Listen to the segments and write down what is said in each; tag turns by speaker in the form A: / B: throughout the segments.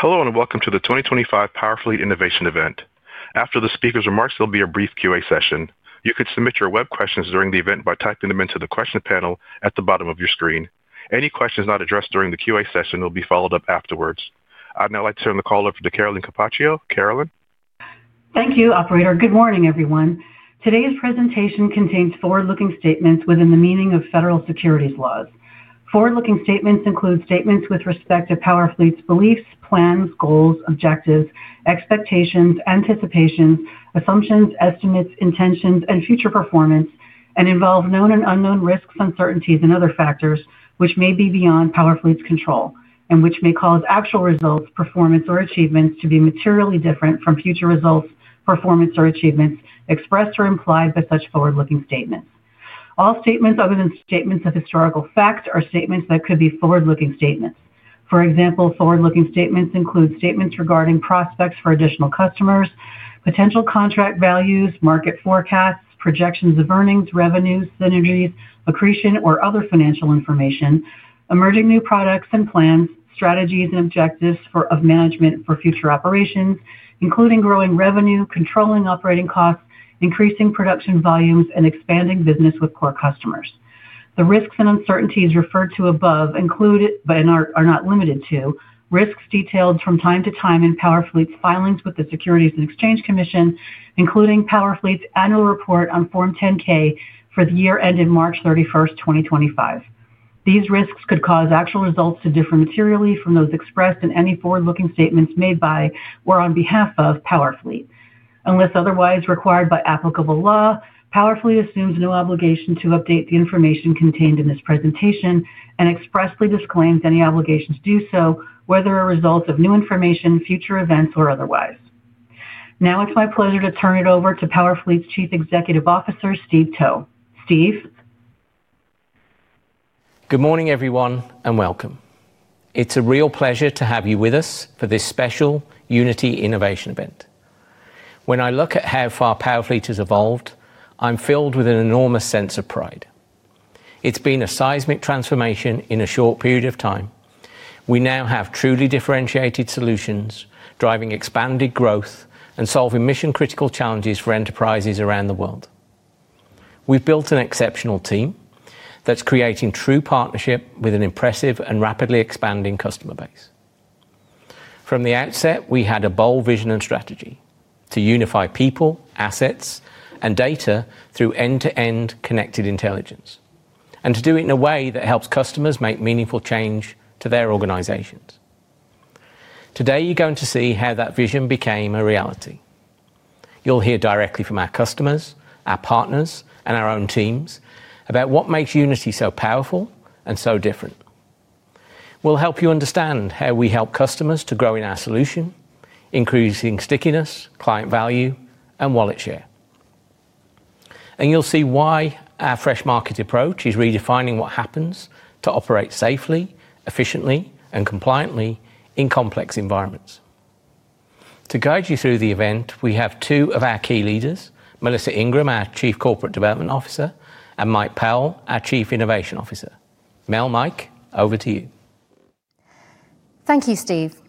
A: Hello and welcome to the 2025 Powerfleet Innovation Event. After the speaker's remarks, there'll be a brief Q&A session. You can submit your web questions during the event by typing them into the question panel at the bottom of your screen. Any questions not addressed during the Q&A session will be followed up afterwards. I'd now like to turn the call over to Carolyn Capaccio. Carolyn?
B: Thank you, Operator. Good morning, everyone. Today's presentation contains forward-looking statements within the meaning of federal securities laws. Forward-looking statements include statements with respect to Powerfleet's beliefs, plans, goals, objectives, expectations, anticipations, assumptions, estimates, intentions, and future performance, and involve known and unknown risks, uncertainties, and other factors which may be beyond Powerfleet's control, and which may cause actual results, performance, or achievements to be materially different from future results, performance, or achievements expressed or implied by such forward-looking statements. All statements other than statements of historical fact are statements that could be forward-looking statements. For example, forward-looking statements include statements regarding prospects for additional customers, potential contract values, market forecasts, projections of earnings, revenues, synergies, accretion, or other financial information, emerging new products and plans, strategies, and objectives of management for future operations, including growing revenue, controlling operating costs, increasing production volumes, and expanding business with core customers. The risks and uncertainties referred to above include, but are not limited to, risks detailed from time to time in Powerfleet's filings with the Securities and Exchange Commission, including Powerfleet's annual report on Form 10-K for the year ending March 31, 2025. These risks could cause actual results to differ materially from those expressed in any forward-looking statements made by or on behalf of Powerfleet. Unless otherwise required by applicable law, Powerfleet assumes no obligation to update the information contained in this presentation and expressly disclaims any obligation to do so, whether a result of new information, future events, or otherwise. Now it's my pleasure to turn it over to Powerfleet's Chief Executive Officer, Steve Towe. Steve?
C: Good morning, everyone, and welcome. It's a real pleasure to have you with us for this special Unity Innovation Event. When I look at how far Powerfleet has evolved, I'm filled with an enormous sense of pride. It's been a seismic transformation in a short period of time. We now have truly differentiated solutions driving expanded growth and solving mission-critical challenges for enterprises around the world. We've built an exceptional team that's creating true partnership with an impressive and rapidly expanding customer base. From the outset, we had a bold vision and strategy to unify people, assets, and data through end-to-end connected intelligence, and to do it in a way that helps customers make meaningful change to their organizations. Today, you're going to see how that vision became a reality. You'll hear directly from our customers, our partners, and our own teams about what makes Unity so powerful and so different. We'll help you understand how we help customers to grow in our solution, increasing stickiness, client value, and wallet share. You'll see why our fresh-market approach is redefining what happens to operate safely, efficiently, and compliantly in complex environments. To guide you through the event, we have two of our key leaders, Melissa Ingram, our Chief Corporate Development Officer, and Mike Powell, our Chief Innovation Officer. Mel, Mike, over to you.
D: Thank you, Steve.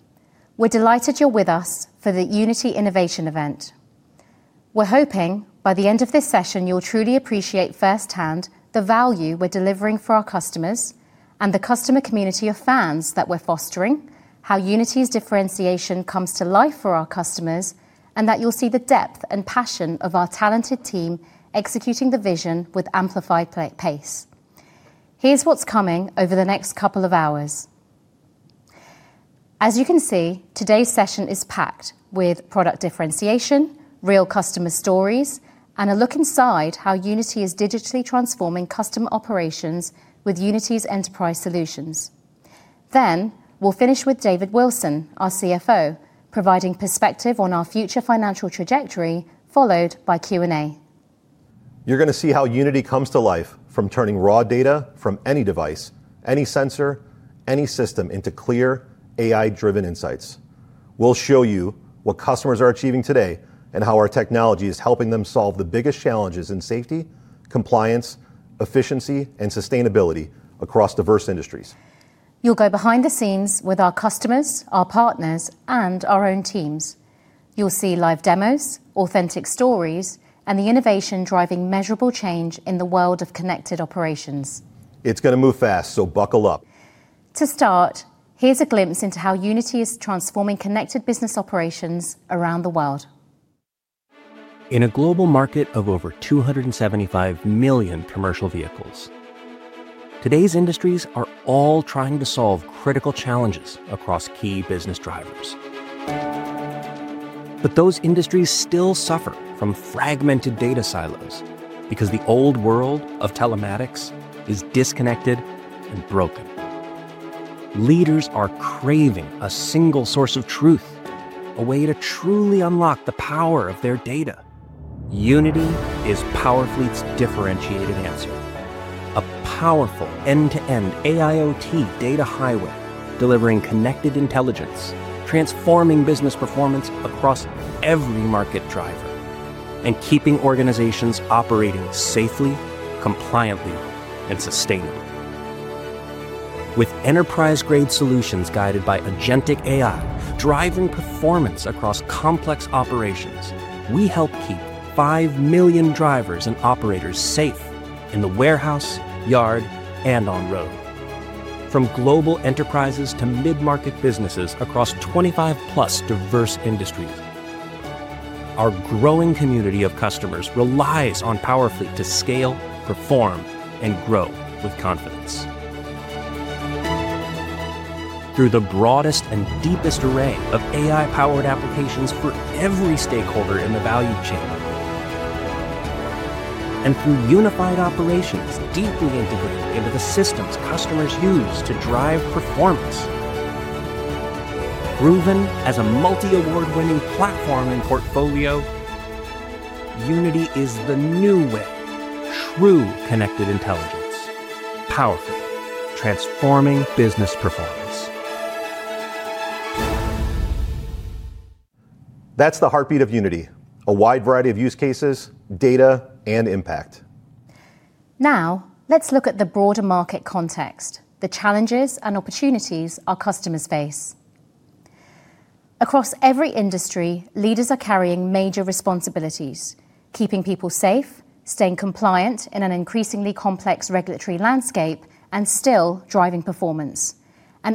D: We're delighted you're with us for the Unity Innovation Event. We're hoping by the end of this session, you'll truly appreciate firsthand the value we're delivering for our customers and the customer community of fans that we're fostering, how Unity's differentiation comes to life for our customers, and that you'll see the depth and passion of our talented team executing the vision with amplified pace. Here's what's coming over the next couple of hours. As you can see, today's session is packed with product differentiation, real customer stories, and a look inside how Unity is digitally transforming customer operations with Unity's enterprise solutions. We will finish with David Wilson, our CFO, providing perspective on our future financial trajectory, followed by Q&A.
A: You're going to see how Unity comes to life from turning raw data from any device, any sensor, any system into clear, AI-driven insights. We'll show you what customers are achieving today and how our technology is helping them solve the biggest challenges in safety, compliance, efficiency, and sustainability across diverse industries.
D: You'll go behind the scenes with our customers, our partners, and our own teams. You'll see live demos, authentic stories, and the innovation driving measurable change in the world of connected operations.
A: It's going to move fast, so buckle up.
D: To start, here's a glimpse into how Unity is transforming connected business operations around the world.
E: In a global market of over 275 million commercial vehicles, today's industries are all trying to solve critical challenges across key business drivers. Those industries still suffer from fragmented data silos because the old world of telematics is disconnected and broken. Leaders are craving a single source of truth, a way to truly unlock the power of their data. Unity is Powerfleet's differentiated answer, a powerful end-to-end AIoT data highway delivering connected intelligence, transforming business performance across every market driver, and keeping organizations operating safely, compliantly, and sustainably. With enterprise-grade solutions guided by agentic AI driving performance across complex operations, we help keep 5 million drivers and operators safe in the warehouse, yard, and on road. From global enterprises to mid-market businesses across 25-plus diverse industries, our growing community of customers relies on Powerfleet to scale, perform, and grow with confidence. Through the broadest and deepest array of AI-powered applications for every stakeholder in the value chain, and through unified operations deeply integrated into the systems customers use to drive performance. Proven as a multi-award-winning platform and portfolio, Unity is the new way through connected intelligence, powerfully transforming business performance.
A: That's the heartbeat of Unity, a wide variety of use cases, data, and impact.
D: Now, let's look at the broader market context, the challenges and opportunities our customers face. Across every industry, leaders are carrying major responsibilities, keeping people safe, staying compliant in an increasingly complex regulatory landscape, and still driving performance.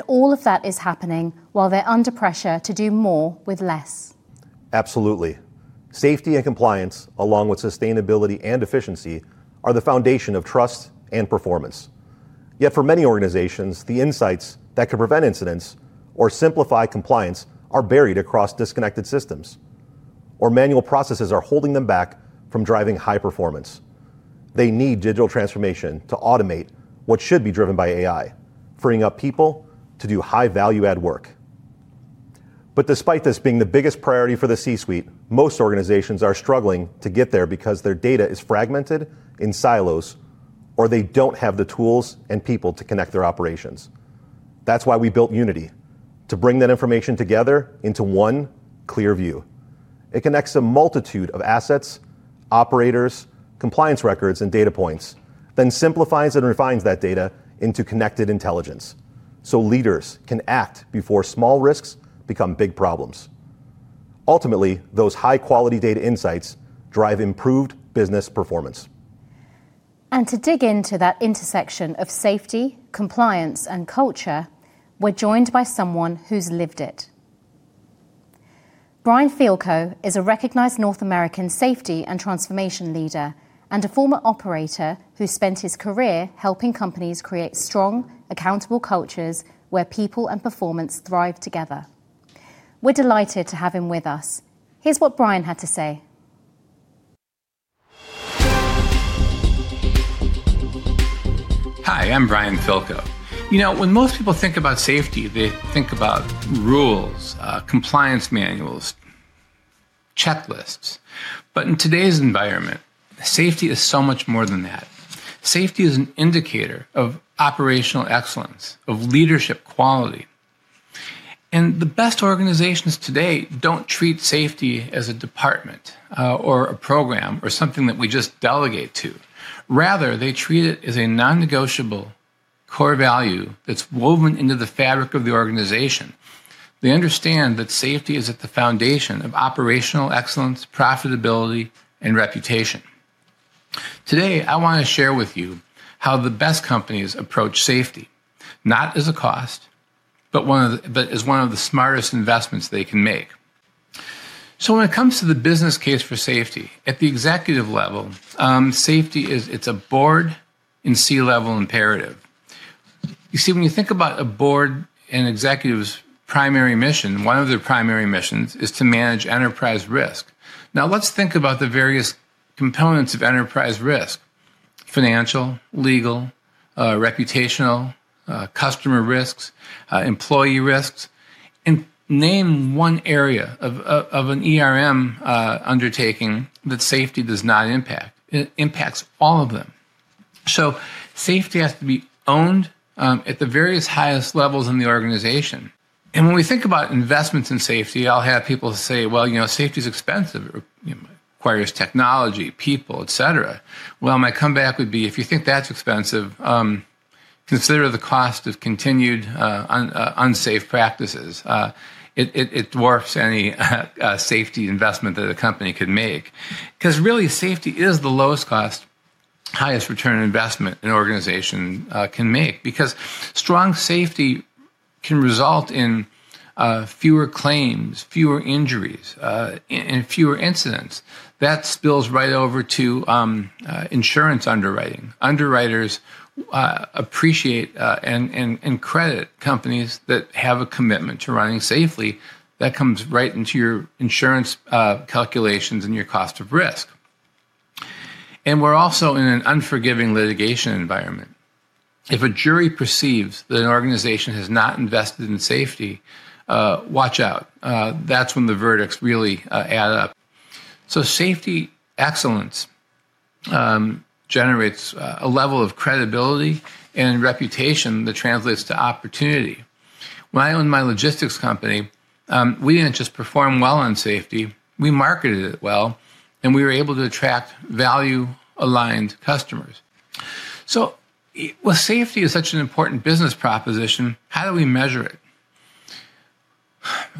D: All of that is happening while they're under pressure to do more with less.
A: Absolutely. Safety and compliance, along with sustainability and efficiency, are the foundation of trust and performance. Yet for many organizations, the insights that could prevent incidents or simplify compliance are buried across disconnected systems, or manual processes are holding them back from driving high performance. They need digital transformation to automate what should be driven by AI, freeing up people to do high-value-add work. Despite this being the biggest priority for the C-suite, most organizations are struggling to get there because their data is fragmented in silos, or they do not have the tools and people to connect their operations. That is why we built Unity, to bring that information together into one clear view. It connects a multitude of assets, operators, compliance records, and data points, then simplifies and refines that data into connected intelligence so leaders can act before small risks become big problems. Ultimately, those high-quality data insights drive improved business performance.
D: To dig into that intersection of safety, compliance, and culture, we're joined by someone who's lived it. Brian Fielkow is a recognized North American safety and transformation leader and a former operator who spent his career helping companies create strong, accountable cultures where people and performance thrive together. We're delighted to have him with us. Here's what Brian had to say.
F: Hi, I'm Brian Fielkow. You know, when most people think about safety, they think about rules, compliance manuals, checklists. In today's environment, safety is so much more than that. Safety is an indicator of operational excellence, of leadership quality. The best organizations today do not treat safety as a department or a program or something that we just delegate to. Rather, they treat it as a non-negotiable core value that is woven into the fabric of the organization. They understand that safety is at the foundation of operational excellence, profitability, and reputation. Today, I want to share with you how the best companies approach safety, not as a cost, but as one of the smartest investments they can make. When it comes to the business case for safety, at the executive level, safety is a board and C-level imperative. You see, when you think about a board and executive's primary mission, one of their primary missions is to manage enterprise risk. Now, let's think about the various components of enterprise risk: financial, legal, reputational, customer risks, employee risks, and name one area of an undertaking that safety does not impact. It impacts all of them. Safety has to be owned at the various highest levels in the organization. When we think about investments in safety, I'll have people say, "Well, you know, safety is expensive. It requires technology, people, et cetera." My comeback would be, "If you think that's expensive, consider the cost of continued unsafe practices." It dwarfs any safety investment that a company could make. Because really, safety is the lowest cost, highest return investment an organization can make. Strong safety can result in fewer claims, fewer injuries, and fewer incidents. That spills right over to insurance underwriting. Underwriters appreciate and credit companies that have a commitment to running safely. That comes right into your insurance calculations and your cost of risk. We are also in an unforgiving litigation environment. If a jury perceives that an organization has not invested in safety, watch out. That is when the verdicts really add up. Safety excellence generates a level of credibility and reputation that translates to opportunity. When I owned my logistics company, we did not just perform well on safety. We marketed it well, and we were able to attract value-aligned customers. While safety is such an important business proposition, how do we measure it?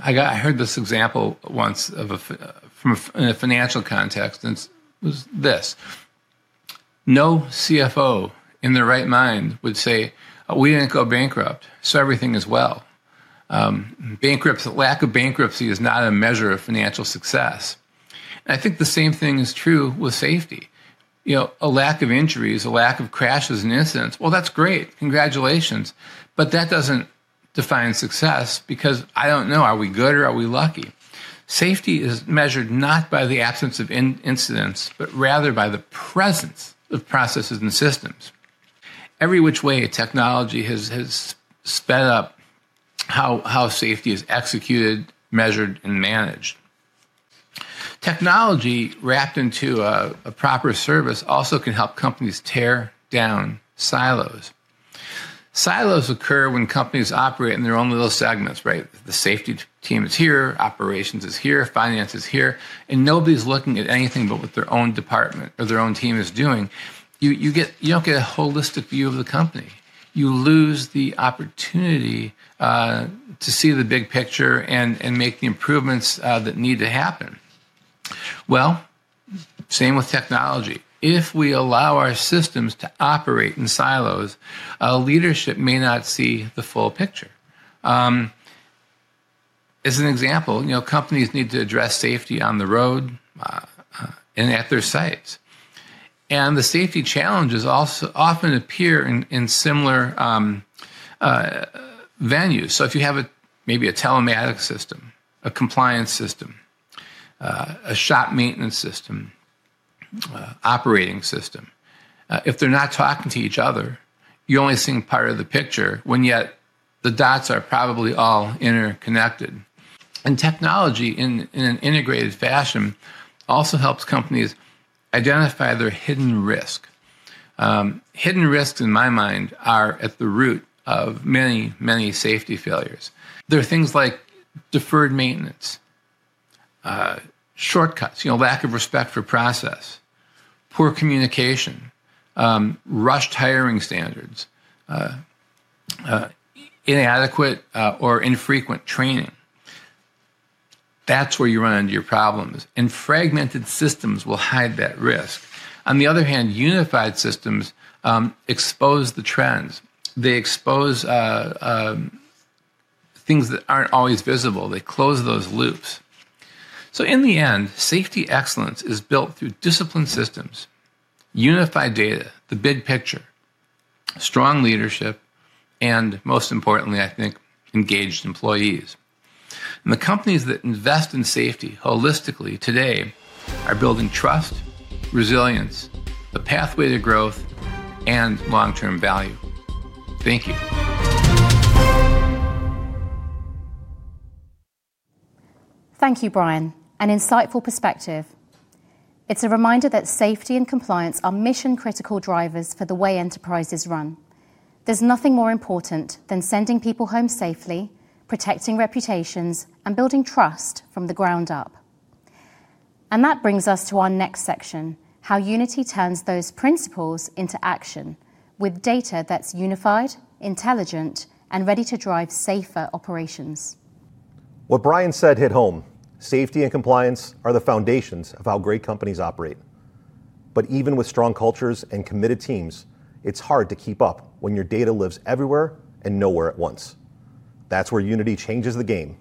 F: I heard this example once from a financial context, and it was this: no CFO in their right mind would say, "We didn't go bankrupt, so everything is well." Lack of bankruptcy is not a measure of financial success. I think the same thing is true with safety. A lack of injuries, a lack of crashes and incidents, that's great. Congratulations. That doesn't define success because I don't know, are we good or are we lucky? Safety is measured not by the absence of incidents, but rather by the presence of processes and systems. Every which way, technology has sped up how safety is executed, measured, and managed. Technology wrapped into a proper service also can help companies tear down silos. Silos occur when companies operate in their own little segments, right? The safety team is here, operations is here, finance is here, and nobody's looking at anything but what their own department or their own team is doing. You don't get a holistic view of the company. You lose the opportunity to see the big picture and make the improvements that need to happen. The same with technology. If we allow our systems to operate in silos, leadership may not see the full picture. As an example, companies need to address safety on the road and at their sites. The safety challenges often appear in similar venues. If you have maybe a telematics system, a compliance system, a shop maintenance system, operating system, if they're not talking to each other, you're only seeing part of the picture when yet the dots are probably all interconnected. Technology in an integrated fashion also helps companies identify their hidden risk. Hidden risks, in my mind, are at the root of many, many safety failures. There are things like deferred maintenance, shortcuts, lack of respect for process, poor communication, rushed hiring standards, inadequate or infrequent training. That is where you run into your problems. Fragmented systems will hide that risk. On the other hand, unified systems expose the trends. They expose things that are not always visible. They close those loops. In the end, safety excellence is built through disciplined systems, unified data, the big picture, strong leadership, and most importantly, I think, engaged employees. The companies that invest in safety holistically today are building trust, resilience, a pathway to growth, and long-term value. Thank you.
D: Thank you, Brian. An insightful perspective. It's a reminder that safety and compliance are mission-critical drivers for the way enterprises run. There's nothing more important than sending people home safely, protecting reputations, and building trust from the ground up. That brings us to our next section, how Unity turns those principles into action with data that's unified, intelligent, and ready to drive safer operations.
A: What Brian said hit home. Safety and compliance are the foundations of how great companies operate. Even with strong cultures and committed teams, it's hard to keep up when your data lives everywhere and nowhere at once. That is where Unity changes the game.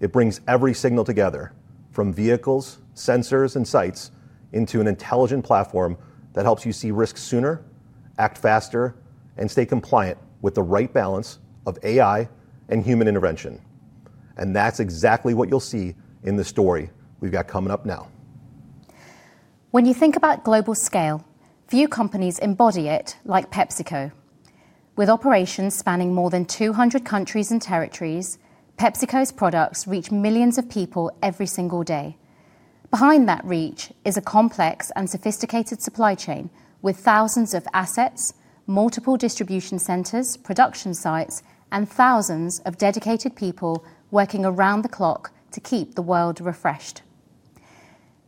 A: It brings every signal together from vehicles, sensors, and sites into an intelligent platform that helps you see risks sooner, act faster, and stay compliant with the right balance of AI and human intervention. That is exactly what you'll see in the story we've got coming up now.
G: When you think about global scale, few companies embody it like PepsiCo. With operations spanning more than 200 countries and territories, PepsiCo's products reach millions of people every single day. Behind that reach is a complex and sophisticated supply chain with thousands of assets, multiple distribution centers, production sites, and thousands of dedicated people working around the clock to keep the world refreshed.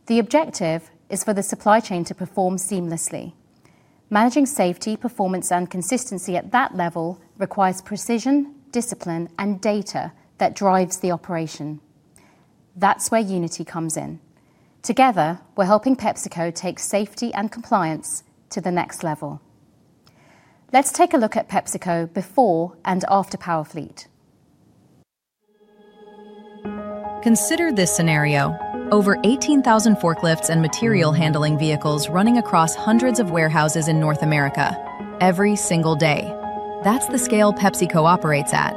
G: The objective is for the supply chain to perform seamlessly. Managing safety, performance, and consistency at that level requires precision, discipline, and data that drives the operation. That's where Unity comes in. Together, we're helping PepsiCo take safety and compliance to the next level. Let's take a look at PepsiCo before and after Powerfleet. Consider this scenario: over 18,000 forklifts and material handling vehicles running across hundreds of warehouses in North America every single day. That is the scale PepsiCo operates at.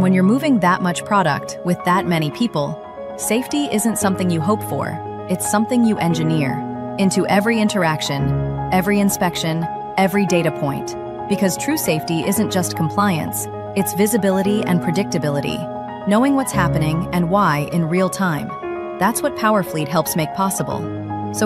G: When you are moving that much product with that many people, safety is not something you hope for. It is something you engineer into every interaction, every inspection, every data point. Because true safety is not just compliance. It is visibility and predictability, knowing what is happening and why in real time. That is what Powerfleet helps make possible.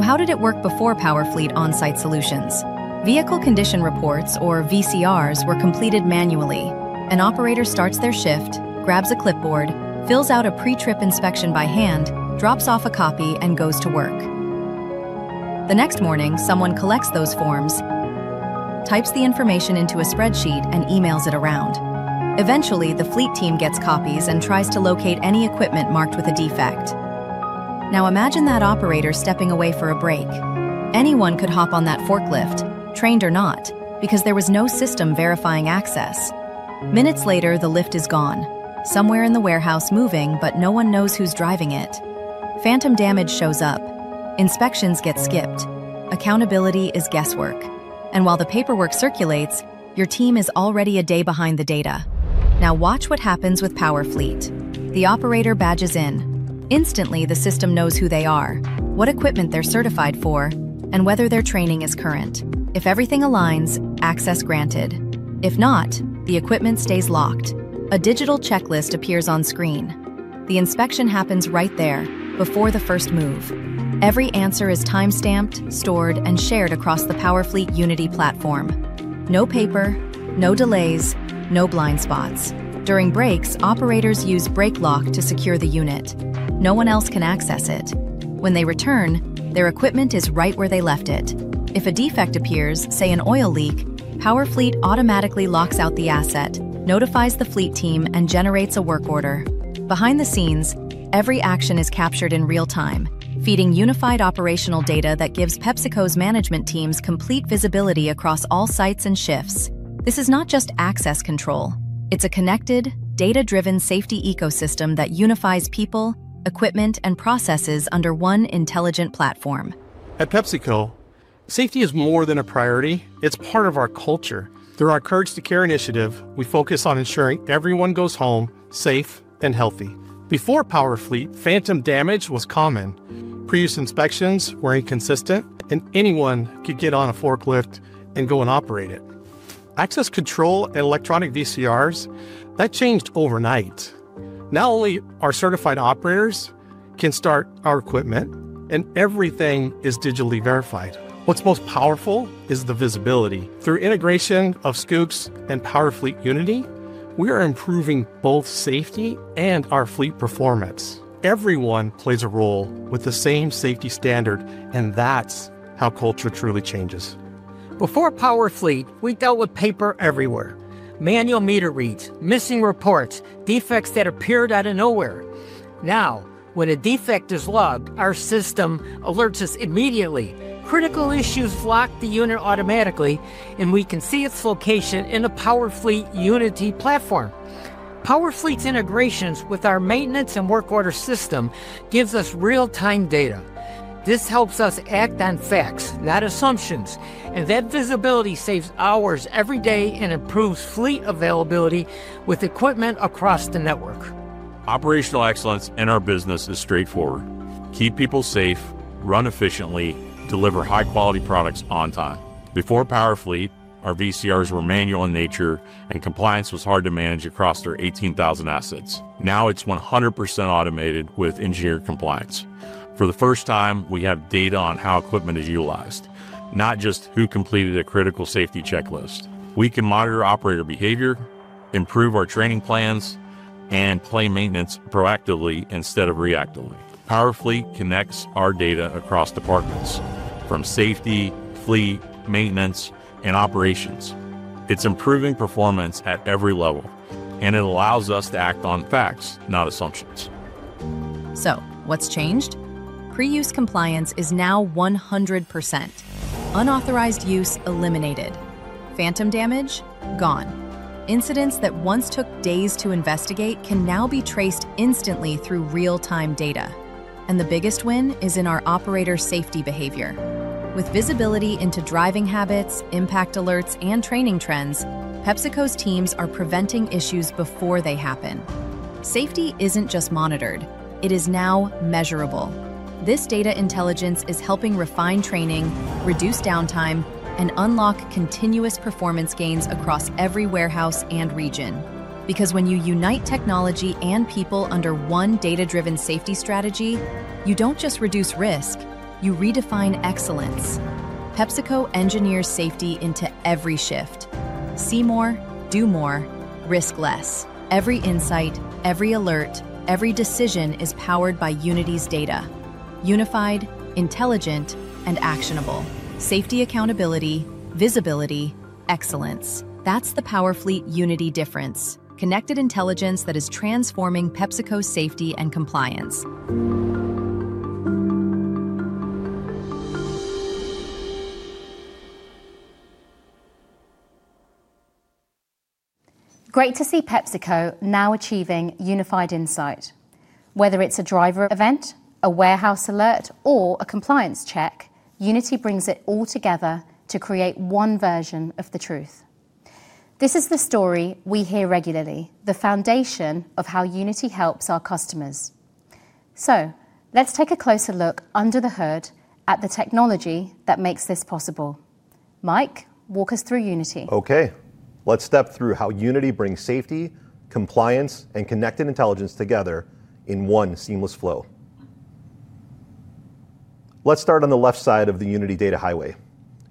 G: How did it work before Powerfleet on-site solutions? Vehicle condition reports, or VCRs, were completed manually. An operator starts their shift, grabs a clipboard, fills out a pre-trip inspection by hand, drops off a copy, and goes to work. The next morning, someone collects those forms, types the information into a spreadsheet, and emails it around. Eventually, the fleet team gets copies and tries to locate any equipment marked with a defect. Now imagine that operator stepping away for a break. Anyone could hop on that forklift, trained or not, because there was no system verifying access. Minutes later, the lift is gone, somewhere in the warehouse moving, but no one knows who's driving it. Phantom damage shows up. Inspections get skipped. Accountability is guesswork. While the paperwork circulates, your team is already a day behind the data. Now watch what happens with Powerfleet. The operator badges in. Instantly, the system knows who they are, what equipment they're certified for, and whether their training is current. If everything aligns, access granted. If not, the equipment stays locked. A digital checklist appears on screen. The inspection happens right there, before the first move. Every answer is timestamped, stored, and shared across the Powerfleet Unity platform. No paper, no delays, no blind spots. During breaks, operators use brake lock to secure the unit. No one else can access it. When they return, their equipment is right where they left it. If a defect appears, say an oil leak, Powerfleet automatically locks out the asset, notifies the fleet team, and generates a work order. Behind the scenes, every action is captured in real time, feeding unified operational data that gives PepsiCo's management teams complete visibility across all sites and shifts. This is not just access control. It is a connected, data-driven safety ecosystem that unifies people, equipment, and processes under one intelligent platform. At PepsiCo, safety is more than a priority. It's part of our culture. Through our Courage to Care initiative, we focus on ensuring everyone goes home safe and healthy. Before Powerfleet, phantom damage was common. Previous inspections were inconsistent, and anyone could get on a forklift and go and operate it. Access control and electronic VCRs, that changed overnight. Now only our certified operators can start our equipment, and everything is digitally verified. What's most powerful is the visibility. Through integration of Scoops and Powerfleet Unity, we are improving both safety and our fleet performance. Everyone plays a role with the same safety standard, and that's how culture truly changes. Before Powerfleet, we dealt with paper everywhere. Manual meter reads, missing reports, defects that appeared out of nowhere. Now, when a defect is logged, our system alerts us immediately. Critical issues lock the unit automatically, and we can see its location in the Powerfleet Unity platform. Powerfleet's integrations with our maintenance and work order system give us real-time data. This helps us act on facts, not assumptions. That visibility saves hours every day and improves fleet availability with equipment across the network. Operational excellence in our business is straightforward. Keep people safe, run efficiently, deliver high-quality products on time. Before Powerfleet, our VCRs were manual in nature, and compliance was hard to manage across their 18,000 assets. Now it's 100% automated with engineered compliance. For the first time, we have data on how equipment is utilized, not just who completed a critical safety checklist. We can monitor operator behavior, improve our training plans, and claim maintenance proactively instead of reactively. Powerfleet connects our data across departments, from safety, fleet, maintenance, and operations. It's improving performance at every level, and it allows us to act on facts, not assumptions. What has changed? Pre-use compliance is now 100%. Unauthorized use eliminated. Phantom damage? Gone. Incidents that once took days to investigate can now be traced instantly through real-time data. The biggest win is in our operator safety behavior. With visibility into driving habits, impact alerts, and training trends, PepsiCo's teams are preventing issues before they happen. Safety is not just monitored. It is now measurable. This data intelligence is helping refine training, reduce downtime, and unlock continuous performance gains across every warehouse and region. When you unite technology and people under one data-driven safety strategy, you do not just reduce risk. You redefine excellence. PepsiCo engineers safety into every shift. See more, do more, risk less. Every insight, every alert, every decision is powered by Unity's data. Unified, intelligent, and actionable. Safety accountability, visibility, excellence. That is the Powerfleet Unity difference. Connected intelligence that is transforming PepsiCo's safety and compliance.
D: Great to see PepsiCo now achieving unified insight. Whether it's a driver event, a warehouse alert, or a compliance check, Unity brings it all together to create one version of the truth. This is the story we hear regularly, the foundation of how Unity helps our customers. Let's take a closer look under the hood at the technology that makes this possible. Mike, walk us through Unity.
A: Okay. Let's step through how Unity brings safety, compliance, and connected intelligence together in one seamless flow. Let's start on the left side of the Unity data highway.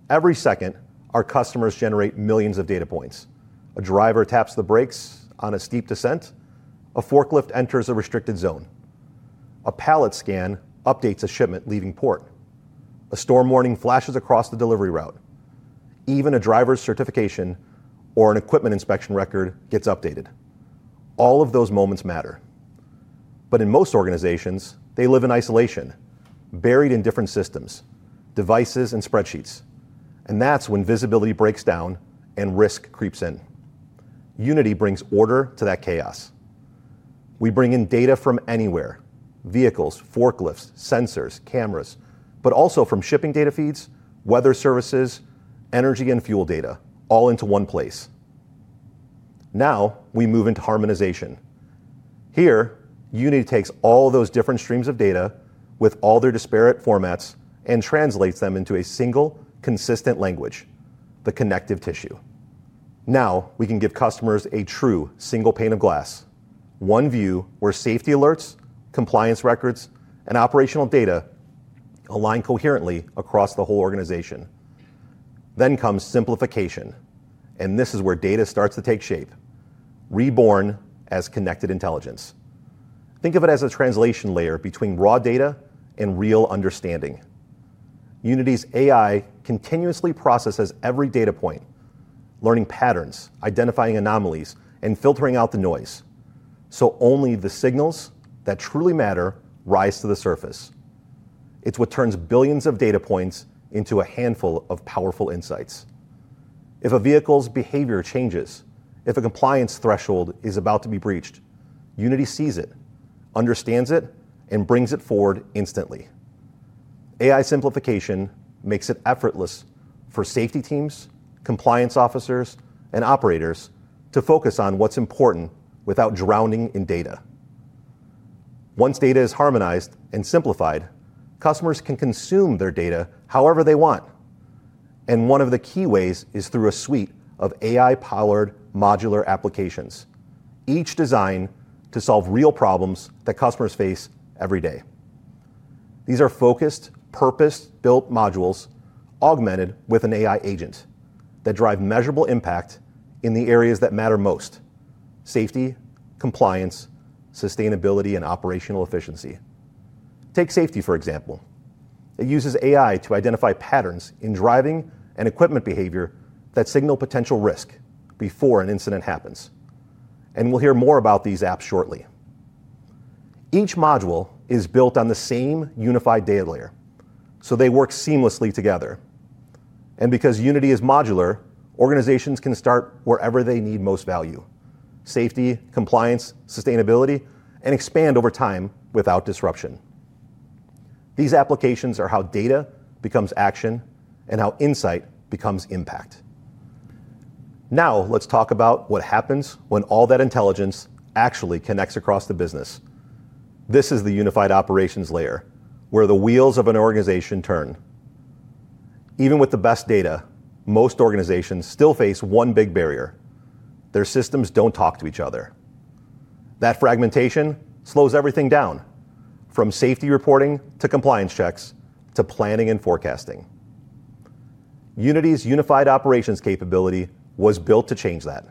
A: Every second, our customers generate millions of data points. A driver taps the brakes on a steep descent. A forklift enters a restricted zone. A pallet scan updates a shipment leaving port. A storm warning flashes across the delivery route. Even a driver's certification or an equipment inspection record gets updated. All of those moments matter. In most organizations, they live in isolation, buried in different systems, devices, and spreadsheets. That's when visibility breaks down and risk creeps in. Unity brings order to that chaos. We bring in data from anywhere: vehicles, forklifts, sensors, cameras, but also from shipping data feeds, weather services, energy, and fuel data, all into one place. Now we move into harmonization. Here, Unity takes all those different streams of data with all their disparate formats and translates them into a single, consistent language: the connective tissue. Now we can give customers a true single pane of glass, one view where safety alerts, compliance records, and operational data align coherently across the whole organization. Then comes simplification, and this is where data starts to take shape, reborn as connected intelligence. Think of it as a translation layer between raw data and real understanding. Unity's AI continuously processes every data point, learning patterns, identifying anomalies, and filtering out the noise. Only the signals that truly matter rise to the surface. It's what turns billions of data points into a handful of powerful insights. If a vehicle's behavior changes, if a compliance threshold is about to be breached, Unity sees it, understands it, and brings it forward instantly. AI simplification makes it effortless for safety teams, compliance officers, and operators to focus on what's important without drowning in data. Once data is harmonized and simplified, customers can consume their data however they want. One of the key ways is through a suite of AI-powered modular applications, each designed to solve real problems that customers face every day. These are focused, purpose-built modules augmented with an AI agent that drive measurable impact in the areas that matter most: safety, compliance, sustainability, and operational efficiency. Take safety, for example. It uses AI to identify patterns in driving and equipment behavior that signal potential risk before an incident happens. We will hear more about these apps shortly. Each module is built on the same unified data layer, so they work seamlessly together. Because Unity is modular, organizations can start wherever they need most value: safety, compliance, sustainability, and expand over time without disruption. These applications are how data becomes action and how insight becomes impact. Now let's talk about what happens when all that intelligence actually connects across the business. This is the unified operations layer, where the wheels of an organization turn. Even with the best data, most organizations still face one big barrier. Their systems don't talk to each other. That fragmentation slows everything down, from safety reporting to compliance checks to planning and forecasting. Unity's unified operations capability was built to change that.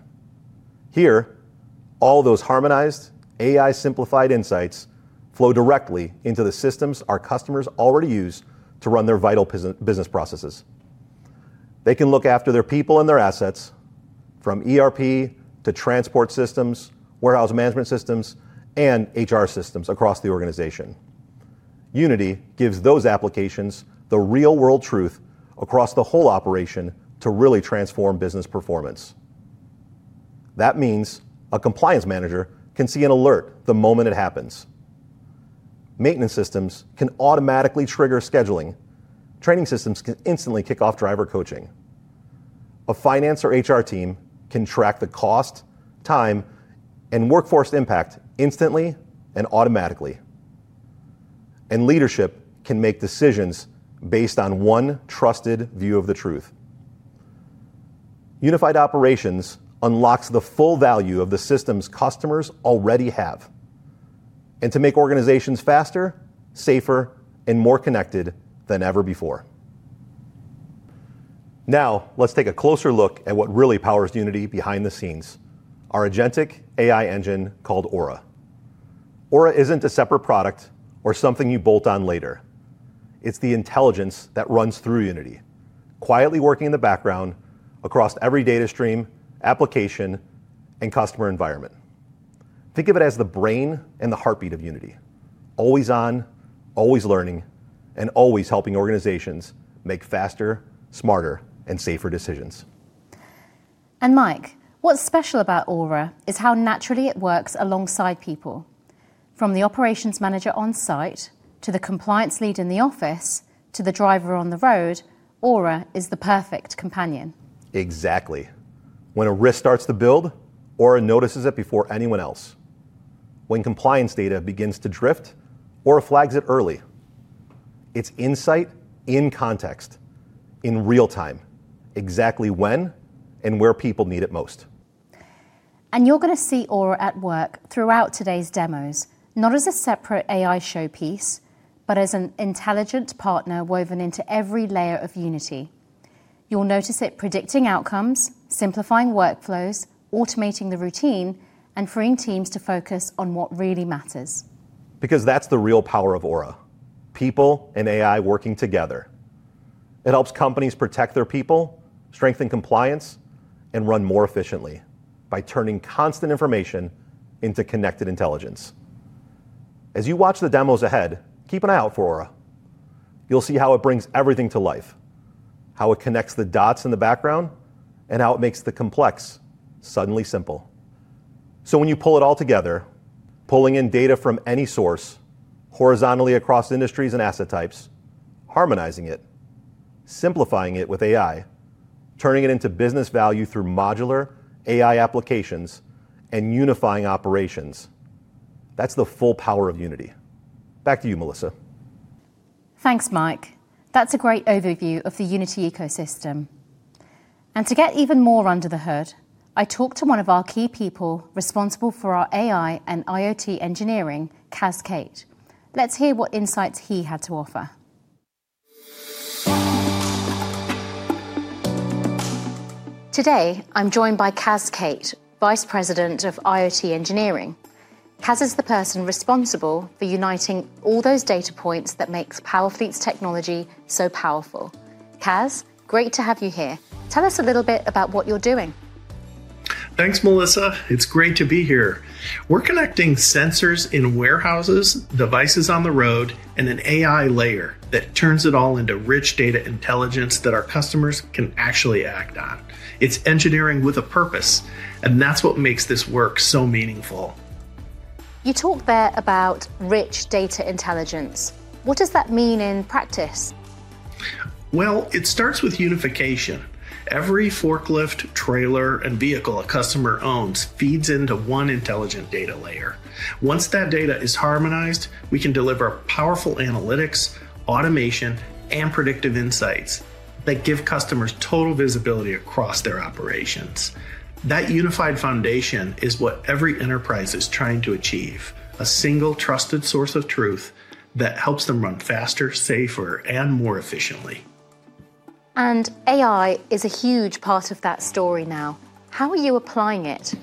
A: Here, all those harmonized, AI-simplified insights flow directly into the systems our customers already use to run their vital business processes. They can look after their people and their assets, from ERP to transport systems, warehouse management systems, and HR systems across the organization. Unity gives those applications the real-world truth across the whole operation to really transform business performance. That means a compliance manager can see an alert the moment it happens. Maintenance systems can automatically trigger scheduling. Training systems can instantly kick off driver coaching. A finance or HR team can track the cost, time, and workforce impact instantly and automatically. Leadership can make decisions based on one trusted view of the truth. Unified operations unlocks the full value of the systems customers already have, and to make organizations faster, safer, and more connected than ever before. Now let's take a closer look at what really powers Unity behind the scenes: our agentic AI engine called Aura. Aura isn't a separate product or something you bolt on later. It's the intelligence that runs through Unity, quietly working in the background across every data stream, application, and customer environment. Think of it as the brain and the heartbeat of Unity, always on, always learning, and always helping organizations make faster, smarter, and safer decisions.
D: Mike, what's special about Aura is how naturally it works alongside people. From the operations manager on site to the compliance lead in the office to the driver on the road, Aura is the perfect companion.
A: Exactly. When a risk starts to build, Aura notices it before anyone else. When compliance data begins to drift, Aura flags it early. It's insight in context, in real time, exactly when and where people need it most.
D: You are going to see Aura at work throughout today's demos, not as a separate AI showpiece, but as an intelligent partner woven into every layer of Unity. You will notice it predicting outcomes, simplifying workflows, automating the routine, and freeing teams to focus on what really matters.
A: Because that's the real power of Aura: people and AI working together. It helps companies protect their people, strengthen compliance, and run more efficiently by turning constant information into connected intelligence. As you watch the demos ahead, keep an eye out for Aura. You'll see how it brings everything to life, how it connects the dots in the background, and how it makes the complex suddenly simple. When you pull it all together, pulling in data from any source horizontally across industries and asset types, harmonizing it, simplifying it with AI, turning it into business value through modular AI applications, and unifying operations, that's the full power of Unity. Back to you, Melissa.
D: Thanks, Mike. That's a great overview of the Unity ecosystem. To get even more under the hood, I talked to one of our key people responsible for our AI and IoT engineering, Kaz Kate. Let's hear what insights he had to offer. Today, I'm joined by Kaz Kate, Vice President of IoT Engineering. Kaz is the person responsible for uniting all those data points that make Powerfleet's technology so powerful. Kaz, great to have you here. Tell us a little bit about what you're doing.
C: Thanks, Melissa. It's great to be here. We're connecting sensors in warehouses, devices on the road, and an AI layer that turns it all into rich data intelligence that our customers can actually act on. It's engineering with a purpose, and that's what makes this work so meaningful.
D: You talked there about rich data intelligence. What does that mean in practice?
H: It starts with unification. Every forklift, trailer, and vehicle a customer owns feeds into one intelligent data layer. Once that data is harmonized, we can deliver powerful analytics, automation, and predictive insights that give customers total visibility across their operations. That unified foundation is what every enterprise is trying to achieve: a single, trusted source of truth that helps them run faster, safer, and more efficiently.
D: AI is a huge part of that story now. How are you applying it?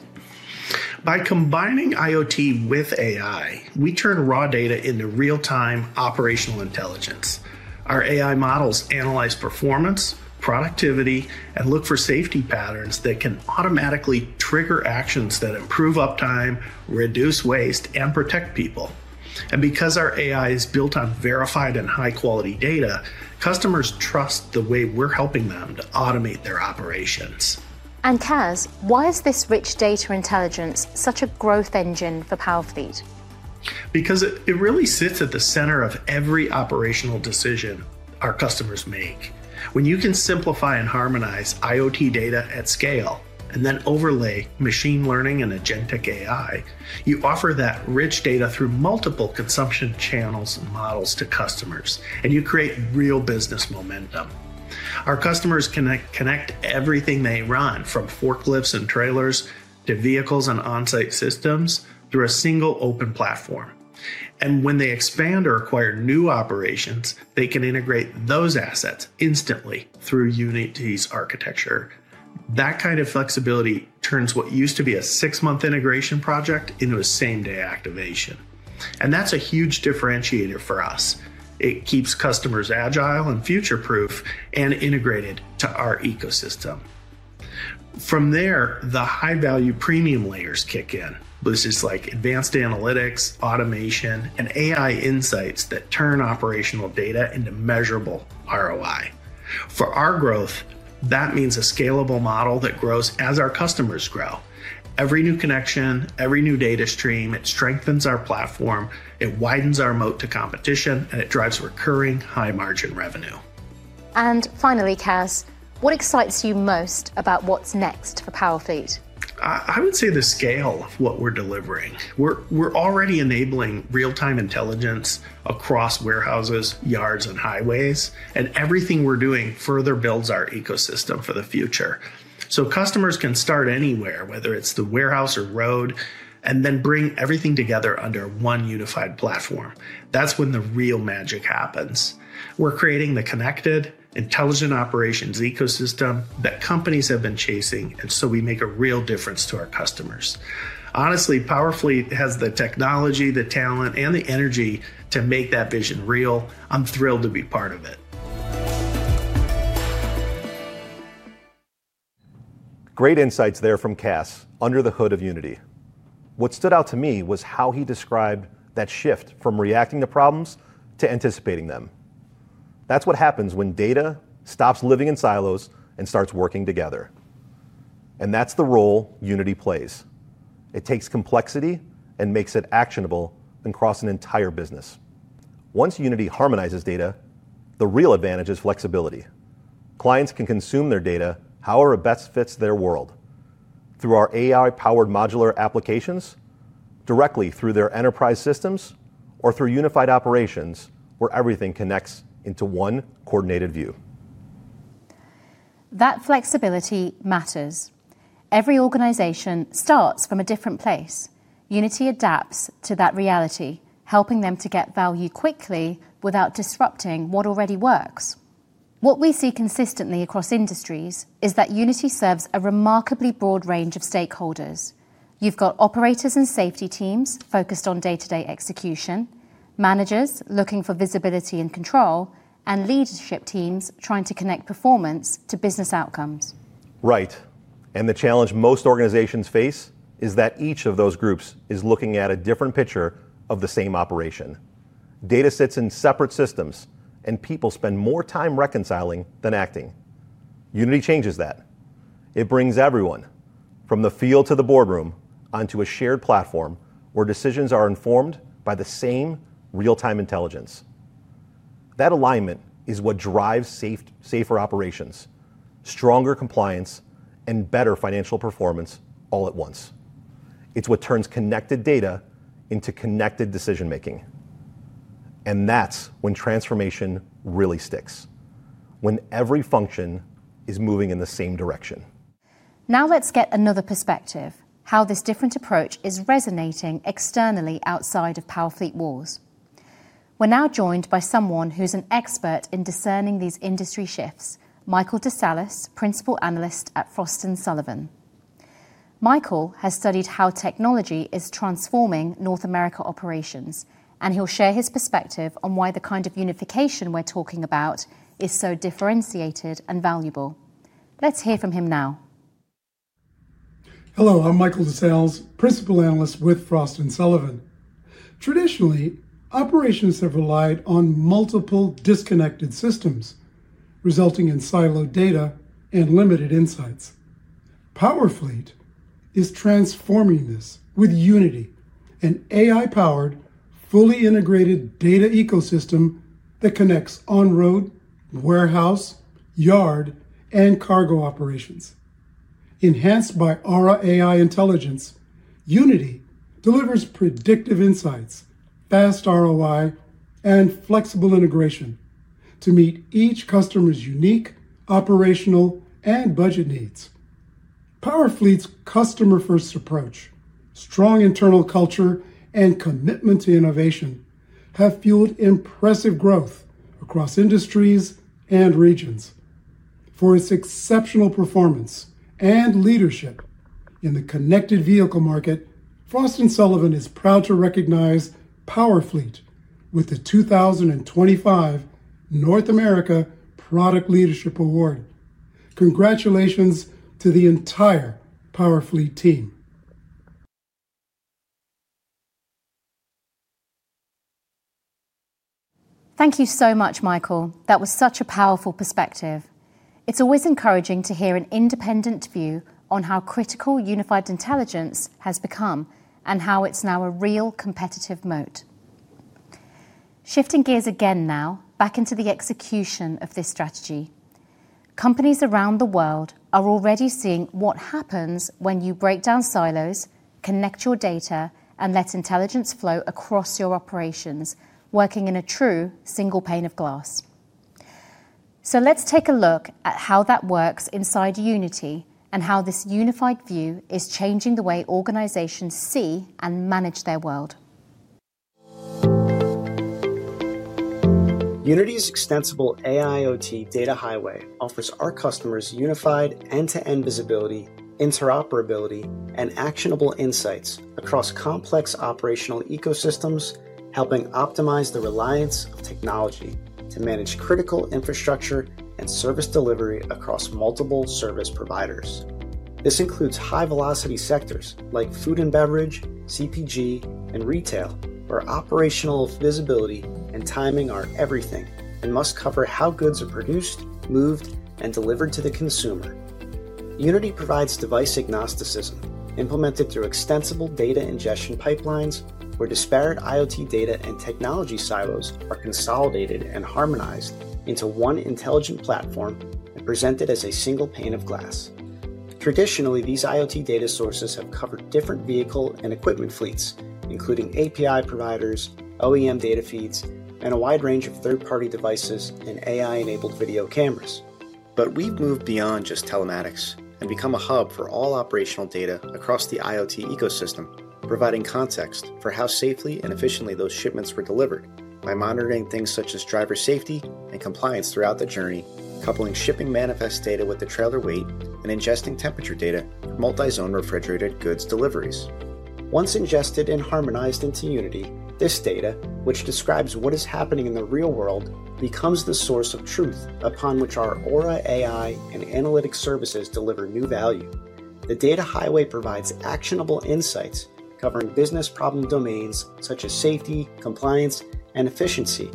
H: By combining IoT with AI, we turn raw data into real-time operational intelligence. Our AI models analyze performance, productivity, and look for safety patterns that can automatically trigger actions that improve uptime, reduce waste, and protect people. Because our AI is built on verified and high-quality data, customers trust the way we're helping them to automate their operations.
D: Kaz, why is this rich data intelligence such a growth engine for Powerfleet?
H: Because it really sits at the center of every operational decision our customers make. When you can simplify and harmonize IoT data at scale and then overlay machine learning and agentic AI, you offer that rich data through multiple consumption channels and models to customers, and you create real business momentum. Our customers can connect everything they run, from forklifts and trailers to vehicles and on-site systems, through a single open platform. When they expand or acquire new operations, they can integrate those assets instantly through Unity's architecture. That kind of flexibility turns what used to be a six-month integration project into a same-day activation. That is a huge differentiator for us. It keeps customers agile and future-proof and integrated to our ecosystem. From there, the high-value premium layers kick in, which is like advanced analytics, automation, and AI insights that turn operational data into measurable ROI. For our growth, that means a scalable model that grows as our customers grow. Every new connection, every new data stream, it strengthens our platform, it widens our moat to competition, and it drives recurring high-margin revenue.
D: Kaz, what excites you most about what's next for Powerfleet?
H: I would say the scale of what we're delivering. We're already enabling real-time intelligence across warehouses, yards, and highways, and everything we're doing further builds our ecosystem for the future. Customers can start anywhere, whether it's the warehouse or road, and then bring everything together under one unified platform. That's when the real magic happens. We're creating the connected, intelligent operations ecosystem that companies have been chasing, and we make a real difference to our customers. Honestly, Powerfleet has the technology, the talent, and the energy to make that vision real. I'm thrilled to be part of it.
A: Great insights there from Kaz under the hood of Unity. What stood out to me was how he described that shift from reacting to problems to anticipating them. That is what happens when data stops living in silos and starts working together. That is the role Unity plays. It takes complexity and makes it actionable across an entire business. Once Unity harmonizes data, the real advantage is flexibility. Clients can consume their data however it best fits their world, through our AI-powered modular applications, directly through their enterprise systems, or through unified operations where everything connects into one coordinated view.
D: That flexibility matters. Every organization starts from a different place. Unity adapts to that reality, helping them to get value quickly without disrupting what already works. What we see consistently across industries is that Unity serves a remarkably broad range of stakeholders. You've got operators and safety teams focused on day-to-day execution, managers looking for visibility and control, and leadership teams trying to connect performance to business outcomes.
A: Right. The challenge most organizations face is that each of those groups is looking at a different picture of the same operation. Data sits in separate systems, and people spend more time reconciling than acting. Unity changes that. It brings everyone from the field to the boardroom onto a shared platform where decisions are informed by the same real-time intelligence. That alignment is what drives safer operations, stronger compliance, and better financial performance all at once. It is what turns connected data into connected decision-making. That is when transformation really sticks, when every function is moving in the same direction.
D: Now let's get another perspective: how this different approach is resonating externally outside of Powerfleet walls. We're now joined by someone who's an expert in discerning these industry shifts: Michael DeSalles, Principal Analyst at Frost & Sullivan. Michael has studied how technology is transforming North America operations, and he'll share his perspective on why the kind of unification we're talking about is so differentiated and valuable. Let's hear from him now.
I: Hello, I'm Michael DeSalles, Principal Analyst with Frost & Sullivan. Traditionally, operations have relied on multiple disconnected systems, resulting in siloed data and limited insights. Powerfleet is transforming this with Unity, an AI-powered, fully integrated data ecosystem that connects on-road, warehouse, yard, and cargo operations. Enhanced by Aura AI intelligence, Unity delivers predictive insights, fast ROI, and flexible integration to meet each customer's unique operational and budget needs. Powerfleet's customer-first approach, strong internal culture, and commitment to innovation have fueled impressive growth across industries and regions. For its exceptional performance and leadership in the connected vehicle market, Frost & Sullivan is proud to recognize Powerfleet with the 2025 North America Product Leadership Award. Congratulations to the entire Powerfleet team.
D: Thank you so much, Michael. That was such a powerful perspective. It's always encouraging to hear an independent view on how critical unified intelligence has become and how it's now a real competitive moat. Shifting gears again now, back into the execution of this strategy. Companies around the world are already seeing what happens when you break down silos, connect your data, and let intelligence flow across your operations, working in a true single pane of glass. Let's take a look at how that works inside Unity and how this unified view is changing the way organizations see and manage their world.
A: Unity's extensible AIoT data highway offers our customers unified end-to-end visibility, interoperability, and actionable insights across complex operational ecosystems, helping optimize the reliance of technology to manage critical infrastructure and service delivery across multiple service providers. This includes high-velocity sectors like food and beverage, CPG, and retail, where operational visibility and timing are everything and must cover how goods are produced, moved, and delivered to the consumer. Unity provides device agnosticism, implemented through extensible data ingestion pipelines, where disparate IoT data and technology silos are consolidated and harmonized into one intelligent platform and presented as a single pane of glass. Traditionally, these IoT data sources have covered different vehicle and equipment fleets, including API providers, OEM data feeds, and a wide range of third-party devices and AI-enabled video cameras. We have moved beyond just telematics and become a hub for all operational data across the IoT ecosystem, providing context for how safely and efficiently those shipments were delivered by monitoring things such as driver safety and compliance throughout the journey, coupling shipping manifest data with the trailer weight, and ingesting temperature data for multi-zone refrigerated goods deliveries. Once ingested and harmonized into Unity, this data, which describes what is happening in the real world, becomes the source of truth upon which our Aura AI and analytic services deliver new value. The data highway provides actionable insights covering business problem domains such as safety, compliance, and efficiency,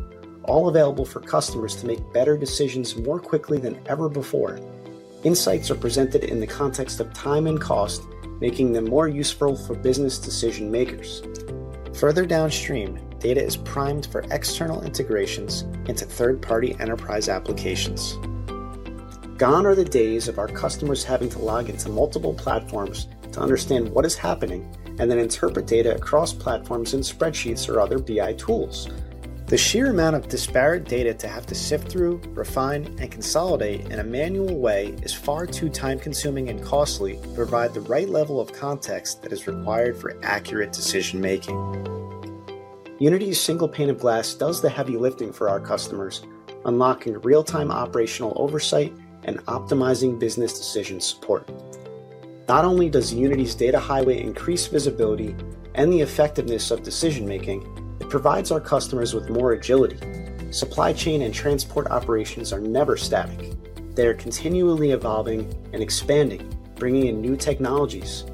A: all available for customers to make better decisions more quickly than ever before. Insights are presented in the context of time and cost, making them more useful for business decision-makers. Further downstream, data is primed for external integrations into third-party enterprise applications. Gone are the days of our customers having to log into multiple platforms to understand what is happening and then interpret data across platforms in spreadsheets or other BI tools. The sheer amount of disparate data to have to sift through, refine, and consolidate in a manual way is far too time-consuming and costly to provide the right level of context that is required for accurate decision-making. Unity's single pane of glass does the heavy lifting for our customers, unlocking real-time operational oversight and optimizing business decision support. Not only does Unity's data highway increase visibility and the effectiveness of decision-making, it provides our customers with more agility. Supply chain and transport operations are never static. They are continually evolving and expanding, bringing in new technologies.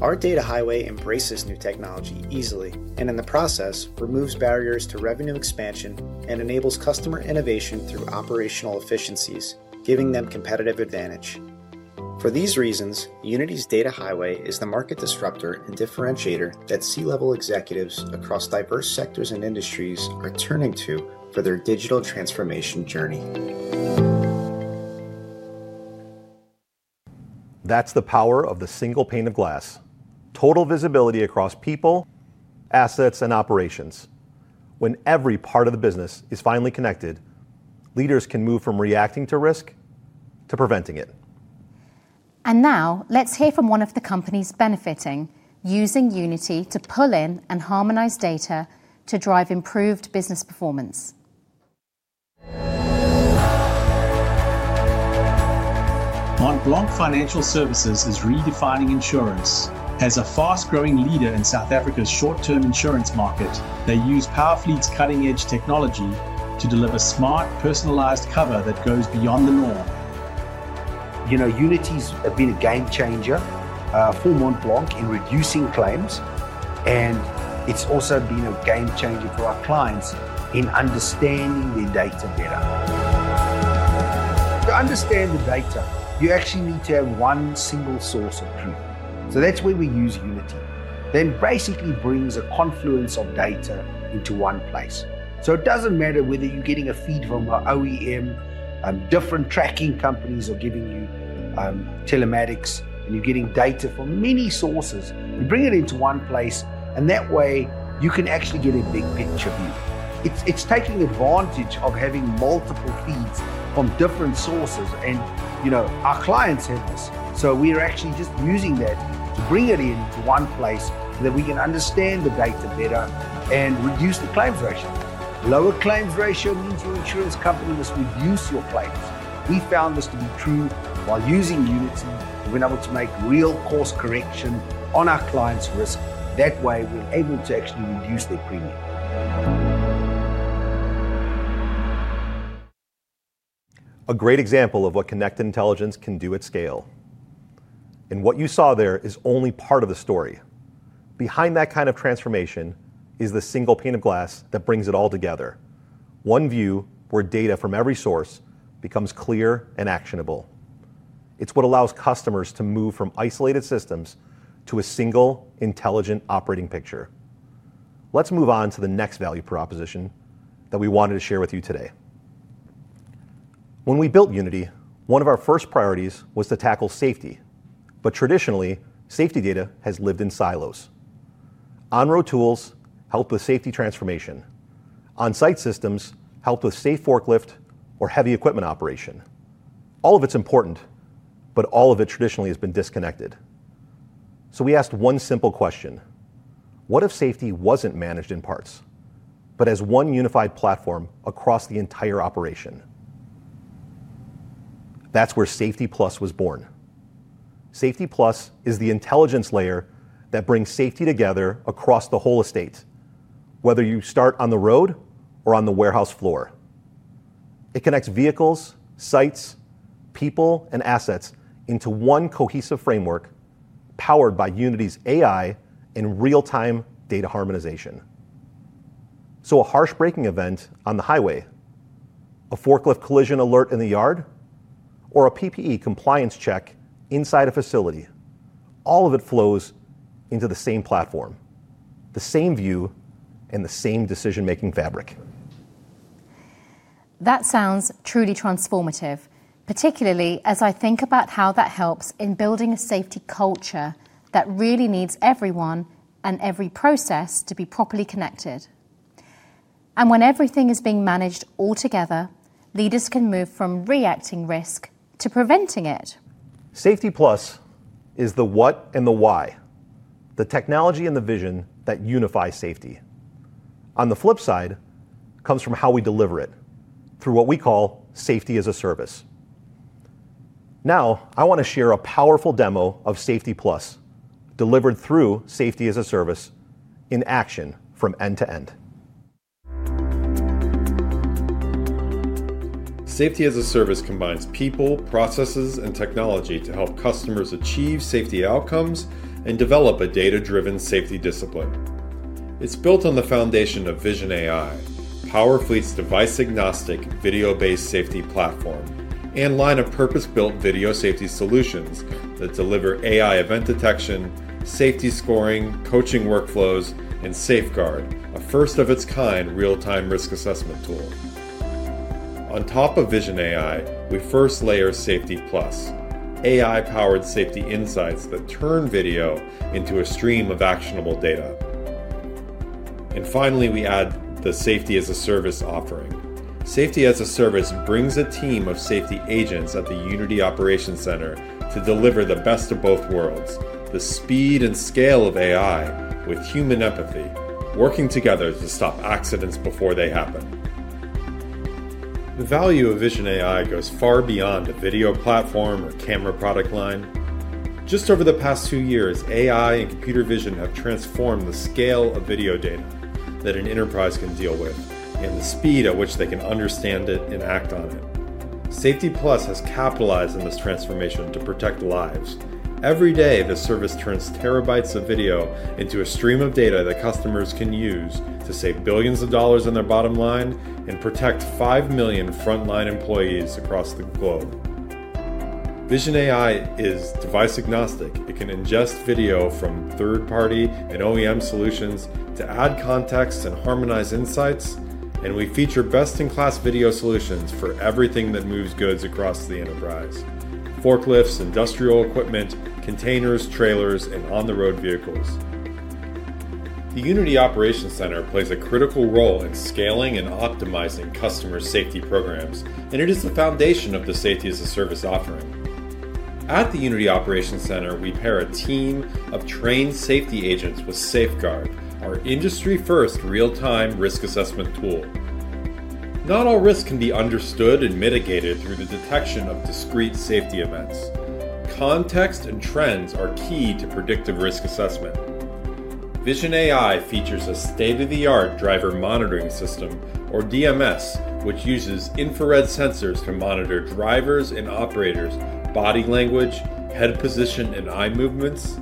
A: Our data highway embraces new technology easily and, in the process, removes barriers to revenue expansion and enables customer innovation through operational efficiencies, giving them competitive advantage. For these reasons, Unity's data highway is the market disruptor and differentiator that C-level executives across diverse sectors and industries are turning to for their digital transformation journey. That's the power of the single pane of glass: total visibility across people, assets, and operations. When every part of the business is finally connected, leaders can move from reacting to risk to preventing it.
D: Now let's hear from one of the companies benefiting using Unity to pull in and harmonize data to drive improved business performance. Montblanc Financial Services is redefining insurance. As a fast-growing leader in South Africa's short-term insurance market, they use Powerfleet's cutting-edge technology to deliver smart, personalized cover that goes beyond the norm.
J: You know, Unity's been a game changer for Montblanc in reducing claims, and it's also been a game changer for our clients in understanding the data better. To understand the data, you actually need to have one single source of truth. That is where we use Unity. It basically brings a confluence of data into one place. It does not matter whether you're getting a feed from an OEM, different tracking companies are giving you telematics, and you're getting data from many sources. We bring it into one place, and that way you can actually get a big picture view. It's taking advantage of having multiple feeds from different sources, and you know, our clients have this. We are actually just using that to bring it into one place so that we can understand the data better and reduce the claims ratio. Lower claims ratio means your insurance company must reduce your claims. We found this to be true while using Unity. We've been able to make real cost correction on our clients' risk. That way, we're able to actually reduce their premium.
A: A great example of what connected intelligence can do at scale. What you saw there is only part of the story. Behind that kind of transformation is the single pane of glass that brings it all together: one view where data from every source becomes clear and actionable. It is what allows customers to move from isolated systems to a single intelligent operating picture. Let's move on to the next value proposition that we wanted to share with you today. When we built Unity, one of our first priorities was to tackle safety. Traditionally, safety data has lived in silos. On-road tools help with safety transformation. On-site systems help with safe forklift or heavy equipment operation. All of it is important, but all of it traditionally has been disconnected. We asked one simple question: What if safety was not managed in parts, but as one unified platform across the entire operation? That is where Safety Plus was born. Safety Plus is the intelligence layer that brings safety together across the whole estate, whether you start on the road or on the warehouse floor. It connects vehicles, sites, people, and assets into one cohesive framework powered by Unity's AI and real-time data harmonization. A harsh braking event on the highway, a forklift collision alert in the yard, or a PPE compliance check inside a facility, all of it flows into the same platform, the same view, and the same decision-making fabric.
D: That sounds truly transformative, particularly as I think about how that helps in building a safety culture that really needs everyone and every process to be properly connected. When everything is being managed all together, leaders can move from reacting risk to preventing it.
A: Safety Plus is the what and the why, the technology and the vision that unify safety. On the flip side, it comes from how we deliver it through what we call Safety as a Service. Now I want to share a powerful demo of Safety Plus delivered through Safety as a Service in action from end to end.
C: Safety as a Service combines people, processes, and technology to help customers achieve safety outcomes and develop a data-driven safety discipline. It's built on the foundation of Vision AI, Powerfleet's device-agnostic, video-based safety platform, and line of purpose-built video safety solutions that deliver AI event detection, safety scoring, coaching workflows, and Safeguard, a first-of-its-kind real-time risk assessment tool. On top of Vision AI, we first layer Safety Plus, AI-powered safety insights that turn video into a stream of actionable data. Finally, we add the Safety as a Service offering. Safety as a Service brings a team of safety agents at the Unity Operations Center to deliver the best of both worlds: the speed and scale of AI with human empathy, working together to stop accidents before they happen. The value of Vision AI goes far beyond a video platform or camera product line. Just over the past two years, AI and computer vision have transformed the scale of video data that an enterprise can deal with and the speed at which they can understand it and act on it. Safety Plus has capitalized on this transformation to protect lives. Every day, the service turns terabytes of video into a stream of data that customers can use to save billions of dollars on their bottom line and protect 5 million frontline employees across the globe. Vision AI is device-agnostic. It can ingest video from third-party and OEM solutions to add context and harmonize insights, and we feature best-in-class video solutions for everything that moves goods across the enterprise: forklifts, industrial equipment, containers, trailers, and on-the-road vehicles. The Unity Operations Center plays a critical role in scaling and optimizing customer safety programs, and it is the foundation of the Safety as a Service offering. At the Unity Operations Center, we pair a team of trained safety agents with Safeguard, our industry-first real-time risk assessment tool. Not all risk can be understood and mitigated through the detection of discrete safety events. Context and trends are key to predictive risk assessment. Vision AI features a state-of-the-art driver monitoring system, or DMS, which uses infrared sensors to monitor drivers and operators' body language, head position, and eye movements.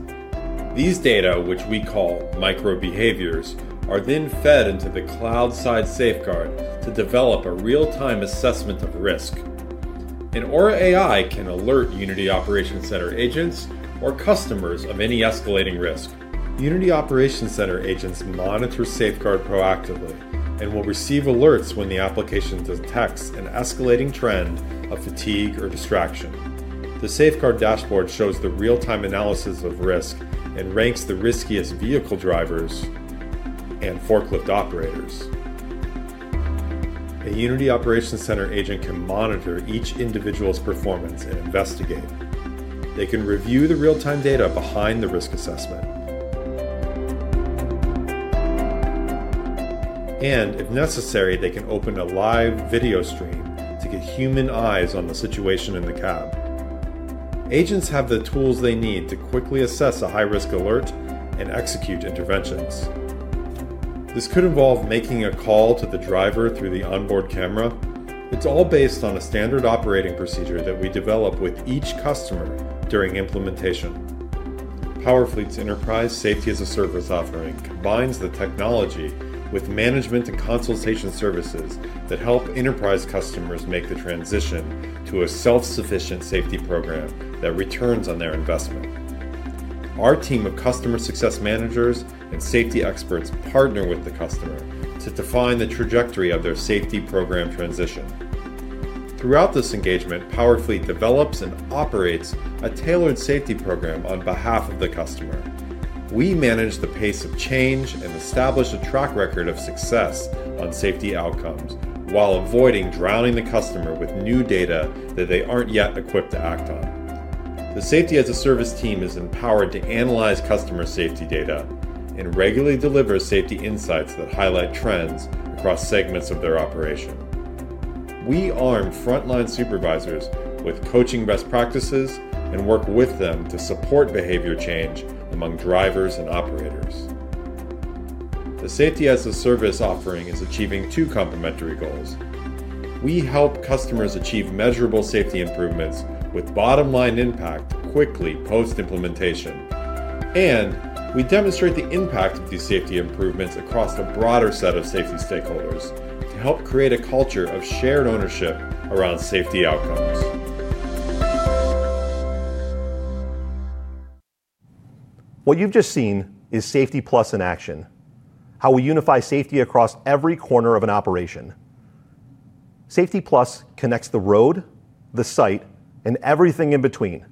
C: These data, which we call micro-behaviors, are then fed into the cloud-side Safeguard to develop a real-time assessment of risk. An Aura AI can alert Unity Operations Center agents or customers of any escalating risk. Unity Operations Center agents monitor Safeguard proactively and will receive alerts when the application detects an escalating trend of fatigue or distraction. The Safeguard dashboard shows the real-time analysis of risk and ranks the riskiest vehicle drivers and forklift operators. A Unity Operations Center agent can monitor each individual's performance and investigate. They can review the real-time data behind the risk assessment. If necessary, they can open a live video stream to get human eyes on the situation in the cab. Agents have the tools they need to quickly assess a high-risk alert and execute interventions. This could involve making a call to the driver through the onboard camera. It is all based on a standard operating procedure that we develop with each customer during implementation. Powerfleet's enterprise Safety as a Service offering combines the technology with management and consultation services that help enterprise customers make the transition to a self-sufficient safety program that returns on their investment. Our team of customer success managers and safety experts partner with the customer to define the trajectory of their safety program transition. Throughout this engagement, Powerfleet develops and operates a tailored safety program on behalf of the customer. We manage the pace of change and establish a track record of success on safety outcomes while avoiding drowning the customer with new data that they are not yet equipped to act on. The Safety as a Service team is empowered to analyze customer safety data and regularly deliver safety insights that highlight trends across segments of their operation. We arm frontline supervisors with coaching best practices and work with them to support behavior change among drivers and operators. The Safety as a Service offering is achieving two complementary goals. We help customers achieve measurable safety improvements with bottom-line impact quickly post-implementation. We demonstrate the impact of these safety improvements across a broader set of safety stakeholders to help create a culture of shared ownership around safety outcomes.
A: What you've just seen is Safety Plus in action: how we unify safety across every corner of an operation. Safety Plus connects the road, the site, and everything in between.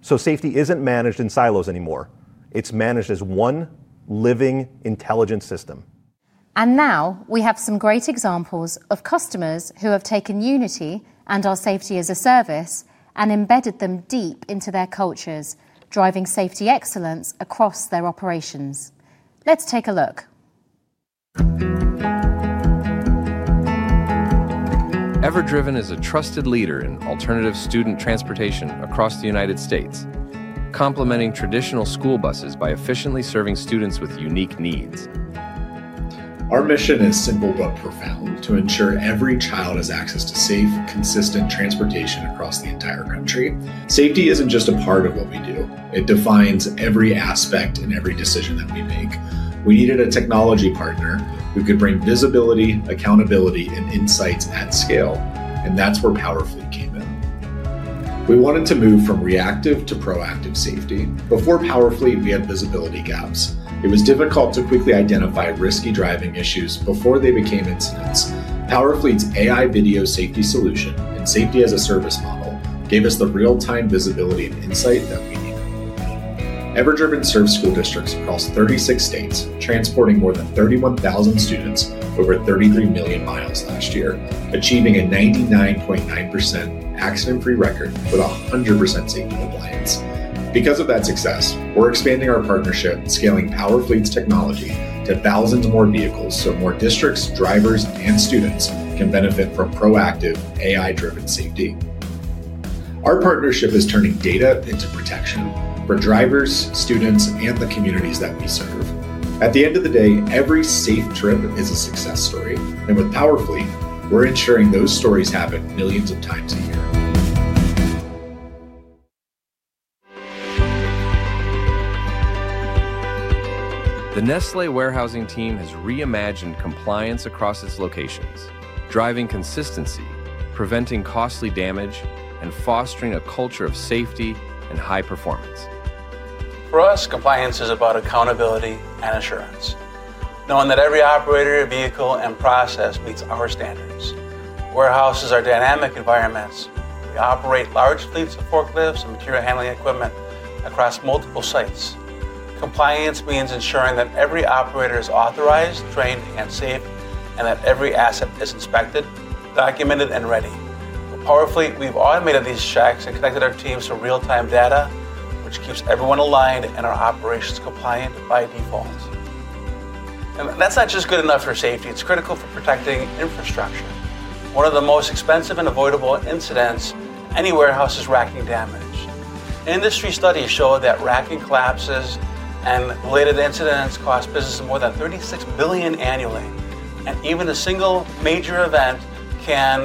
A: Safety isn't managed in silos anymore. It's managed as one living intelligence system.
D: We have some great examples of customers who have taken Unity and our Safety as a Service and embedded them deep into their cultures, driving safety excellence across their operations. Let's take a look.
C: Everdriven is a trusted leader in alternative student transportation across the United States, complementing traditional school buses by efficiently serving students with unique needs.
K: Our mission is simple but profound: to ensure every child has access to safe, consistent transportation across the entire country. Safety is not just a part of what we do. It defines every aspect and every decision that we make. We needed a technology partner who could bring visibility, accountability, and insights at scale. That is where Powerfleet came in. We wanted to move from reactive to proactive safety. Before Powerfleet, we had visibility gaps. It was difficult to quickly identify risky driving issues before they became incidents. Powerfleet's AI video safety solution and Safety as a Service model gave us the real-time visibility and insight that we needed. Everdriven served school districts across 36 states, transporting more than 31,000 students over 33 million miles last year, achieving a 99.9% accident-free record with 100% safety compliance. Because of that success, we're expanding our partnership and scaling Powerfleet's technology to thousands more vehicles so more districts, drivers, and students can benefit from proactive, AI-driven safety. Our partnership is turning data into protection for drivers, students, and the communities that we serve. At the end of the day, every safe trip is a success story. With Powerfleet, we're ensuring those stories happen millions of times a year.
C: The Nestlé warehousing team has reimagined compliance across its locations, driving consistency, preventing costly damage, and fostering a culture of safety and high performance.
L: For us, compliance is about accountability and assurance, knowing that every operator, vehicle, and process meets our standards. Warehouses are dynamic environments. We operate large fleets of forklifts and material handling equipment across multiple sites. Compliance means ensuring that every operator is authorized, trained, and safe, and that every asset is inspected, documented, and ready. With Powerfleet, we've automated these checks and connected our teams to real-time data, which keeps everyone aligned and our operations compliant by default. That is not just good enough for safety. It is critical for protecting infrastructure. One of the most expensive and avoidable incidents any warehouse is racking damage. Industry studies show that racking collapses and related incidents cost businesses more than $36 billion annually. Even a single major event can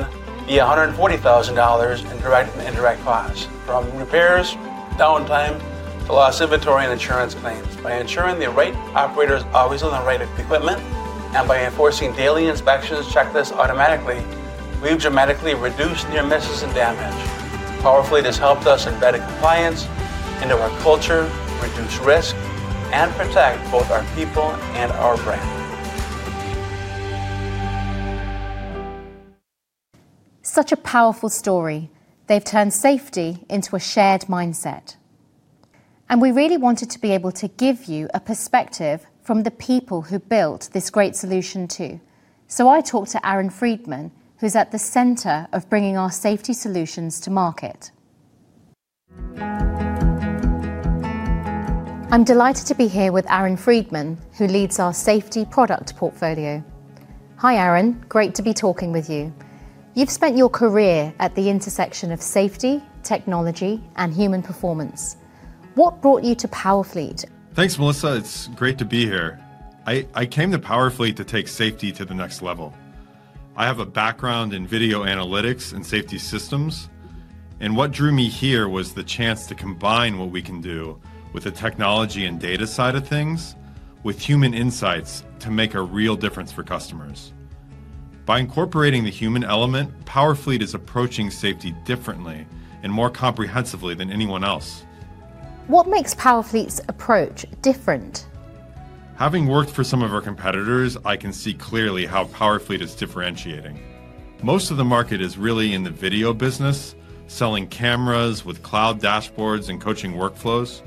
L: be $140,000 in direct and indirect costs, from repairs, downtime, to lost inventory and insurance claims. By ensuring the right operator is always on the right equipment and by enforcing daily inspections and checklists automatically, we've dramatically reduced near misses and damage. Powerfleet has helped us embed compliance into our culture, reduce risk, and protect both our people and our brand.
D: Such a powerful story. They have turned safety into a shared mindset. We really wanted to be able to give you a perspective from the people who built this great solution too. I talked to Aaron Friedman, who is at the center of bringing our safety solutions to market. I am delighted to be here with Aaron Friedman, who leads our safety product portfolio. Hi, Aaron. Great to be talking with you. You have spent your career at the intersection of safety, technology, and human performance. What brought you to Powerfleet?
E: Thanks, Melissa. It's great to be here. I came to Powerfleet to take safety to the next level. I have a background in video analytics and safety systems. What drew me here was the chance to combine what we can do with the technology and data side of things with human insights to make a real difference for customers. By incorporating the human element, Powerfleet is approaching safety differently and more comprehensively than anyone else.
D: What makes Powerfleet's approach different?
M: Having worked for some of our competitors, I can see clearly how Powerfleet is differentiating. Most of the market is really in the video business, selling cameras with cloud dashboards and coaching workflows.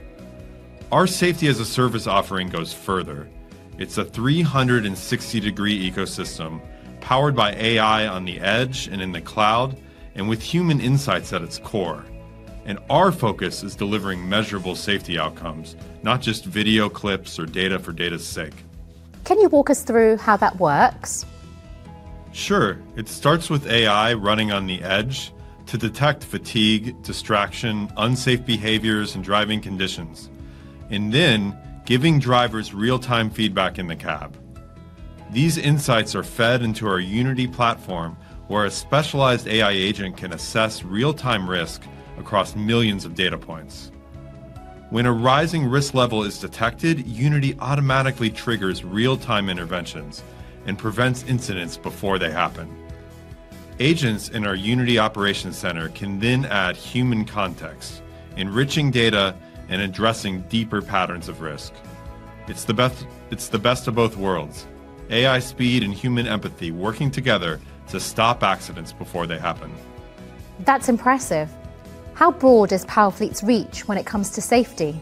M: Our Safety as a Service offering goes further. It is a 360-degree ecosystem powered by AI on the edge and in the cloud, with human insights at its core. Our focus is delivering measurable safety outcomes, not just video clips or data for data's sake.
D: Can you walk us through how that works?
E: Sure. It starts with AI running on the edge to detect fatigue, distraction, unsafe behaviors, and driving conditions, and then giving drivers real-time feedback in the cab. These insights are fed into our Unity platform, where a specialized AI agent can assess real-time risk across millions of data points. When a rising risk level is detected, Unity automatically triggers real-time interventions and prevents incidents before they happen. Agents in our Unity Operations Center can then add human context, enriching data and addressing deeper patterns of risk. It's the best of both worlds: AI speed and human empathy working together to stop accidents before they happen.
D: That's impressive. How broad is Powerfleet's reach when it comes to safety?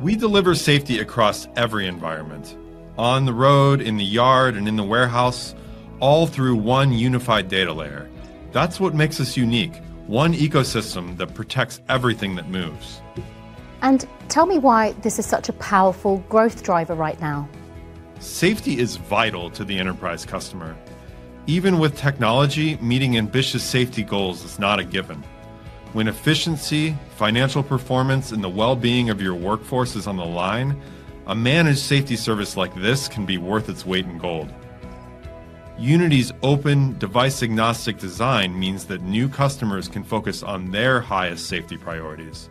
E: We deliver safety across every environment: on the road, in the yard, and in the warehouse, all through one unified data layer. That's what makes us unique: one ecosystem that protects everything that moves.
D: Tell me why this is such a powerful growth driver right now.
E: Safety is vital to the enterprise customer. Even with technology, meeting ambitious safety goals is not a given. When efficiency, financial performance, and the well-being of your workforce is on the line, a managed safety service like this can be worth its weight in gold. Unity's open device-agnostic design means that new customers can focus on their highest safety priorities,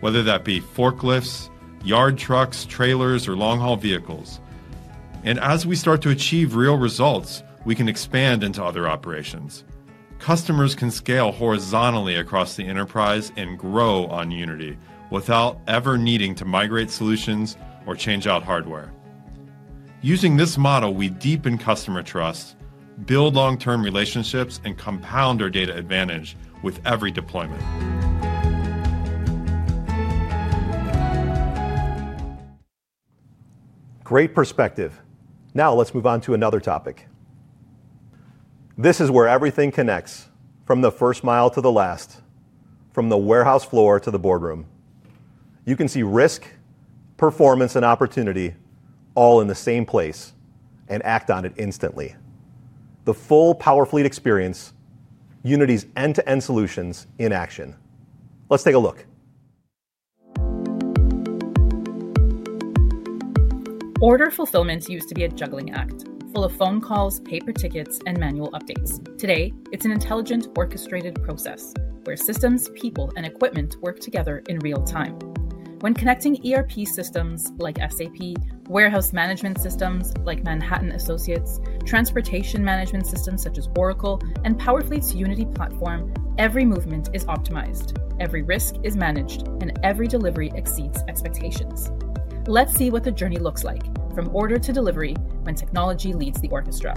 E: whether that be forklifts, yard trucks, trailers, or long-haul vehicles. As we start to achieve real results, we can expand into other operations. Customers can scale horizontally across the enterprise and grow on Unity without ever needing to migrate solutions or change out hardware. Using this model, we deepen customer trust, build long-term relationships, and compound our data advantage with every deployment.
A: Great perspective. Now let's move on to another topic. This is where everything connects from the first mile to the last, from the warehouse floor to the boardroom. You can see risk, performance, and opportunity all in the same place and act on it instantly. The full Powerfleet experience, Unity's end-to-end solutions in action. Let's take a look.
B: Order fulfillment used to be a juggling act full of phone calls, paper tickets, and manual updates. Today, it's an intelligent, orchestrated process where systems, people, and equipment work together in real time. When connecting ERP systems like SAP, warehouse management systems like Manhattan Associates, transportation management systems such as Oracle, and Powerfleet's Unity platform, every movement is optimized, every risk is managed, and every delivery exceeds expectations. Let's see what the journey looks like from order to delivery when technology leads the orchestra.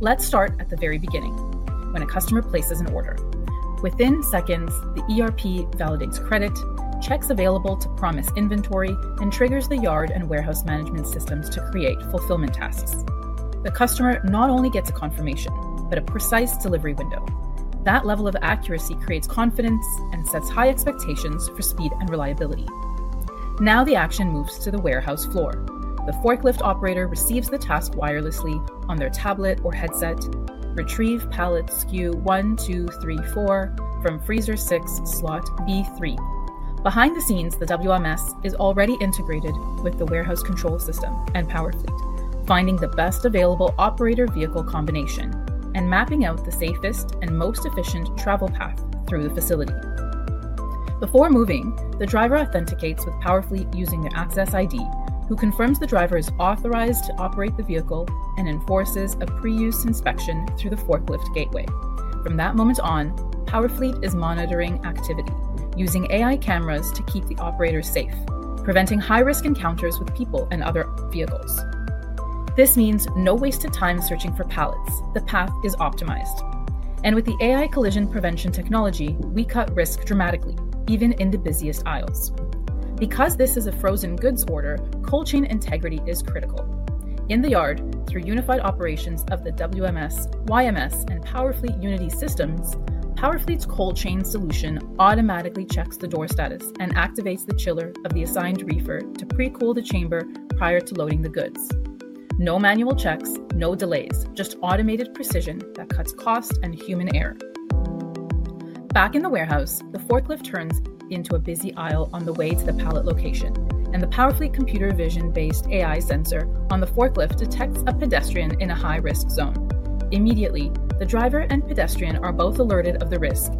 B: Let's start at the very beginning when a customer places an order. Within seconds, the ERP validates credit, checks available to promise inventory, and triggers the yard and warehouse management systems to create fulfillment tasks. The customer not only gets a confirmation, but a precise delivery window. That level of accuracy creates confidence and sets high expectations for speed and reliability. Now the action moves to the warehouse floor. The forklift operator receives the task wirelessly on their tablet or headset, retrieves pallet SKU 1, 2, 3, 4 from freezer 6 slot B3. Behind the scenes, the WMS is already integrated with the warehouse control system and Powerfleet, finding the best available operator-vehicle combination and mapping out the safest and most efficient travel path through the facility. Before moving, the driver authenticates with Powerfleet using their access ID, who confirms the driver is authorized to operate the vehicle and enforces a pre-use inspection through the forklift gateway. From that moment on, Powerfleet is monitoring activity using AI cameras to keep the operator safe, preventing high-risk encounters with people and other vehicles. This means no wasted time searching for pallets. The path is optimized. With the AI collision prevention technology, we cut risk dramatically, even in the busiest aisles. Because this is a frozen goods order, cold chain integrity is critical. In the yard, through unified operations of the WMS, YMS, and Powerfleet Unity systems, Powerfleet's cold chain solution automatically checks the door status and activates the chiller of the assigned reefer to pre-cool the chamber prior to loading the goods. No manual checks, no delays, just automated precision that cuts cost and human error. Back in the warehouse, the forklift turns into a busy aisle on the way to the pallet location, and the Powerfleet computer vision-based AI sensor on the forklift detects a pedestrian in a high-risk zone. Immediately, the driver and pedestrian are both alerted of the risk.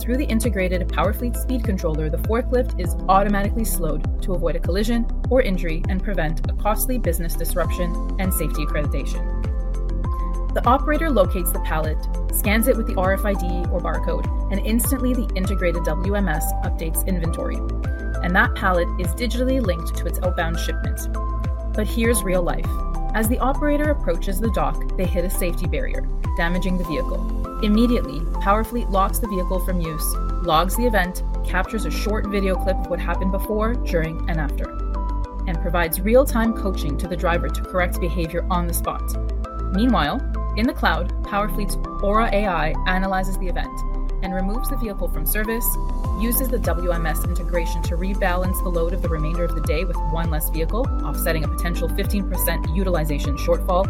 B: Through the integrated Powerfleet speed controller, the forklift is automatically slowed to avoid a collision or injury and prevent a costly business disruption and safety accreditation. The operator locates the pallet, scans it with the RFID or barcode, and instantly the integrated WMS updates inventory. That pallet is digitally linked to its outbound shipment. Here's real life. As the operator approaches the dock, they hit a safety barrier, damaging the vehicle. Immediately, Powerfleet locks the vehicle from use, logs the event, captures a short video clip of what happened before, during, and after, and provides real-time coaching to the driver to correct behavior on the spot. Meanwhile, in the cloud, Powerfleet's Aura AI analyzes the event and removes the vehicle from service, uses the WMS integration to rebalance the load of the remainder of the day with one less vehicle, offsetting a potential 15% utilization shortfall,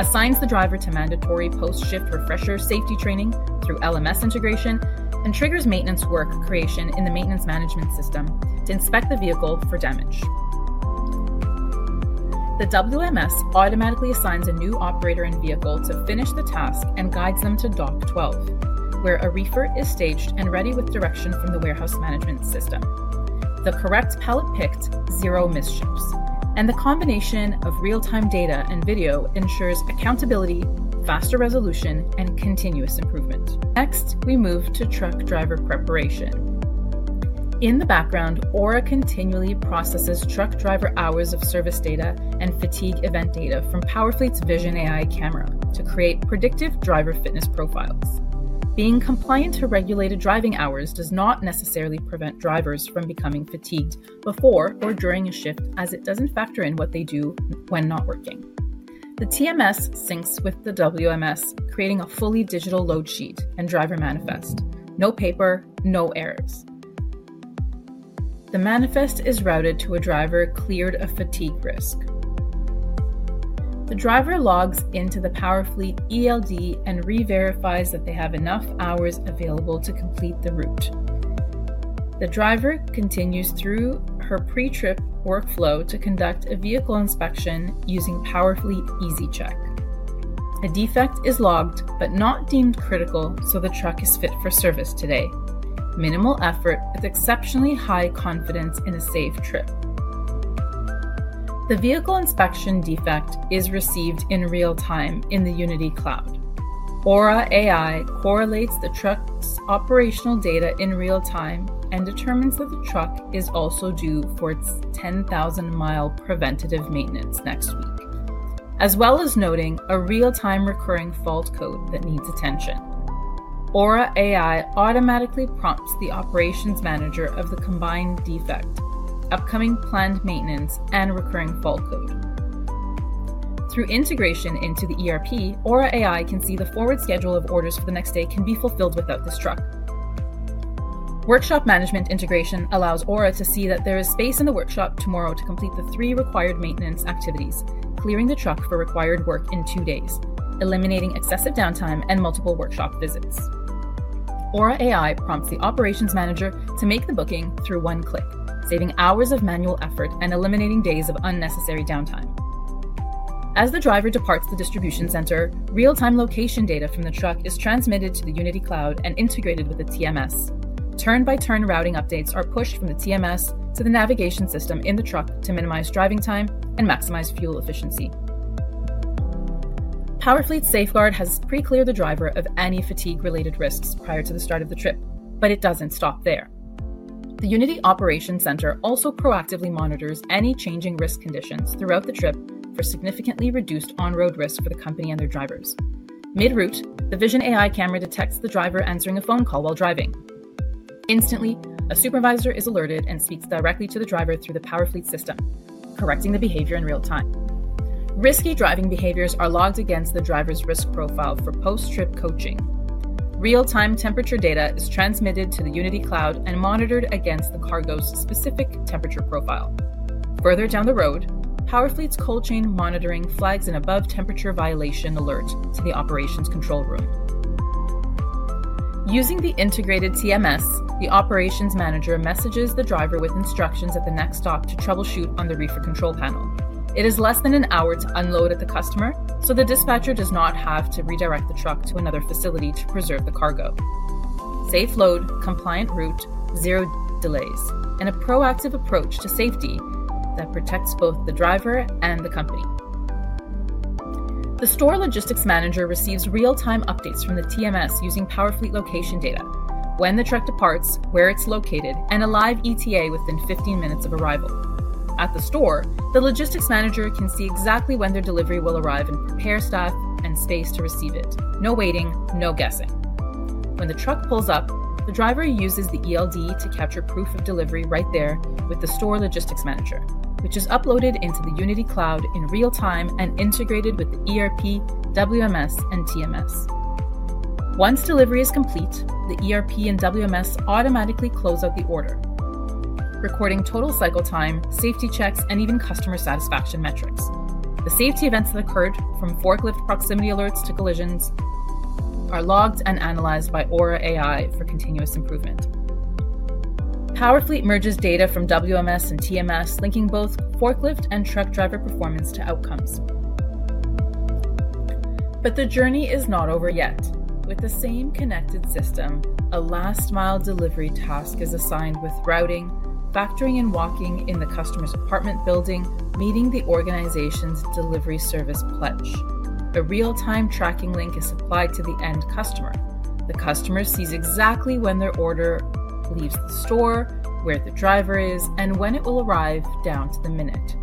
B: assigns the driver to mandatory post-shift refresher safety training through LMS integration, and triggers maintenance work creation in the maintenance management system to inspect the vehicle for damage. The WMS automatically assigns a new operator and vehicle to finish the task and guides them to dock 12, where a reefer is staged and ready with direction from the warehouse management system. The correct pallet picked, zero mischiefs. The combination of real-time data and video ensures accountability, faster resolution, and continuous improvement. Next, we move to truck driver preparation. In the background, Aura continually processes truck driver hours of service data and fatigue event data from Powerfleet's Vision AI camera to create predictive driver fitness profiles. Being compliant to regulated driving hours does not necessarily prevent drivers from becoming fatigued before or during a shift, as it does not factor in what they do when not working. The TMS syncs with the WMS, creating a fully digital load sheet and driver manifest. No paper, no errors. The manifest is routed to a driver cleared of fatigue risk. The driver logs into the Powerfleet ELD and re-verifies that they have enough hours available to complete the route. The driver continues through her pre-trip workflow to conduct a vehicle inspection using Powerfleet EasyCheck. A defect is logged, but not deemed critical, so the truck is fit for service today. Minimal effort with exceptionally high confidence in a safe trip. The vehicle inspection defect is received in real time in the Unity cloud. Aura AI correlates the truck's operational data in real time and determines that the truck is also due for its 10,000 mi preventative maintenance next week, as well as noting a real-time recurring fault code that needs attention. Aura AI automatically prompts the operations manager of the combined defect, upcoming planned maintenance, and recurring fault code. Through integration into the ERP, Aura AI can see the forward schedule of orders for the next day can be fulfilled without this truck. Workshop management integration allows Aura to see that there is space in the workshop tomorrow to complete the three required maintenance activities, clearing the truck for required work in two days, eliminating excessive downtime and multiple workshop visits. Aura AI prompts the operations manager to make the booking through one click, saving hours of manual effort and eliminating days of unnecessary downtime. As the driver departs the distribution center, real-time location data from the truck is transmitted to the Unity cloud and integrated with the TMS. Turn-by-turn routing updates are pushed from the TMS to the navigation system in the truck to minimize driving time and maximize fuel efficiency. Powerfleet Safeguard has pre-cleared the driver of any fatigue-related risks prior to the start of the trip, but it does not stop there. The Unity operations center also proactively monitors any changing risk conditions throughout the trip for significantly reduced on-road risk for the company and their drivers. Mid-route, the Vision AI camera detects the driver answering a phone call while driving. Instantly, a supervisor is alerted and speaks directly to the driver through the Powerfleet system, correcting the behavior in real time. Risky driving behaviors are logged against the driver's risk profile for post-trip coaching. Real-time temperature data is transmitted to the Unity cloud and monitored against the cargo's specific temperature profile. Further down the road, Powerfleet's cold chain monitoring flags an above-temperature violation alert to the operations control room. Using the integrated TMS, the operations manager messages the driver with instructions at the next stop to troubleshoot on the reefer control panel. It is less than an hour to unload at the customer, so the dispatcher does not have to redirect the truck to another facility to preserve the cargo. Safe load, compliant route, zero delays, and a proactive approach to safety that protects both the driver and the company. The store logistics manager receives real-time updates from the TMS using Powerfleet location data: when the truck departs, where it's located, and a live ETA within 15 minutes of arrival. At the store, the logistics manager can see exactly when their delivery will arrive and prepare staff and space to receive it. No waiting, no guessing. When the truck pulls up, the driver uses the ELD to capture proof of delivery right there with the store logistics manager, which is uploaded into the Unity cloud in real time and integrated with the ERP, WMS, and TMS. Once delivery is complete, the ERP and WMS automatically close out the order, recording total cycle time, safety checks, and even customer satisfaction metrics. The safety events that occurred, from forklift proximity alerts to collisions, are logged and analyzed by Aura AI for continuous improvement. Powerfleet merges data from WMS and TMS, linking both forklift and truck driver performance to outcomes. The journey is not over yet. With the same connected system, a last-mile delivery task is assigned with routing, factoring in walking in the customer's apartment building, meeting the organization's delivery service pledge. A real-time tracking link is supplied to the end customer. The customer sees exactly when their order leaves the store, where the driver is, and when it will arrive down to the minute.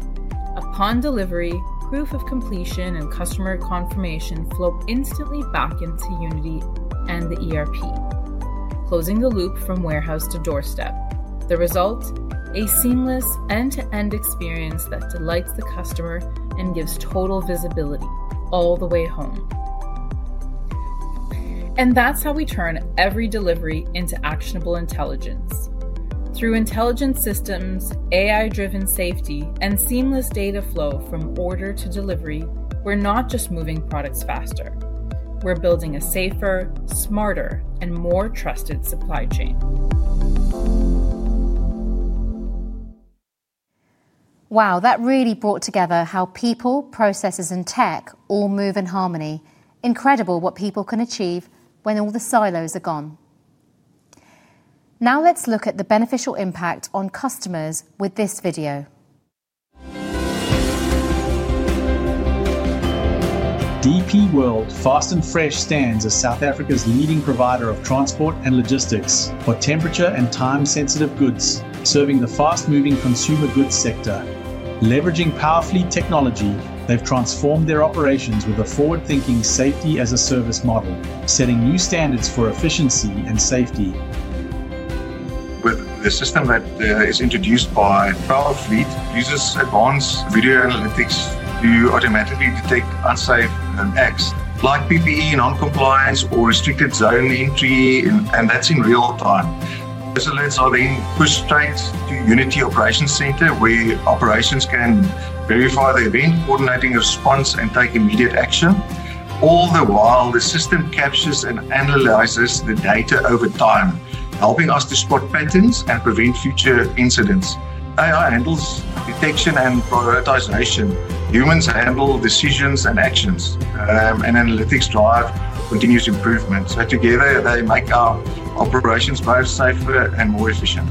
B: Upon delivery, proof of completion and customer confirmation flow instantly back into Unity and the ERP, closing the loop from warehouse to doorstep. The result? A seamless end-to-end experience that delights the customer and gives total visibility all the way home. That is how we turn every delivery into actionable intelligence. Through intelligent systems, AI-driven safety, and seamless data flow from order to delivery, we're not just moving products faster. We're building a safer, smarter, and more trusted supply chain.
C: Wow, that really brought together how people, processes, and tech all move in harmony. Incredible what people can achieve when all the silos are gone. Now let's look at the beneficial impact on customers with this video.
D: DP World Fast and Fresh stands as South Africa's leading provider of transport and logistics for temperature and time-sensitive goods, serving the fast-moving consumer goods sector. Leveraging Powerfleet technology, they've transformed their operations with a forward-thinking safety as a service model, setting new standards for efficiency and safety.
E: With the system that is introduced by Powerfleet, users advance video analytics to automatically detect unsafe acts like PPE non-compliance or restricted zone entry, and that's in real time. Residents are then pushed straight to Unity operations center, where operations can verify the event, coordinating a response, and take immediate action. All the while, the system captures and analyzes the data over time, helping us to spot patterns and prevent future incidents. AI handles detection and prioritization. Humans handle decisions and actions, and analytics drive continuous improvement. Together, they make our operations both safer and more efficient.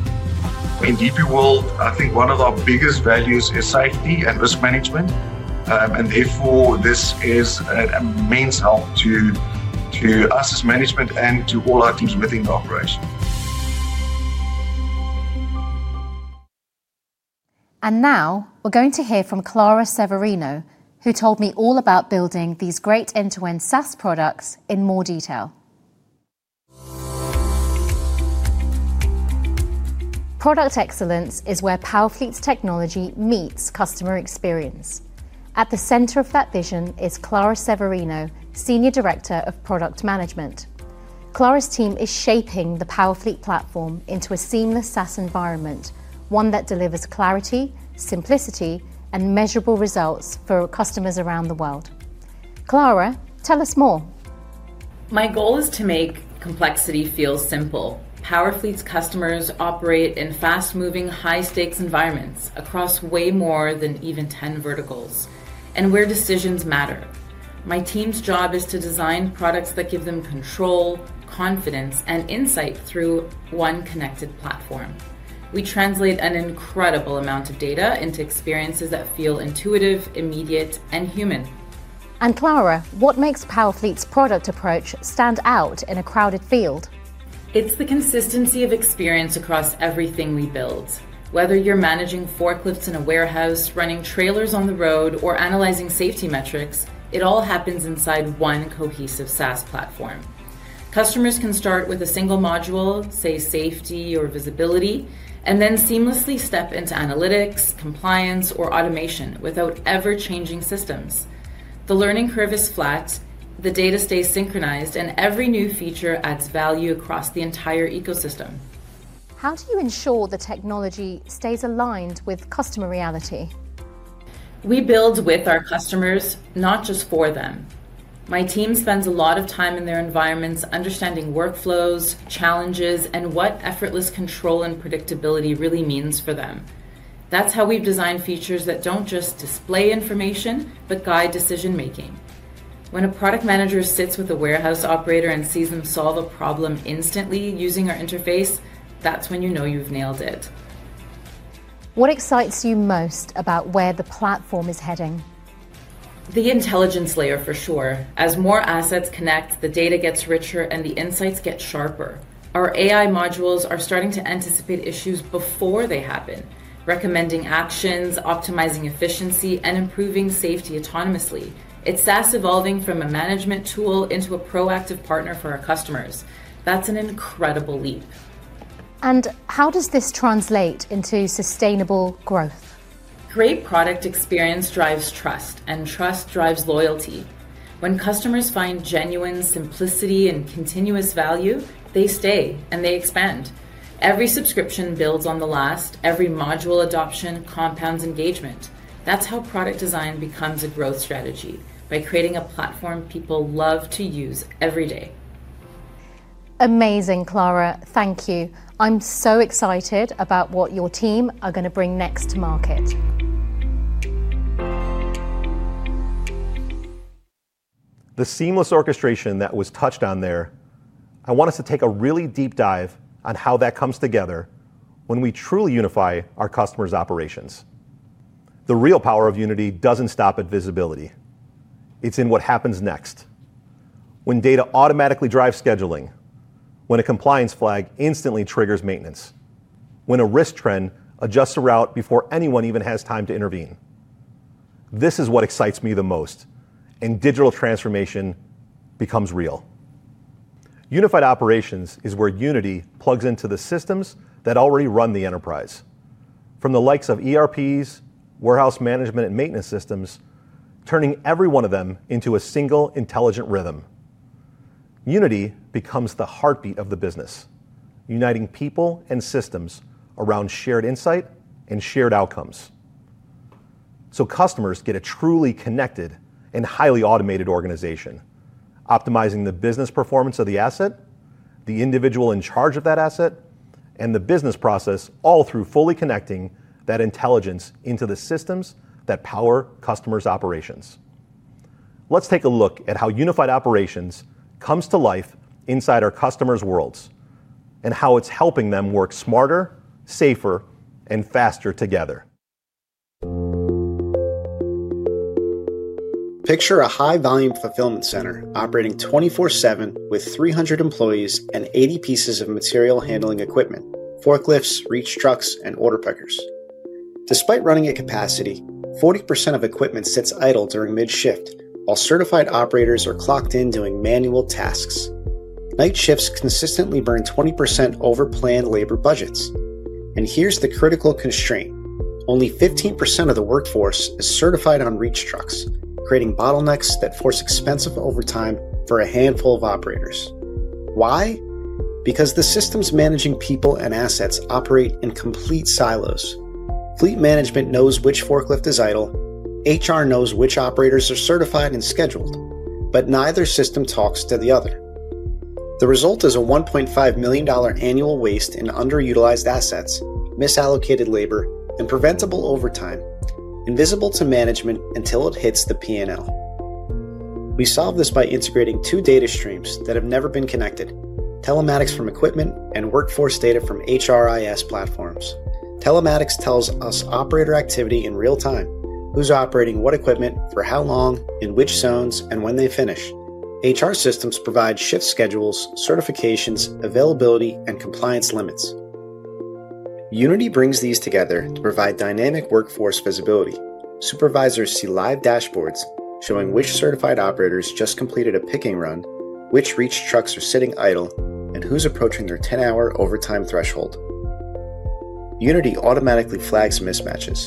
E: In DP World, I think one of our biggest values is safety and risk management, and therefore this is an immense help to us as management and to all our teams within the operation.
C: Now we're going to hear from Clara Severino, who told me all about building these great end-to-end SaaS products in more detail. Product excellence is where Powerfleet's technology meets customer experience. At the center of that vision is Clara Severino, Senior Director of Product Management. Clara's team is shaping the Powerfleet platform into a seamless SaaS environment, one that delivers clarity, simplicity, and measurable results for customers around the world. Clara, tell us more.
N: My goal is to make complexity feel simple. Powerfleet's customers operate in fast-moving, high-stakes environments across way more than even 10 verticals, and where decisions matter. My team's job is to design products that give them control, confidence, and insight through one connected platform. We translate an incredible amount of data into experiences that feel intuitive, immediate, and human.
C: Clara, what makes Powerfleet's product approach stand out in a crowded field?
N: It's the consistency of experience across everything we build. Whether you're managing forklifts in a warehouse, running trailers on the road, or analyzing safety metrics, it all happens inside one cohesive SaaS platform. Customers can start with a single module, say safety or visibility, and then seamlessly step into analytics, compliance, or automation without ever changing systems. The learning curve is flat, the data stays synchronized, and every new feature adds value across the entire ecosystem.
C: How do you ensure the technology stays aligned with customer reality?
N: We build with our customers, not just for them. My team spends a lot of time in their environments understanding workflows, challenges, and what effortless control and predictability really means for them. That is how we have designed features that do not just display information, but guide decision-making. When a product manager sits with a warehouse operator and sees them solve a problem instantly using our interface, that is when you know you have nailed it.
C: What excites you most about where the platform is heading?
N: The intelligence layer, for sure. As more assets connect, the data gets richer and the insights get sharper. Our AI modules are starting to anticipate issues before they happen, recommending actions, optimizing efficiency, and improving safety autonomously. It's SaaS evolving from a management tool into a proactive partner for our customers. That's an incredible leap.
C: How does this translate into sustainable growth?
N: Great product experience drives trust, and trust drives loyalty. When customers find genuine simplicity and continuous value, they stay and they expand. Every subscription builds on the last; every module adoption compounds engagement. That is how product design becomes a growth strategy, by creating a platform people love to use every day.
C: Amazing, Clara. Thank you. I'm so excited about what your team are going to bring next to market.
G: The seamless orchestration that was touched on there, I want us to take a really deep dive on how that comes together when we truly unify our customers' operations. The real power of Unity doesn't stop at visibility. It's in what happens next. When data automatically drives scheduling, when a compliance flag instantly triggers maintenance, when a risk trend adjusts a route before anyone even has time to intervene. This is what excites me the most, and digital transformation becomes real. Unified operations is where Unity plugs into the systems that already run the enterprise, from the likes of ERPs, warehouse management, and maintenance systems, turning every one of them into a single intelligent rhythm. Unity becomes the heartbeat of the business, uniting people and systems around shared insight and shared outcomes. Customers get a truly connected and highly automated organization, optimizing the business performance of the asset, the individual in charge of that asset, and the business process, all through fully connecting that intelligence into the systems that power customers' operations. Let's take a look at how unified operations comes to life inside our customers' worlds and how it's helping them work smarter, safer, and faster together. Picture a high-volume fulfillment center operating 24/7 with 300 employees and 80 pieces of material handling equipment: forklifts, reach trucks, and order pickers. Despite running at capacity, 40% of equipment sits idle during mid-shift, while certified operators are clocked in doing manual tasks. Night shifts consistently burn 20% over planned labor budgets. Here is the critical constraint: only 15% of the workforce is certified on reach trucks, creating bottlenecks that force expensive overtime for a handful of operators. Why? Because the systems managing people and assets operate in complete silos. Fleet management knows which forklift is idle. HR knows which operators are certified and scheduled, but neither system talks to the other. The result is a $1.5 million annual waste in underutilized assets, misallocated labor, and preventable overtime, invisible to management until it hits the P&L. We solve this by integrating two data streams that have never been connected: telematics from equipment and workforce data from HRIS platforms. Telematics tells us operator activity in real time, who's operating what equipment, for how long, in which zones, and when they finish. HR systems provide shift schedules, certifications, availability, and compliance limits. Unity brings these together to provide dynamic workforce visibility. Supervisors see live dashboards showing which certified operators just completed a picking run, which reach trucks are sitting idle, and who's approaching their 10-hour overtime threshold. Unity automatically flags mismatches: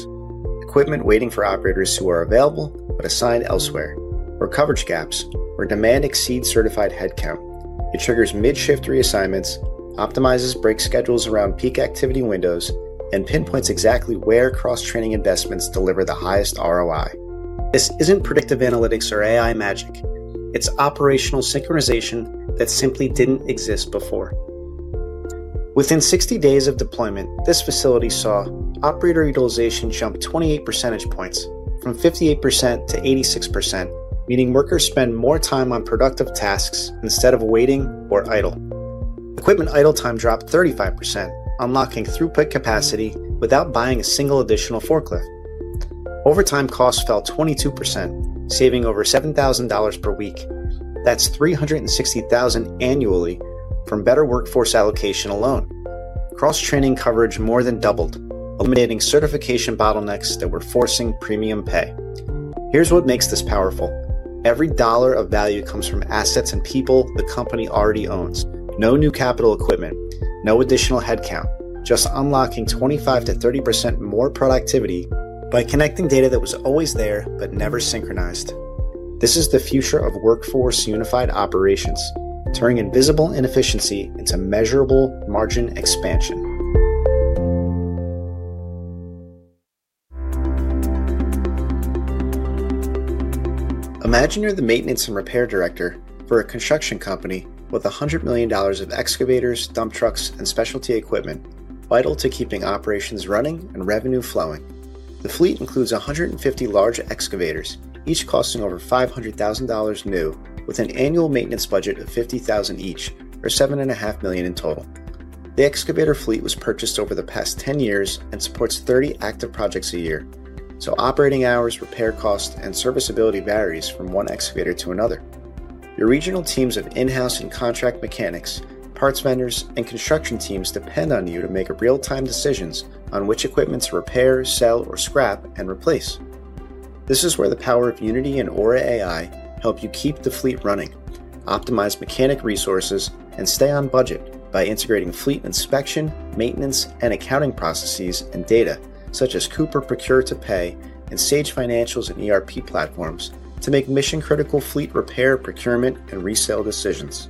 G: equipment waiting for operators who are available but assigned elsewhere, or coverage gaps, where demand exceeds certified headcount. It triggers mid-shift reassignments, optimizes break schedules around peak activity windows, and pinpoints exactly where cross-training investments deliver the highest ROI. This isn't predictive analytics or AI magic. It's operational synchronization that simply didn't exist before. Within 60 days of deployment, this facility saw operator utilization jump 28 percentage points, from 58% to 86%, meaning workers spend more time on productive tasks instead of waiting or idle. Equipment idle time dropped 35%, unlocking throughput capacity without buying a single additional forklift. Overtime costs fell 22%, saving over $7,000 per week. That's $360,000 annually from better workforce allocation alone. Cross-training coverage more than doubled, eliminating certification bottlenecks that were forcing premium pay. Here's what makes this powerful: every dollar of value comes from assets and people the company already owns. No new capital equipment, no additional headcount, just unlocking 25%-30% more productivity by connecting data that was always there but never synchronized. This is the future of workforce unified operations, turning invisible inefficiency into measurable margin expansion. Imagine you're the maintenance and repair director for a construction company with $100 million of excavators, dump trucks, and specialty equipment vital to keeping operations running and revenue flowing. The fleet includes 150 large excavators, each costing over $500,000 new, with an annual maintenance budget of $50,000 each, or $7.5 million in total. The excavator fleet was purchased over the past 10 years and supports 30 active projects a year, so operating hours, repair costs, and serviceability varies from one excavator to another. Your regional teams of in-house and contract mechanics, parts vendors, and construction teams depend on you to make real-time decisions on which equipment to repair, sell, or scrap and replace. This is where the power of Unity and Aura AI help you keep the fleet running, optimize mechanic resources, and stay on budget by integrating fleet inspection, maintenance, and accounting processes and data, such as Coupa Procure-to-Pay and Sage Financials and ERP platforms, to make mission-critical fleet repair, procurement, and resale decisions.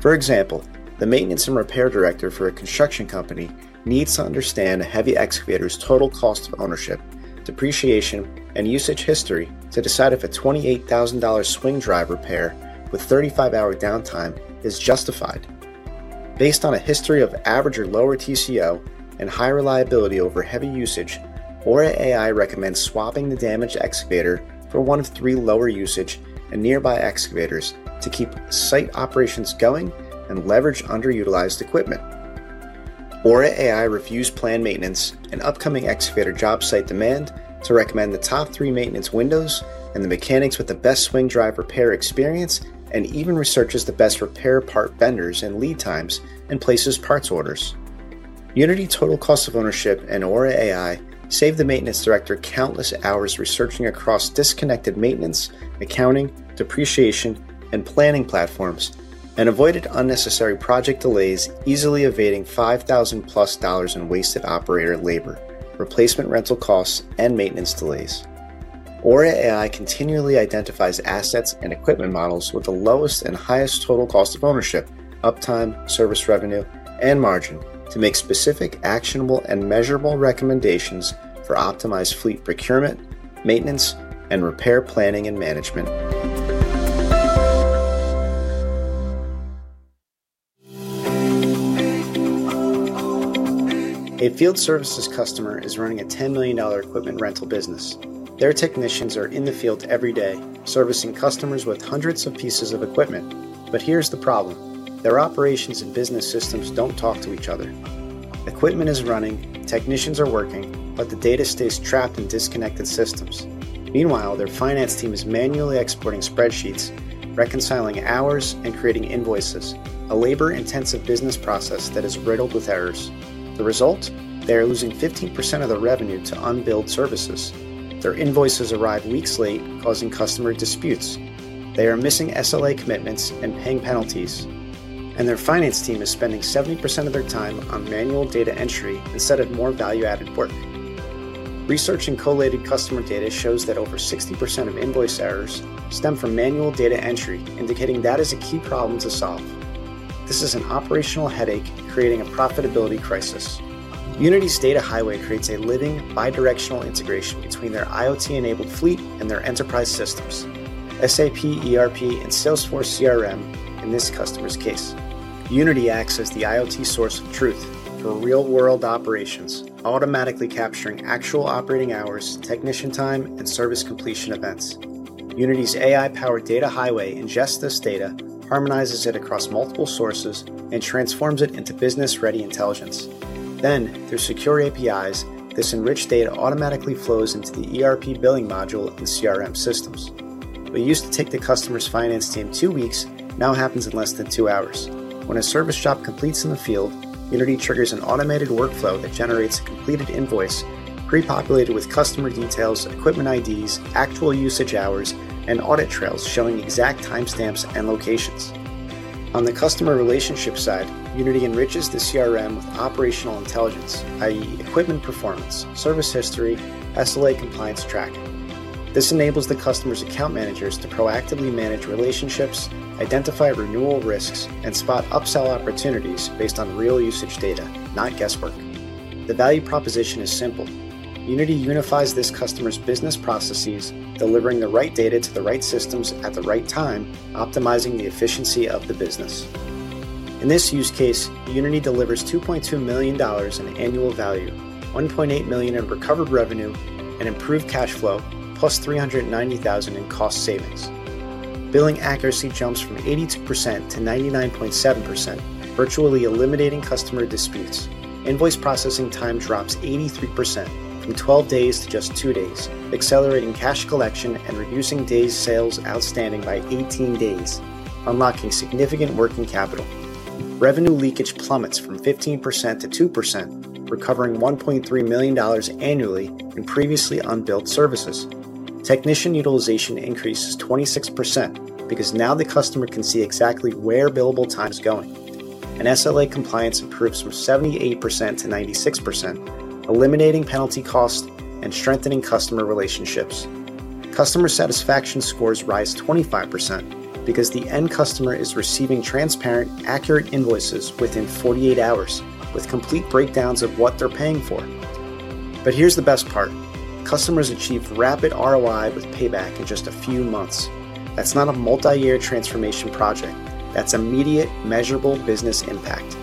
G: For example, the maintenance and repair director for a construction company needs to understand a heavy excavator's total cost of ownership, depreciation, and usage history to decide if a $28,000 swing drive repair with 35-hour downtime is justified. Based on a history of average or lower TCO and high reliability over heavy usage, Aura AI recommends swapping the damaged excavator for one of three lower usage and nearby excavators to keep site operations going and leverage underutilized equipment. Aura AI reviews planned maintenance and upcoming excavator job site demand to recommend the top three maintenance windows and the mechanics with the best swing drive repair experience and even researches the best repair part vendors and lead times and places parts orders. Unity's total cost of ownership and Aura AI saved the maintenance director countless hours researching across disconnected maintenance, accounting, depreciation, and planning platforms and avoided unnecessary project delays, easily evading $5,000+ in wasted operator labor, replacement rental costs, and maintenance delays. Aura AI continually identifies assets and equipment models with the lowest and highest total cost of ownership, uptime, service revenue, and margin to make specific, actionable, and measurable recommendations for optimized fleet procurement, maintenance, and repair planning and management. A field services customer is running a $10 million equipment rental business. Their technicians are in the field every day, servicing customers with hundreds of pieces of equipment. Here is the problem: their operations and business systems do not talk to each other. Equipment is running, technicians are working, but the data stays trapped in disconnected systems. Meanwhile, their finance team is manually exporting spreadsheets, reconciling hours, and creating invoices, a labor-intensive business process that is riddled with errors. The result? They are losing 15% of their revenue to unbilled services. Their invoices arrive weeks late, causing customer disputes. They are missing SLA commitments and paying penalties. Their finance team is spending 70% of their time on manual data entry instead of more value-added work. Research and collated customer data shows that over 60% of invoice errors stem from manual data entry, indicating that is a key problem to solve. This is an operational headache, creating a profitability crisis. Unity's data highway creates a living, bidirectional integration between their IoT-enabled fleet and their enterprise systems: SAP, ERP, and Salesforce CRM in this customer's case. Unity acts as the IoT source of truth for real-world operations, automatically capturing actual operating hours, technician time, and service completion events. Unity's AI-powered data highway ingests this data, harmonizes it across multiple sources, and transforms it into business-ready intelligence. Through secure APIs, this enriched data automatically flows into the ERP billing module and CRM systems. What used to take the customer's finance team two weeks now happens in less than two hours. When a service shop completes in the field, Unity triggers an automated workflow that generates a completed invoice pre-populated with customer details, equipment IDs, actual usage hours, and audit trails showing exact timestamps and locations. On the customer relationship side, Unity enriches the CRM with operational intelligence, i.e., equipment performance, service history, SLA compliance track. This enables the customer's account managers to proactively manage relationships, identify renewal risks, and spot upsell opportunities based on real usage data, not guesswork. The value proposition is simple: Unity unifies this customer's business processes, delivering the right data to the right systems at the right time, optimizing the efficiency of the business. In this use case, Unity delivers $2.2 million in annual value, $1.8 million in recovered revenue, and improved cash flow, plus $390,000 in cost savings. Billing accuracy jumps from 82% to 99.7%, virtually eliminating customer disputes. Invoice processing time drops 83% from 12 days to just 2 days, accelerating cash collection and reducing day sales outstanding by 18 days, unlocking significant working capital. Revenue leakage plummets from 15% to 2%, recovering $1.3 million annually in previously unbilled services. Technician utilization increases 26% because now the customer can see exactly where billable time is going. SLA compliance improves from 78% to 96%, eliminating penalty costs and strengthening customer relationships. Customer satisfaction scores rise 25% because the end customer is receiving transparent, accurate invoices within 48 hours, with complete breakdowns of what they're paying for. Here's the best part: customers achieve rapid ROI with payback in just a few months. That's not a multi-year transformation project. That's immediate, measurable business impact.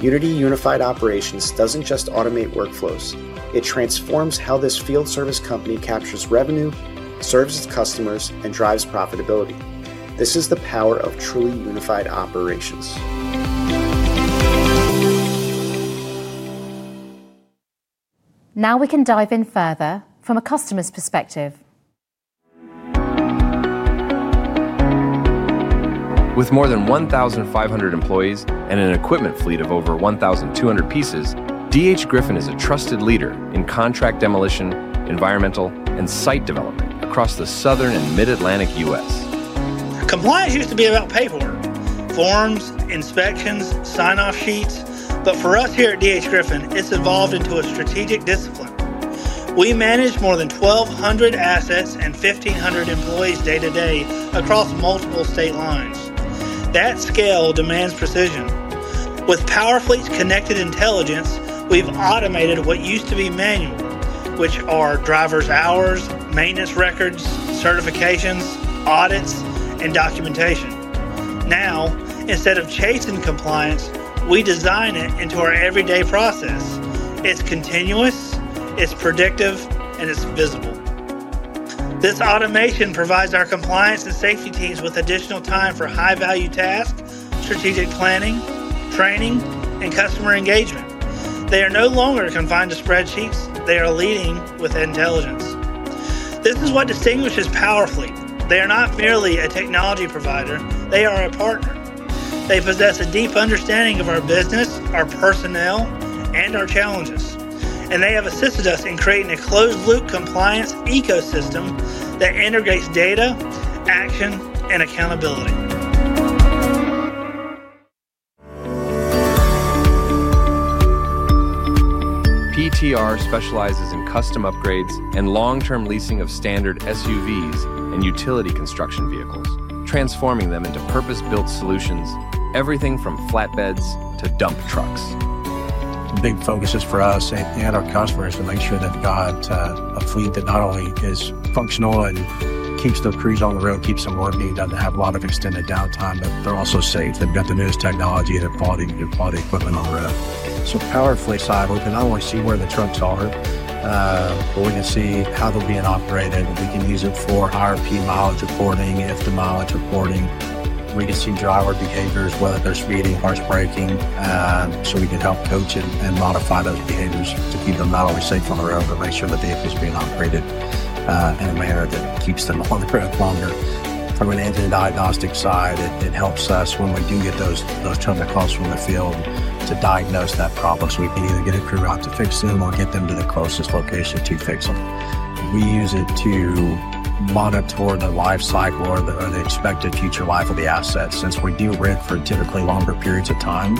G: Unity Unified Operations doesn't just automate workflows. It transforms how this field service company captures revenue, serves its customers, and drives profitability. This is the power of truly unified operations.
A: Now we can dive in further from a customer's perspective.
G: With more than 1,500 employees and an equipment fleet of over 1,200 pieces, D.H. Griffin is a trusted leader in contract demolition, environmental, and site development across the southern and mid-Atlantic U.S. Compliance used to be about paperwork: forms, inspections, sign-off sheets. For us here at D.H. Griffin, it's evolved into a strategic discipline. We manage more than 1,200 assets and 1,500 employees day-to-day across multiple state lines. That scale demands precision. With Powerfleet's connected intelligence, we've automated what used to be manual, which are driver's hours, maintenance records, certifications, audits, and documentation. Now, instead of chasing compliance, we design it into our everyday process. It's continuous, it's predictive, and it's visible. This automation provides our compliance and safety teams with additional time for high-value tasks, strategic planning, training, and customer engagement. They are no longer confined to spreadsheets. They are leading with intelligence. This is what distinguishes Powerfleet. They are not merely a technology provider. They are a partner. They possess a deep understanding of our business, our personnel, and our challenges. They have assisted us in creating a closed-loop compliance ecosystem that integrates data, action, and accountability. PTR specializes in custom upgrades and long-term leasing of standard SUVs and utility construction vehicles, transforming them into purpose-built solutions, everything from flatbeds to dump trucks.
O: The big focus for us and our customers is to make sure they've got a fleet that not only is functional and keeps their crews on the road, keeps them working, doesn't have a lot of extended downtime, but they're also safe. They've got the newest technology and the quality equipment on the road. So Powerfleet's eye, we can not only see where the trucks are, but we can see how they're being operated. We can use it for higher P-mileage reporting, F-mileage reporting. We can see driver behaviors, whether they're speeding, harsh braking, so we can help coach and modify those behaviors to keep them not only safe on the road, but make sure the vehicle's being operated in a manner that keeps them on the road longer. From an engine diagnostic side, it helps us when we do get those tons of cars from the field to diagnose that problem. We can either get a crew out to fix them or get them to the closest location to fix them. We use it to monitor the life cycle or the expected future life of the asset. Since we do rent for typically longer periods of time,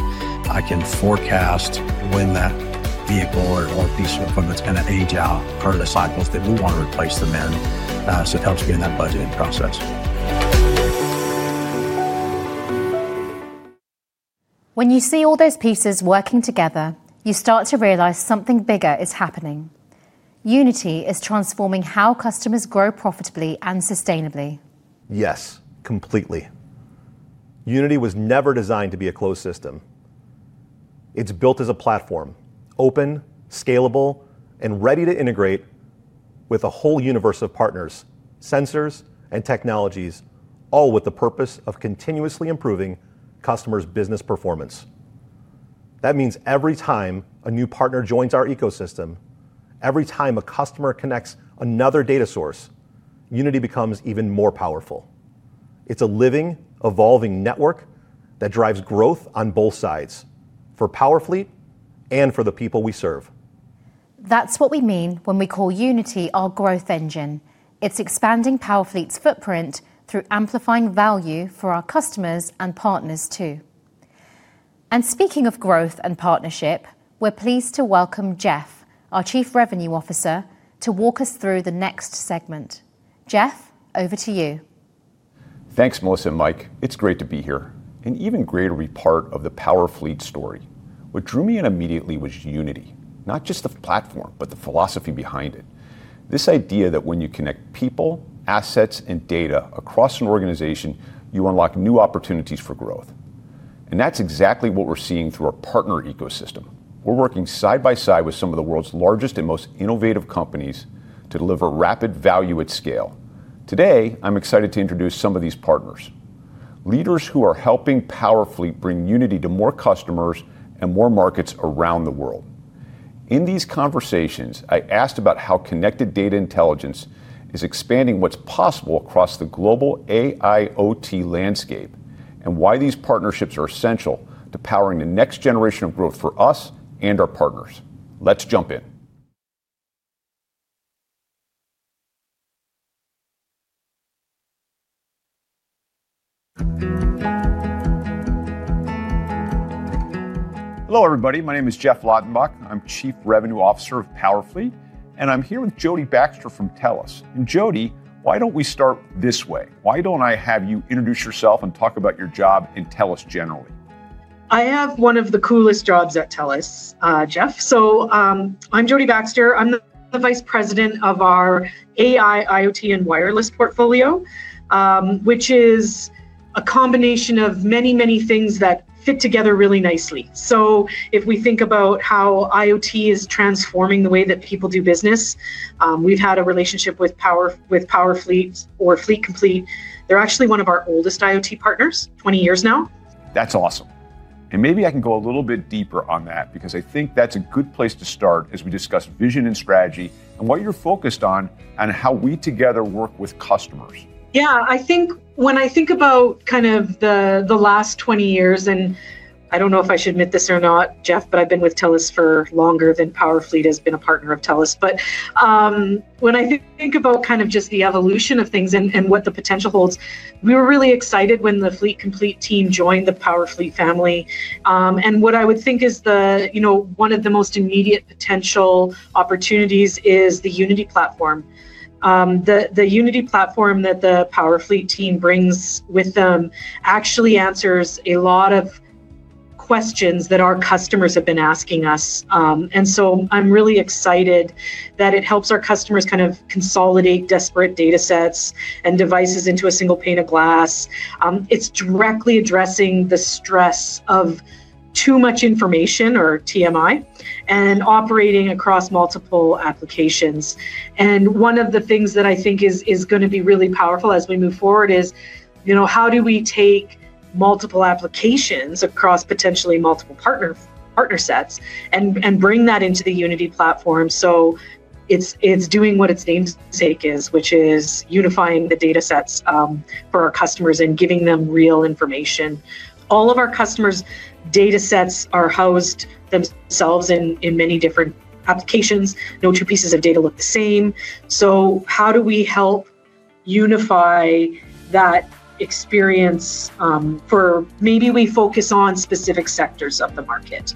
O: I can forecast when that vehicle or piece of equipment's going to age out or the cycles that we want to replace them in. It helps me in that budgeting process. When you see all those pieces working together, you start to realize something bigger is happening. Unity is transforming how customers grow profitably and sustainably. Yes, completely. Unity was never designed to be a closed system. It's built as a platform, open, scalable, and ready to integrate with a whole universe of partners, sensors, and technologies, all with the purpose of continuously improving customers' business performance. That means every time a new partner joins our ecosystem, every time a customer connects another data source, Unity becomes even more powerful. It's a living, evolving network that drives growth on both sides, for Powerfleet and for the people we serve.
P: That's what we mean when we call Unity our growth engine. It's expanding Powerfleet's footprint through amplifying value for our customers and partners too. Speaking of growth and partnership, we're pleased to welcome Jeff, our Chief Revenue Officer, to walk us through the next segment. Jeff, over to you.
Q: Thanks, Melissa and Mike. It's great to be here, an even greater part of the Powerfleet story. What drew me in immediately was Unity, not just the platform, but the philosophy behind it. This idea that when you connect people, assets, and data across an organization, you unlock new opportunities for growth. That is exactly what we're seeing through our partner ecosystem. We're working side by side with some of the world's largest and most innovative companies to deliver rapid value at scale. Today, I'm excited to introduce some of these partners, leaders who are helping Powerfleet bring Unity to more customers and more markets around the world. In these conversations, I asked about how connected data intelligence is expanding what's possible across the global AIoT landscape and why these partnerships are essential to powering the next generation of growth for us and our partners. Let's jump in. Hello, everybody. My name is Jeff Ladenbach. I'm Chief Revenue Officer of Powerfleet, and I'm here with Jodi Baxter from TELUS. Jodi, why don't we start this way? Why don't I have you introduce yourself and talk about your job in TELUS generally?
R: I have one of the coolest jobs at TELUS, Jeff. I'm Jodi Baxter. I'm the Vice President of our AI, IoT, and wireless portfolio, which is a combination of many, many things that fit together really nicely. If we think about how IoT is transforming the way that people do business, we've had a relationship with Powerfleet or Fleet Complete. They're actually one of our oldest IoT partners, 20 years now.
Q: That's awesome. Maybe I can go a little bit deeper on that because I think that's a good place to start as we discuss vision and strategy and what you're focused on and how we together work with customers.
R: Yeah, I think when I think about kind of the last 20 years, and I don't know if I should admit this or not, Jeff, but I've been with TELUS for longer than Powerfleet has been a partner of TELUS. When I think about kind of just the evolution of things and what the potential holds, we were really excited when the Fleet Complete team joined the Powerfleet family. What I would think is one of the most immediate potential opportunities is the Unity platform. The Unity platform that the Powerfleet team brings with them actually answers a lot of questions that our customers have been asking us. I'm really excited that it helps our customers kind of consolidate disparate data sets and devices into a single pane of glass. It's directly addressing the stress of too much information, or TMI, and operating across multiple applications. One of the things that I think is going to be really powerful as we move forward is how do we take multiple applications across potentially multiple partner sets and bring that into the Unity platform. It's doing what its namesake is, which is unifying the data sets for our customers and giving them real information. All of our customers' data sets are housed themselves in many different applications. No two pieces of data look the same. How do we help unify that experience for maybe we focus on specific sectors of the market,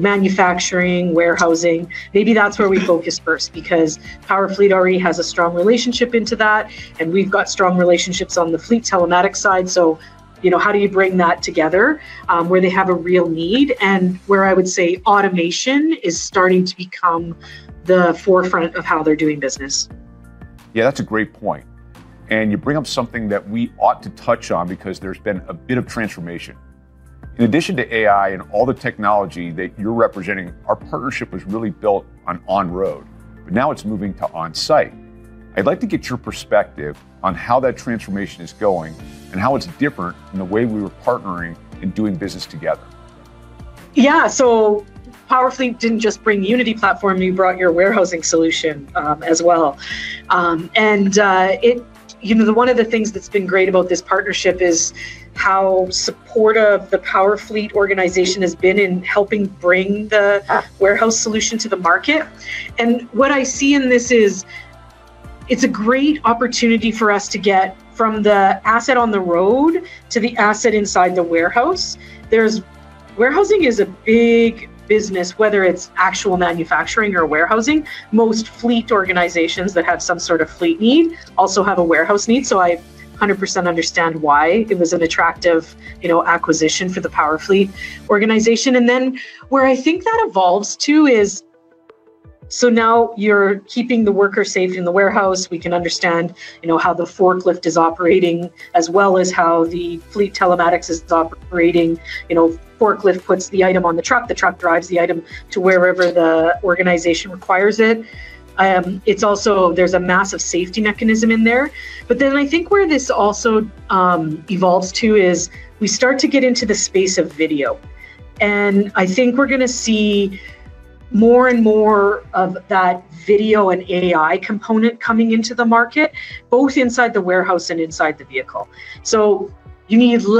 R: manufacturing, warehousing? Maybe that's where we focus first because Powerfleet already has a strong relationship into that, and we've got strong relationships on the fleet telematics side. How do you bring that together where they have a real need and where I would say automation is starting to become the forefront of how they're doing business?
Q: Yeah, that's a great point. You bring up something that we ought to touch on because there's been a bit of transformation. In addition to AI and all the technology that you're representing, our partnership was really built on on-road, but now it's moving to on-site. I'd like to get your perspective on how that transformation is going and how it's different from the way we were partnering and doing business together.
R: Yeah, so Powerfleet didn't just bring Unity platform. You brought your warehousing solution as well. One of the things that's been great about this partnership is how supportive the Powerfleet organization has been in helping bring the warehouse solution to the market. What I see in this is it's a great opportunity for us to get from the asset on the road to the asset inside the warehouse. Warehousing is a big business, whether it's actual manufacturing or warehousing. Most fleet organizations that have some sort of fleet need also have a warehouse need. I 100% understand why it was an attractive acquisition for the Powerfleet organization. Where I think that evolves too is now you're keeping the worker safe in the warehouse. We can understand how the forklift is operating as well as how the fleet telematics is operating. Forklift puts the item on the truck. The truck drives the item to wherever the organization requires it. There is a massive safety mechanism in there. I think where this also evolves to is we start to get into the space of video. I think we are going to see more and more of that video and AI component coming into the market, both inside the warehouse and inside the vehicle. You need fewer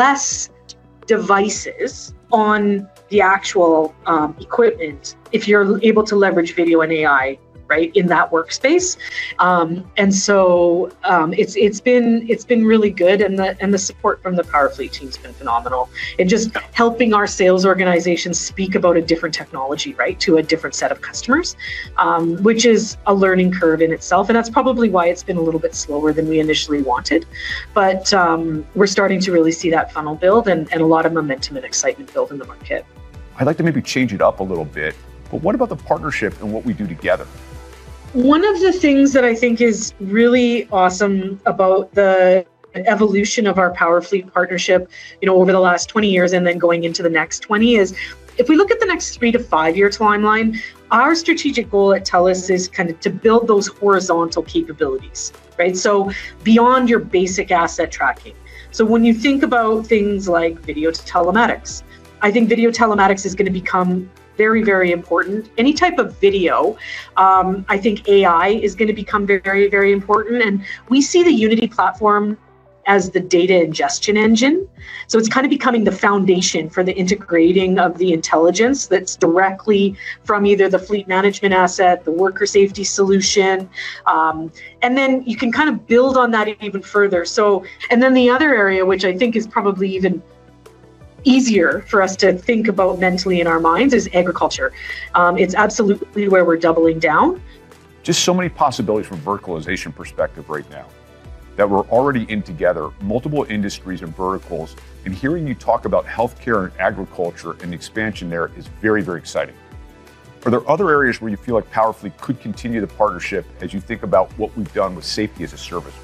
R: devices on the actual equipment if you are able to leverage video and AI in that workspace. It has been really good. The support from the Powerfleet team has been phenomenal. Just helping our sales organization speak about a different technology to a different set of customers, which is a learning curve in itself. That is probably why it has been a little bit slower than we initially wanted. We're starting to really see that funnel build and a lot of momentum and excitement build in the market.
Q: I'd like to maybe change it up a little bit, but what about the partnership and what we do together?
R: One of the things that I think is really awesome about the evolution of our Powerfleet partnership over the last 20 years and then going into the next 20 is if we look at the next three- to five-year timeline, our strategic goal at TELUS is kind of to build those horizontal capabilities. Beyond your basic asset tracking, when you think about things like video telematics, I think video telematics is going to become very, very important. Any type of video, I think AI is going to become very, very important. We see the Unity platform as the data ingestion engine. It is kind of becoming the foundation for the integrating of the intelligence that is directly from either the fleet management asset, the worker safety solution. You can kind of build on that even further. The other area, which I think is probably even easier for us to think about mentally in our minds, is agriculture. It's absolutely where we're doubling down.
Q: Just so many possibilities from a verticalization perspective right now that we're already in together, multiple industries and verticals. Hearing you talk about healthcare and agriculture and the expansion there is very, very exciting. Are there other areas where you feel like Powerfleet could continue the partnership as you think about what we've done with Safety as a Service?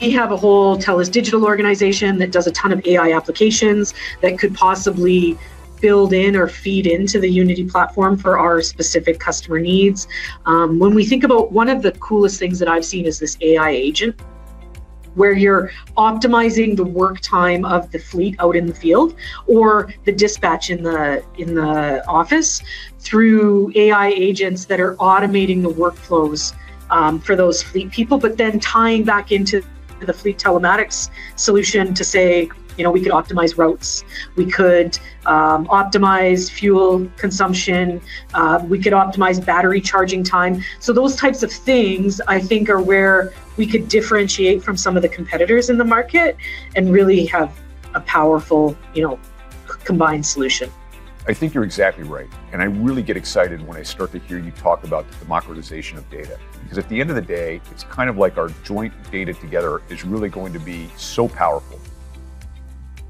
R: We have a whole TELUS Digital organization that does a ton of AI applications that could possibly build in or feed into the Unity platform for our specific customer needs. When we think about one of the coolest things that I've seen is this AI agent where you're optimizing the work time of the fleet out in the field or the dispatch in the office through AI agents that are automating the workflows for those fleet people, but then tying back into the fleet telematics solution to say, "We could optimize routes. We could optimize fuel consumption. We could optimize battery charging time." Those types of things, I think, are where we could differentiate from some of the competitors in the market and really have a powerful combined solution. I think you're exactly right. I really get excited when I start to hear you talk about the democratization of data because at the end of the day, it's kind of like our joint data together is really going to be so powerful.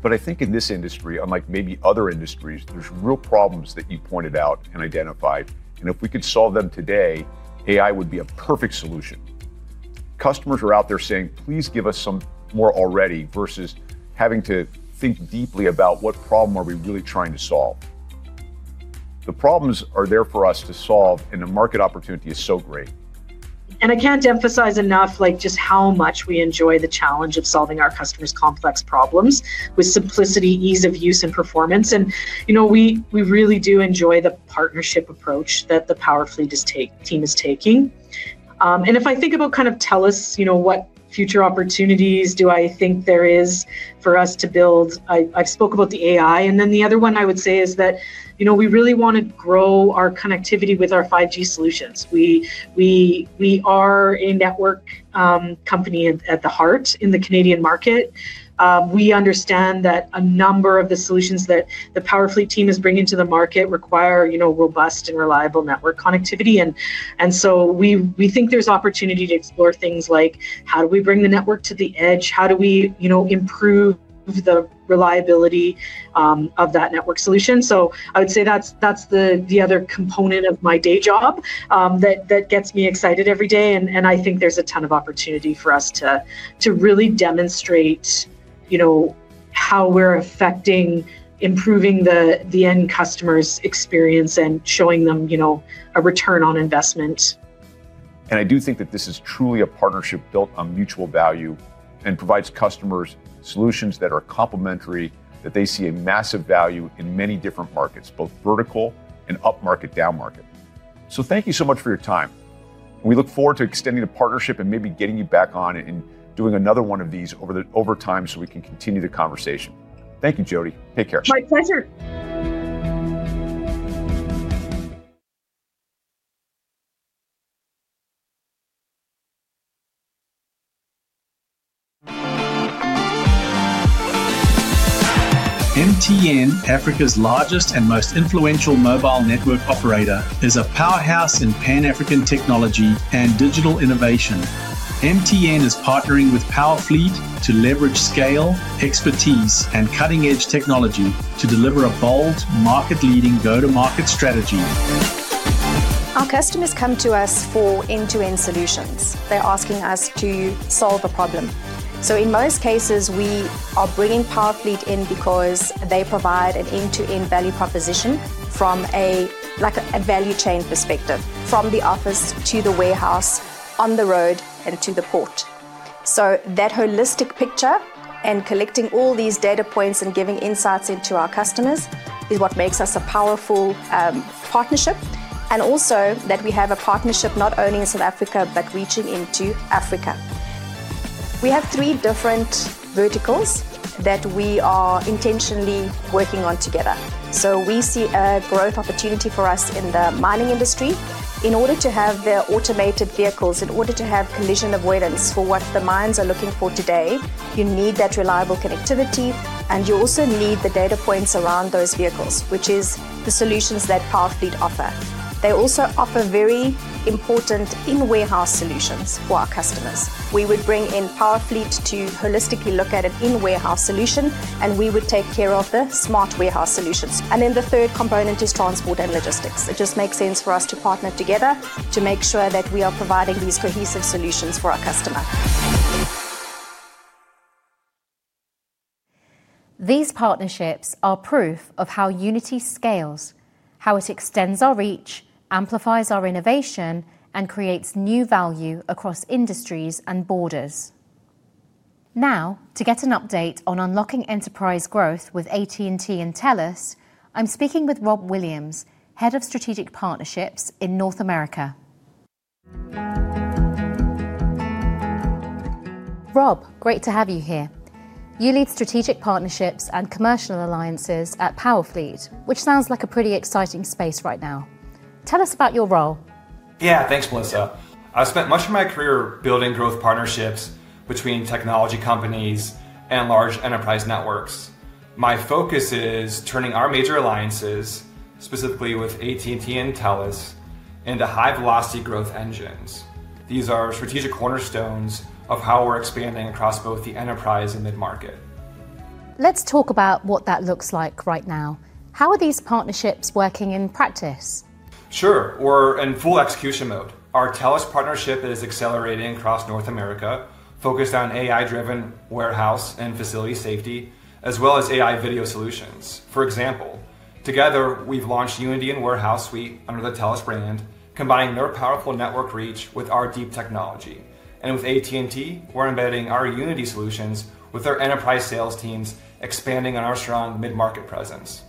R: I think in this industry, unlike maybe other industries, there's real problems that you pointed out and identified. If we could solve them today, AI would be a perfect solution. Customers are out there saying, "Please give us some more already," versus having to think deeply about what problem are we really trying to solve. The problems are there for us to solve, and the market opportunity is so great. I can't emphasize enough just how much we enjoy the challenge of solving our customers' complex problems with simplicity, ease of use, and performance. We really do enjoy the partnership approach that the Powerfleet team is taking. If I think about kind of TELUS, what future opportunities do I think there is for us to build? I've spoke about the AI. The other one I would say is that we really want to grow our connectivity with our 5G solutions. We are a network company at the heart in the Canadian market. We understand that a number of the solutions that the Powerfleet team is bringing to the market require robust and reliable network connectivity. We think there's opportunity to explore things like, "How do we bring the network to the edge? How do we improve the reliability of that network solution?" I would say that's the other component of my day job that gets me excited every day. I think there's a ton of opportunity for us to really demonstrate how we're affecting improving the end customer's experience and showing them a return on investment.
Q: I do think that this is truly a partnership built on mutual value and provides customers solutions that are complementary, that they see a massive value in many different markets, both vertical and up-market, down-market. Thank you so much for your time. We look forward to extending the partnership and maybe getting you back on and doing another one of these over time so we can continue the conversation. Thank you, Jodi. Take care.
R: My pleasure.
E: MTN, Africa's largest and most influential mobile network operator, is a powerhouse in Pan-African technology and digital innovation. MTN is partnering with Powerfleet to leverage scale, expertise, and cutting-edge technology to deliver a bold, market-leading go-to-market strategy.
S: Our customers come to us for end-to-end solutions. They're asking us to solve a problem. In most cases, we are bringing Powerfleet in because they provide an end-to-end value proposition from a value chain perspective, from the office to the warehouse, on the road, and to the port. That holistic picture and collecting all these data points and giving insights into our customers is what makes us a powerful partnership. We have a partnership not only in South Africa, but reaching into Africa. We have three different verticals that we are intentionally working on together. We see a growth opportunity for us in the mining industry. In order to have the automated vehicles, in order to have collision avoidance for what the mines are looking for today, you need that reliable connectivity. You also need the data points around those vehicles, which is the solutions that Powerfleet offer. They also offer very important in-warehouse solutions for our customers. We would bring in Powerfleet to holistically look at an in-warehouse solution, and we would take care of the smart warehouse solutions. The third component is transport and logistics. It just makes sense for us to partner together to make sure that we are providing these cohesive solutions for our customer.
D: These partnerships are proof of how Unity scales, how it extends our reach, amplifies our innovation, and creates new value across industries and borders. Now, to get an update on unlocking enterprise growth with AT&T and TELUS, I'm speaking with Rob Williams, Head of Strategic Partnerships in North America. Rob, great to have you here. You lead strategic partnerships and commercial alliances at Powerfleet, which sounds like a pretty exciting space right now. Tell us about your role.
T: Yeah, thanks, Melissa. I've spent much of my career building growth partnerships between technology companies and large enterprise networks. My focus is turning our major alliances, specifically with AT&T and TELUS, into high-velocity growth engines. These are strategic cornerstones of how we're expanding across both the enterprise and mid-market.
D: Let's talk about what that looks like right now. How are these partnerships working in practice?
T: Sure, we're in full execution mode. Our TELUS partnership is accelerating across North America, focused on AI-driven warehouse and facility safety, as well as AI video solutions. For example, together, we've launched Unity and Warehouse Suite under the TELUS brand, combining their powerful network reach with our deep technology. With AT&T, we're embedding our Unity solutions with their enterprise sales teams, expanding on our strong mid-market presence.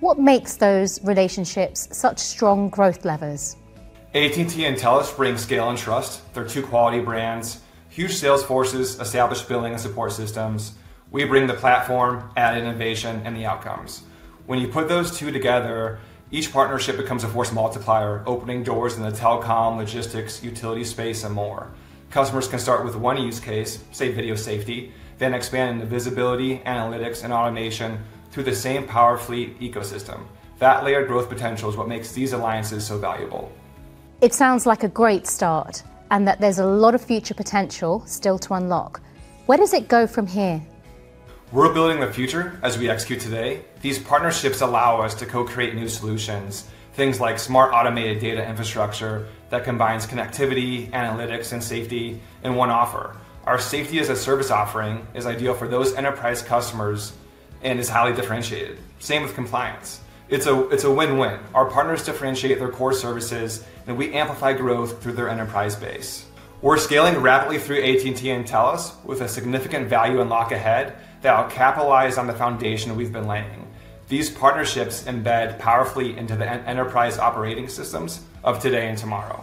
D: What makes those relationships such strong growth levers?
T: AT&T and TELUS bring scale and trust. They're two quality brands, huge sales forces, established billing and support systems. We bring the platform, added innovation, and the outcomes. When you put those two together, each partnership becomes a force multiplier, opening doors in the telecom, logistics, utility space, and more. Customers can start with one use case, say, video safety, then expand into visibility, analytics, and automation through the same Powerfleet ecosystem. That layered growth potential is what makes these alliances so valuable.
D: It sounds like a great start and that there's a lot of future potential still to unlock. Where does it go from here?
T: We're building the future as we execute today. These partnerships allow us to co-create new solutions, things like smart automated data infrastructure that combines connectivity, analytics, and safety in one offer. Our Safety as a Service offering is ideal for those enterprise customers and is highly differentiated. Same with compliance. It's a win-win. Our partners differentiate their core services, and we amplify growth through their enterprise base. We're scaling rapidly through AT&T and TELUS with a significant value unlock ahead that will capitalize on the foundation we've been laying. These partnerships embed powerfully into the enterprise operating systems of today and tomorrow.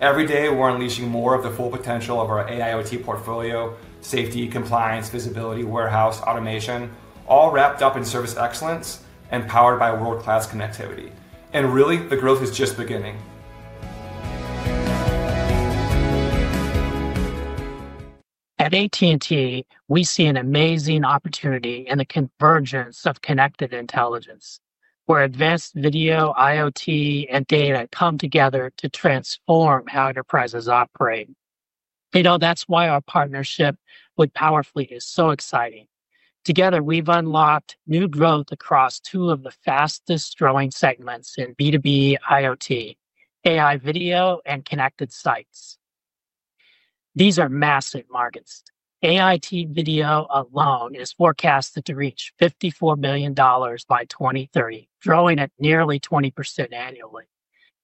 T: Every day, we're unleashing more of the full potential of our AIoT portfolio: safety, compliance, visibility, warehouse, automation, all wrapped up in service excellence and powered by world-class connectivity. Really, the growth is just beginning.
U: At AT&T, we see an amazing opportunity in the convergence of connected intelligence, where advanced video, IoT, and data come together to transform how enterprises operate. That's why our partnership with Powerfleet is so exciting. Together, we've unlocked new growth across two of the fastest-growing segments in B2B IoT, AI video and connected sites. These are massive markets. AI video alone is forecasted to reach $54 billion by 2030, growing at nearly 20% annually.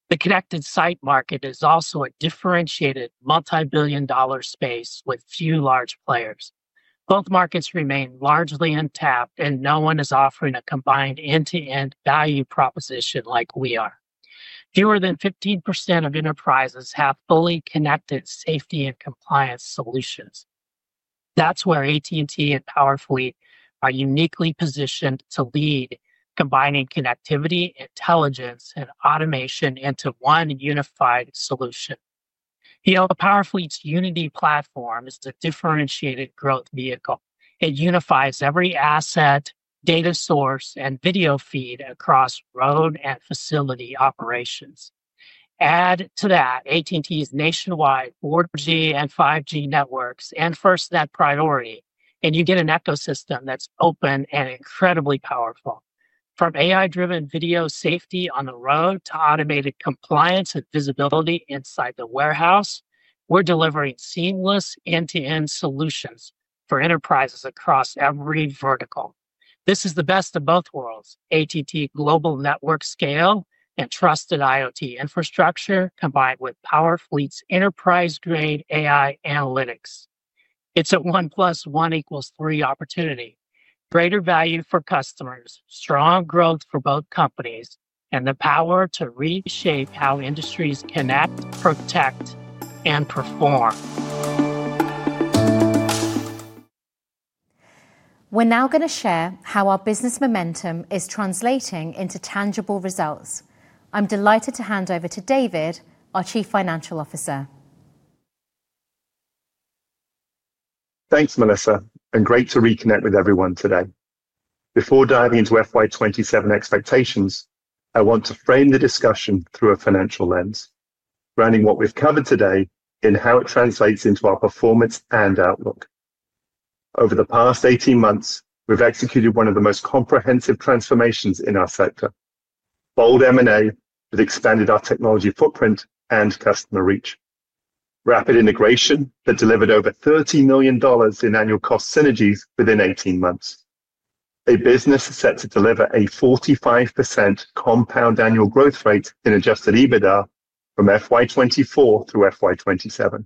U: The connected site market is also a differentiated multi-billion dollar space with few large players. Both markets remain largely untapped, and no one is offering a combined end-to-end value proposition like we are. Fewer than 15% of enterprises have fully connected safety and compliance solutions. That's where AT&T and Powerfleet are uniquely positioned to lead, combining connectivity, intelligence, and automation into one unified solution. Powerfleet's Unity platform is a differentiated growth vehicle. It unifies every asset, data source, and video feed across road and facility operations. Add to that AT&T's nationwide 4G and 5G networks and FirstNet priority, and you get an ecosystem that's open and incredibly powerful. From AI-driven video safety on the road to automated compliance and visibility inside the warehouse, we're delivering seamless end-to-end solutions for enterprises across every vertical. This is the best of both worlds: AT&T global network scale and trusted IoT infrastructure combined with Powerfleet's enterprise-grade AI analytics. It's a 1 plus 1 equals 3 opportunity: greater value for customers, strong growth for both companies, and the power to reshape how industries connect, protect, and perform.
D: We're now going to share how our business momentum is translating into tangible results. I'm delighted to hand over to David, our Chief Financial Officer.
O: Thanks, Melissa, and great to reconnect with everyone today. Before diving into FY27 expectations, I want to frame the discussion through a financial lens rounding what we've covered today in how it translates into our performance and outlook. Over the past 18 months, we've executed one of the most comprehensive transformations in our sector: bold M&A that expanded our technology footprint and customer reach, rapid integration that delivered over $30 million in annual cost synergies within 18 months, a business set to deliver a 45% compound annual growth rate in Adjusted EBITDA from FY2024 through FY2027.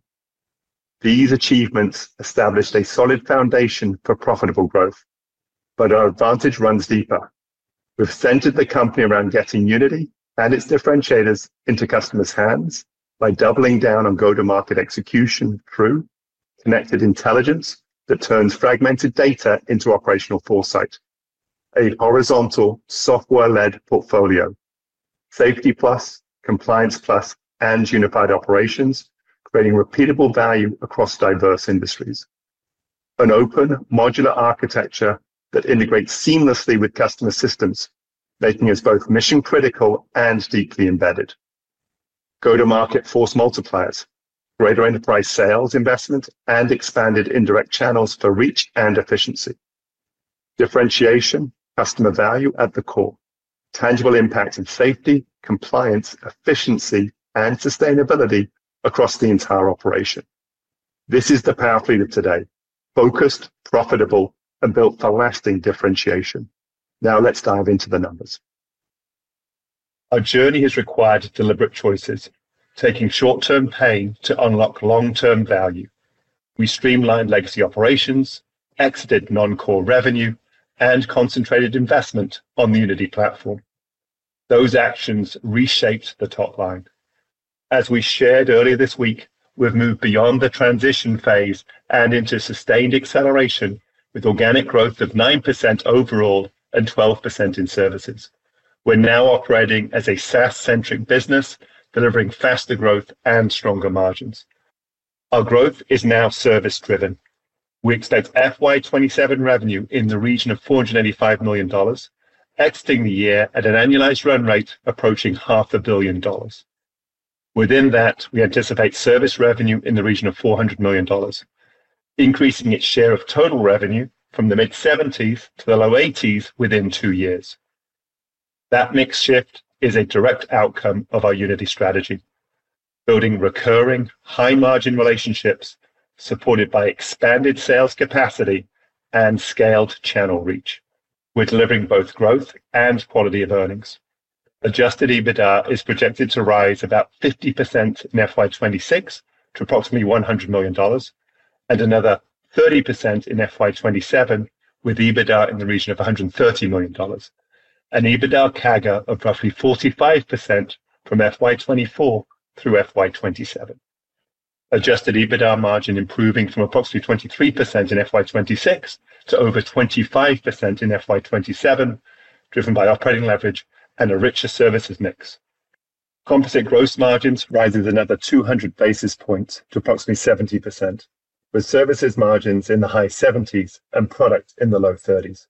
O: These achievements established a solid foundation for profitable growth. Our advantage runs deeper. We've centered the company around getting Unity and its differentiators into customers' hands by doubling down on go-to-market execution through connected intelligence that turns fragmented data into operational foresight, a horizontal software-led portfolio, Safety Plus, compliance plus, and unified operations, creating repeatable value across diverse industries, an open modular architecture that integrates seamlessly with customer systems, making us both mission-critical and deeply embedded. Go-to-market force multipliers, greater enterprise sales investment, and expanded indirect channels for reach and efficiency. Differentiation, customer value at the core, tangible impact in safety, compliance, efficiency, and sustainability across the entire operation. This is the Powerfleet of today: focused, profitable, and built for lasting differentiation. Now let's dive into the numbers. Our journey has required deliberate choices, taking short-term pain to unlock long-term value. We streamlined legacy operations, exited non-core revenue, and concentrated investment on the Unity platform. Those actions reshaped the top line. As we shared earlier this week, we've moved beyond the transition phase and into sustained acceleration with organic growth of 9% overall and 12% in services. We're now operating as a SaaS-centric business, delivering faster growth and stronger margins. Our growth is now service-driven. We expect FY2027 revenue in the region of $485 million, exiting the year at an annualized run rate approaching $500 million. Within that, we anticipate service revenue in the region of $400 million, increasing its share of total revenue from the mid-70% to the low-80% within two years. That mix shift is a direct outcome of our Unity strategy, building recurring high-margin relationships supported by expanded sales capacity and scaled channel reach. We're delivering both growth and quality of earnings. Adjusted EBITDA is projected to rise about 50% in FY2026 to approximately $100 million, and another 30% in FY2027 with EBITDA in the region of $130 million, an EBITDA CAGR of roughly 45% from FY2024 through FY2027. Adjusted EBITDA margin improving from approximately 23% in FY2026 to over 25% in FY2027, driven by operating leverage and a richer services mix. Composite gross margins rise another 200 basis points to approximately 70%, with services margins in the high 70s and products in the low 30s.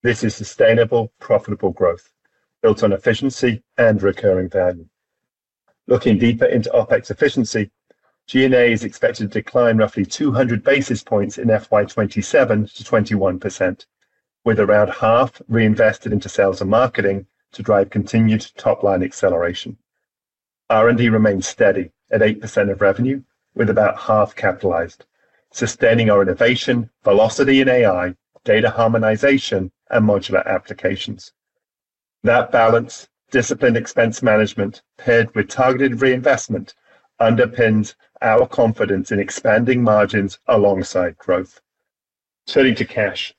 O: This is sustainable, profitable growth built on efficiency and recurring value. Looking deeper into OpEx efficiency, G&A is expected to decline roughly 200 basis points in FY2027 to 21%, with around half reinvested into sales and marketing to drive continued top-line acceleration. R&D remains steady at 8% of revenue, with about half capitalized, sustaining our innovation, velocity in AI, data harmonization, and modular applications. That balance, disciplined expense management paired with targeted reinvestment, underpins our confidence in expanding margins alongside growth. Turning to cash,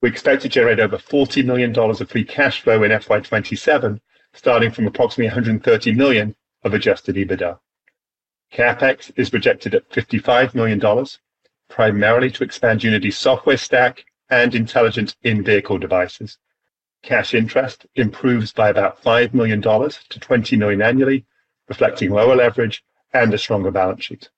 O: we expect to generate over $40 million of free cash flow in FY27, starting from approximately $130 million of Adjusted EBITDA. CapEx is projected at $55 million, primarily to expand Unity's software stack and intelligence in vehicle devices. Cash interest improves by about $5 million to $20 million annually, reflecting lower leverage and a stronger balance sheet.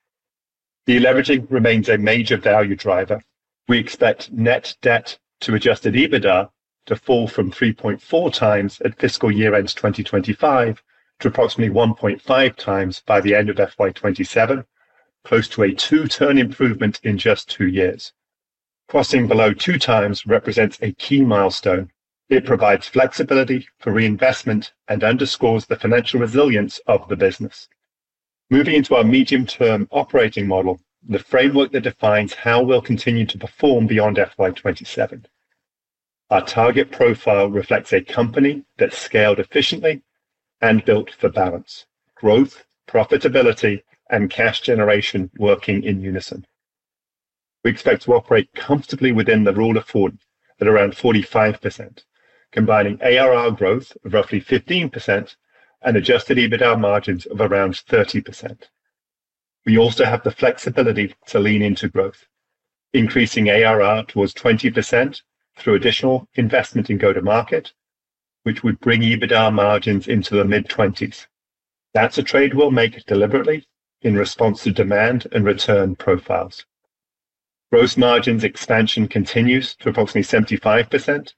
O: Deleveraging remains a major value driver. We expect net debt to Adjusted EBITDA to fall from 3.4 times at fiscal year-end 2025 to approximately 1.5 times by the end of FY27, close to a two-term improvement in just two years. Crossing below two times represents a key milestone. It provides flexibility for reinvestment and underscores the financial resilience of the business. Moving into our medium-term operating model, the framework that defines how we'll continue to perform beyond FY2027. Our target profile reflects a company that's scaled efficiently and built for balance: growth, profitability, and cash generation working in unison. We expect to operate comfortably within the rule of 40 at around 45%, combining ARR growth of roughly 15% and Adjusted EBITDA margins of around 30%. We also have the flexibility to lean into growth, increasing ARR towards 20% through additional investment in go-to-market, which would bring EBITDA margins into the mid-20s. That is a trade we'll make deliberately in response to demand and return profiles. Gross margins expansion continues to approximately 75%,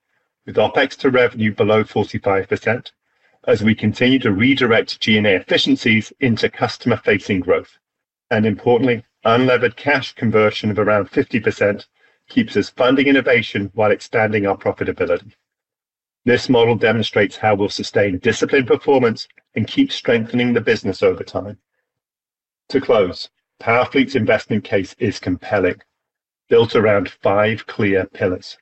O: with OpEx to revenue below 45% as we continue to redirect G&A efficiencies into customer-facing growth. Importantly, unlevered cash conversion of around 50% keeps us funding innovation while expanding our profitability. This model demonstrates how we'll sustain disciplined performance and keep strengthening the business over time. To close, Powerfleet's investment case is compelling, built around five clear pillars.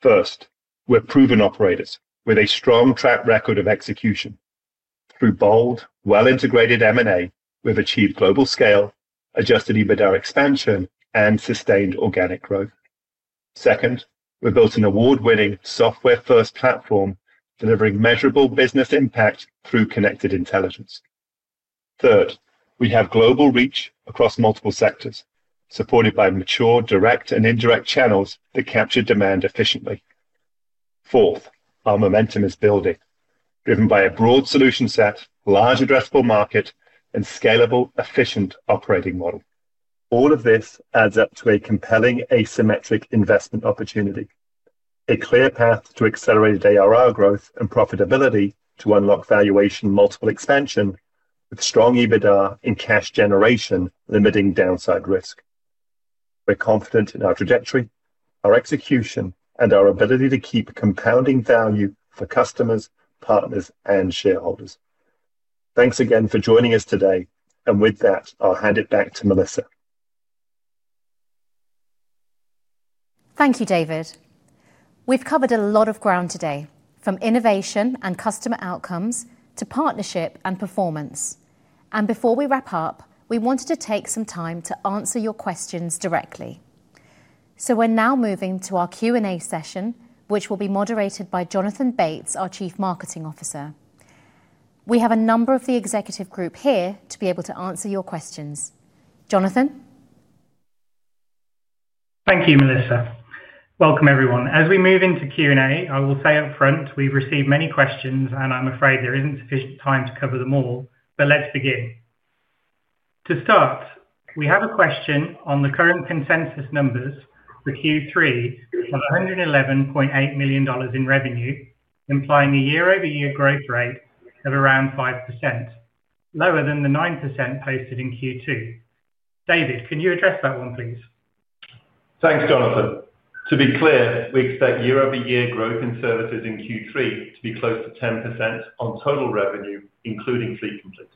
O: First, we're proven operators with a strong track record of execution. Through bold, well-integrated M&A, we've achieved global scale, Adjusted EBITDA expansion, and sustained organic growth. Second, we've built an award-winning software-first platform, delivering measurable business impact through connected intelligence. Third, we have global reach across multiple sectors, supported by mature direct and indirect channels that capture demand efficiently. Fourth, our momentum is building, driven by a broad solution set, large addressable market, and scalable, efficient operating model. All of this adds up to a compelling asymmetric investment opportunity: a clear path to accelerated ARR growth and profitability to unlock valuation multiple expansion with strong EBITDA in cash generation, limiting downside risk. We're confident in our trajectory, our execution, and our ability to keep compounding value for customers, partners, and shareholders. Thanks again for joining us today. With that, I'll hand it back to Melissa.
D: Thank you, David. We have covered a lot of ground today, from innovation and customer outcomes to partnership and performance. Before we wrap up, we wanted to take some time to answer your questions directly. We are now moving to our Q&A session, which will be moderated by Jonathan Bates, our Chief Marketing Officer. We have a number of the executive group here to be able to answer your questions. Jonathan?
V: Thank you, Melissa. Welcome, everyone. As we move into Q&A, I will say upfront, we've received many questions, and I'm afraid there isn't sufficient time to cover them all. Let's begin. To start, we have a question on the current consensus numbers for Q3 of $111.8 million in revenue, implying a year-over-year growth rate of around 5%, lower than the 9% posted in Q2. David, can you address that one, please?
O: Thanks, Jonathan. To be clear, we expect year-over-year growth in services in Q3 to be close to 10% on total revenue, including Fleet Complete.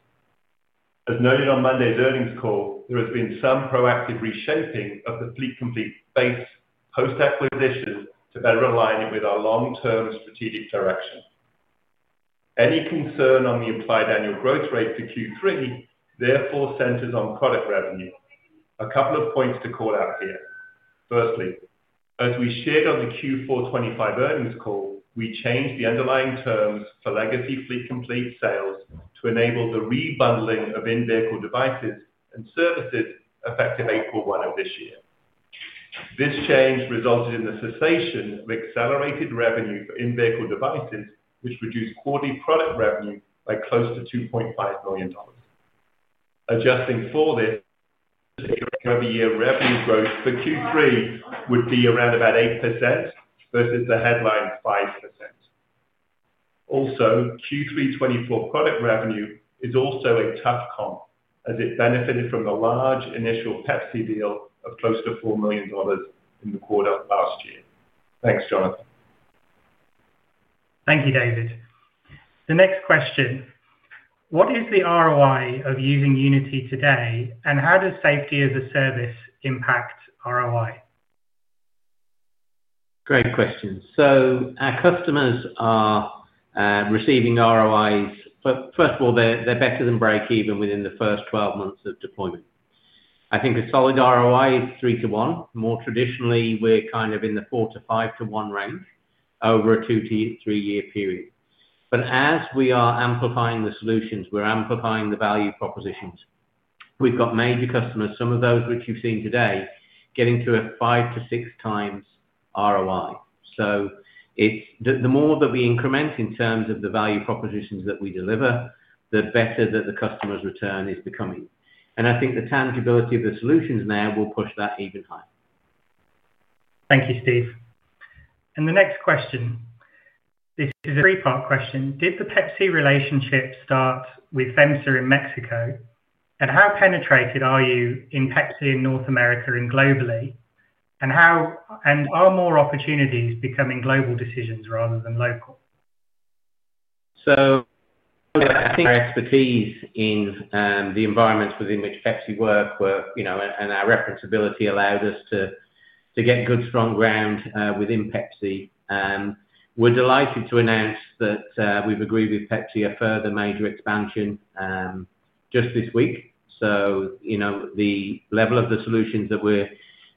O: As noted on Monday's earnings call, there has been some proactive reshaping of the Fleet Complete base post-acquisition to better align it with our long-term strategic direction. Any concern on the implied annual growth rate for Q3 therefore centers on product revenue. A couple of points to call out here. Firstly, as we shared on the Q4 2025 earnings call, we changed the underlying terms for legacy Fleet Complete sales to enable the rebundling of in-vehicle devices and services effective April 1 of this year. This change resulted in the cessation of accelerated revenue for in-vehicle devices, which reduced quarterly product revenue by close to $2.5 million. Adjusting for this, year-over-year revenue growth for Q3 would be around about 8% versus the headline 5%. Also, Q3 2024 product revenue is also a tough comp as it benefited from the large initial PepsiCo deal of close to $4 million in the quarter of last year. Thanks, Jonathan.
V: Thank you, David. The next question: what is the ROI of using Unity today, and how does Safety as a Service impact ROI?
C: Great question. So our customers are receiving ROIs. First of all, they're better than break-even within the first 12 months of deployment. I think a solid ROI is three to one. More traditionally, we're kind of in the four to five to one range over a two to three-year period. As we are amplifying the solutions, we're amplifying the value propositions. We've got major customers, some of those which you've seen today, getting to a five to six times ROI. The more that we increment in terms of the value propositions that we deliver, the better that the customer's return is becoming. I think the tangibility of the solutions now will push that even higher.
V: Thank you, Steve. The next question, this is a three-part question: did the Pepsi relationship start with FEMSA in Mexico? How penetrated are you in Pepsi in North America and globally? Are more opportunities becoming global decisions rather than local?
C: I think our expertise in the environments within which Pepsi work and our reference ability allowed us to get good, strong ground within Pepsi. We're delighted to announce that we've agreed with Pepsi a further major expansion just this week. The level of the solutions that we're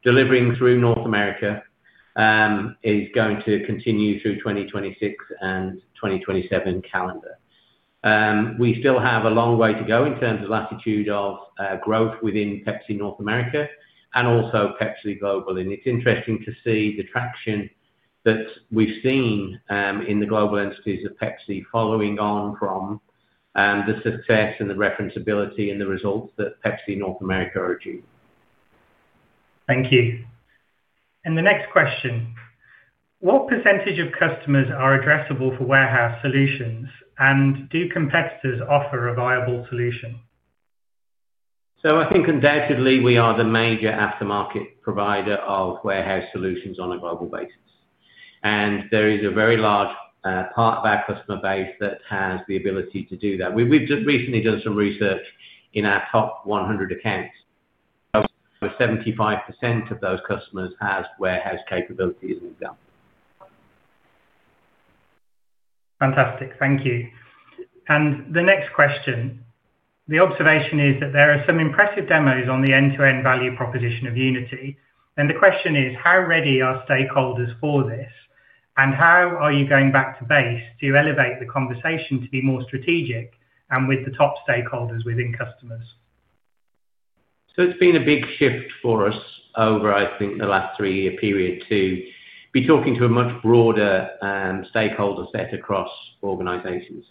C: delivering through North America is going to continue through 2026 and 2027 calendar. We still have a long way to go in terms of latitude of growth within Pepsi North America and also Pepsi Global. It's interesting to see the traction that we've seen in the global entities of Pepsi following on from the success and the reference ability and the results that Pepsi North America are achieving.
V: Thank you. The next question: what percentage of customers are addressable for warehouse solutions, and do competitors offer a viable solution?
C: I think undoubtedly we are the major aftermarket provider of warehouse solutions on a global basis. There is a very large part of our customer base that has the ability to do that. We have just recently done some research in our top 100 accounts. Over 75% of those customers have warehouse capabilities in the gun.
V: Fantastic. Thank you. The next question: the observation is that there are some impressive demos on the end-to-end value proposition of Unity. The question is, how ready are stakeholders for this? How are you going back to base to elevate the conversation to be more strategic and with the top stakeholders within customers?
C: It's been a big shift for us over, I think, the last three-year period to be talking to a much broader stakeholder set across organizations.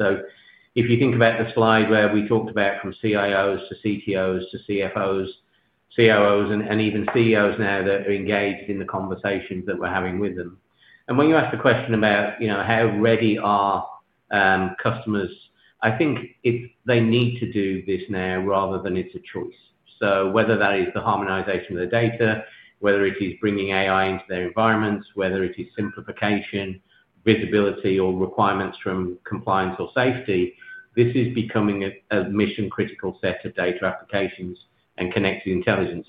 C: If you think about the slide where we talked about from CIOs to CTOs to CFOs, COOs, and even CEOs now that are engaged in the conversations that we're having with them. When you ask the question about how ready are customers, I think they need to do this now rather than it's a choice. Whether that is the harmonization of the data, whether it is bringing AI into their environments, whether it is simplification, visibility, or requirements from compliance or safety, this is becoming a mission-critical set of data applications and connected intelligence.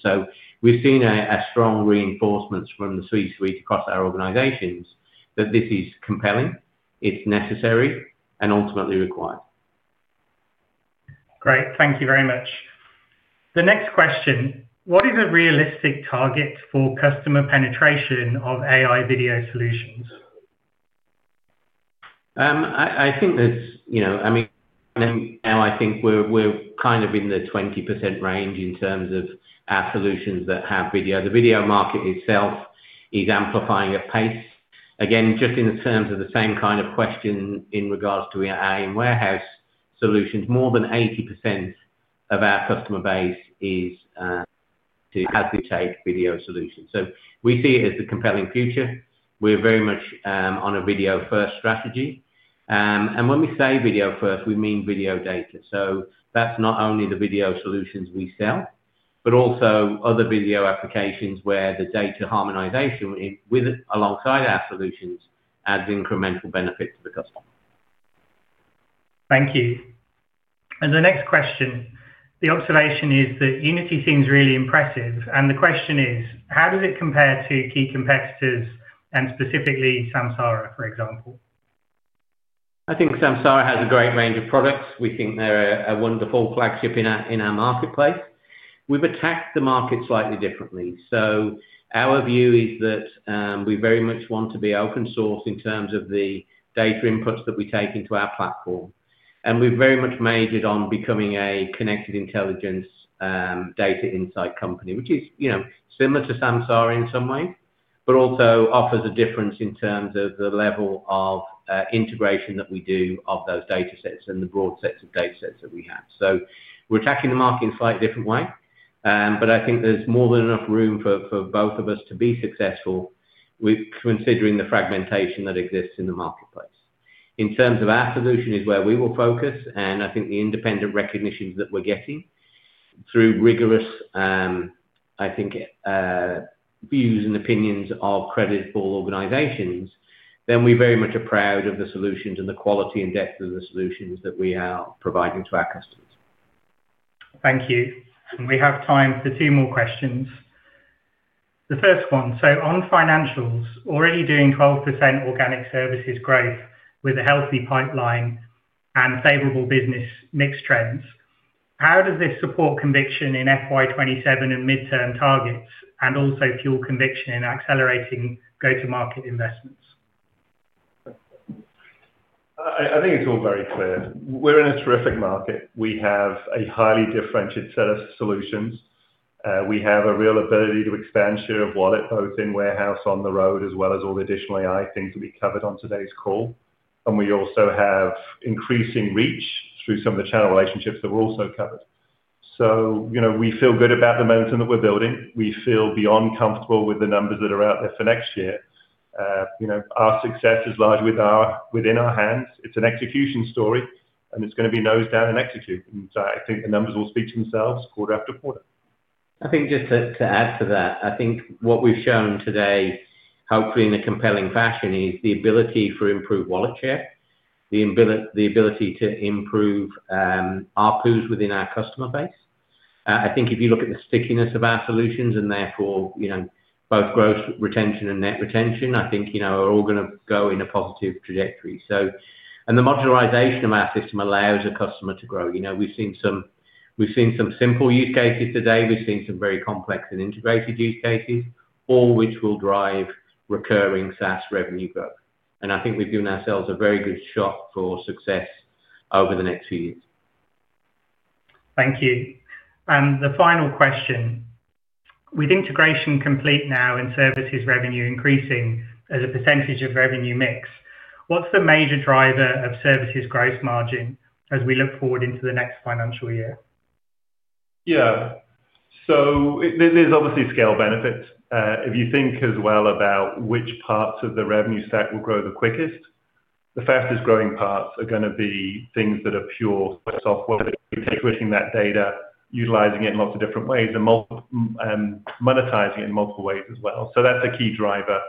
C: We've seen a strong reinforcement from the suite across our organizations that this is compelling, it's necessary, and ultimately required.
V: Great. Thank you very much. The next question: what is a realistic target for customer penetration of AI video solutions?
C: I think that, I mean, now I think we're kind of in the 20% range in terms of our solutions that have video. The video market itself is amplifying at pace. Again, just in terms of the same kind of question in regards to AI in warehouse solutions, more than 80% of our customer base has to take video solutions. We see it as the compelling future. We're very much on a video-first strategy. When we say video-first, we mean video data. That's not only the video solutions we sell, but also other video applications where the data harmonization alongside our solutions adds incremental benefit to the customer.
V: Thank you. The next question: the observation is that Unity seems really impressive. The question is, how does it compare to key competitors and specifically Samsara, for example?
C: I think Samsara has a great range of products. We think they're a wonderful flagship in our marketplace. We've attacked the market slightly differently. Our view is that we very much want to be open-source in terms of the data inputs that we take into our platform. We've very much majored on becoming a connected intelligence data insight company, which is similar to Samsara in some way, but also offers a difference in terms of the level of integration that we do of those data sets and the broad sets of data sets that we have. We're attacking the market in a slightly different way. I think there's more than enough room for both of us to be successful considering the fragmentation that exists in the marketplace. In terms of our solution is where we will focus, and I think the independent recognitions that we're getting through rigorous, I think, views and opinions of credible organizations, then we very much are proud of the solutions and the quality and depth of the solutions that we are providing to our customers.
V: Thank you. We have time for two more questions. The first one: on financials, already doing 12% organic services growth with a healthy pipeline and favorable business mix trends, how does this support conviction in FY2027 and midterm targets and also fuel conviction in accelerating go-to-market investments?
O: I think it's all very clear. We're in a terrific market. We have a highly differentiated set of solutions. We have a real ability to expand share of wallet, both in warehouse, on the road, as well as all the additional AI things that we covered on today's call. We also have increasing reach through some of the channel relationships that we also covered. We feel good about the momentum that we're building. We feel beyond comfortable with the numbers that are out there for next year. Our success is largely within our hands. It's an execution story, and it's going to be nose down and execute. I think the numbers will speak to themselves quarter after quarter.
C: I think just to add to that, I think what we've shown today, hopefully in a compelling fashion, is the ability for improved wallet share, the ability to improve RPUs within our customer base. I think if you look at the stickiness of our solutions and therefore both gross retention and net retention, I think we're all going to go in a positive trajectory. The modularization of our system allows a customer to grow. We've seen some simple use cases today. We've seen some very complex and integrated use cases, all which will drive recurring SaaS revenue growth. I think we've given ourselves a very good shot for success over the next few years.
V: Thank you. The final question: with integration complete now and services revenue increasing as a percentage of revenue mix, what's the major driver of services gross margin as we look forward into the next financial year?
O: Yeah. There are obviously scale benefits. If you think as well about which parts of the revenue stack will grow the quickest, the fastest growing parts are going to be things that are pure software. We are integrating that data, utilizing it in lots of different ways and monetizing it in multiple ways as well. That is a key driver.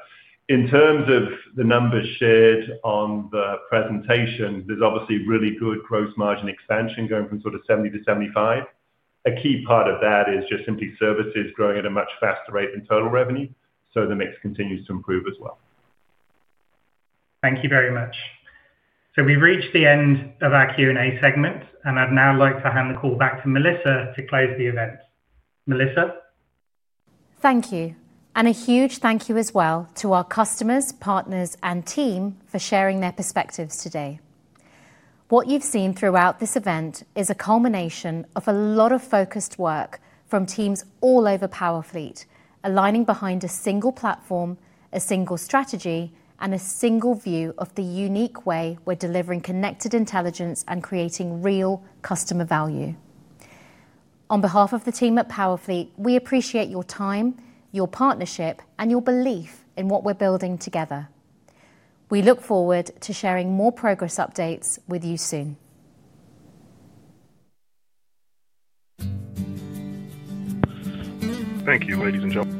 O: In terms of the numbers shared on the presentation, there is obviously really good gross margin expansion going from 70%-75%. A key part of that is just simply services growing at a much faster rate than total revenue. The mix continues to improve as well.
V: Thank you very much. We have reached the end of our Q&A segment, and I would now like to hand the call back to Melissa to close the event. Melissa?
P: Thank you. And a huge thank you as well to our customers, partners, and team for sharing their perspectives today. What you have seen throughout this event is a culmination of a lot of focused work from teams all over Powerfleet, aligning behind a single platform, a single strategy, and a single view of the unique way we are delivering connected intelligence and creating real customer value. On behalf of the team at Powerfleet, we appreciate your time, your partnership, and your belief in what we are building together. We look forward to sharing more progress updates with you soon.
A: Thank you, ladies and gentlemen.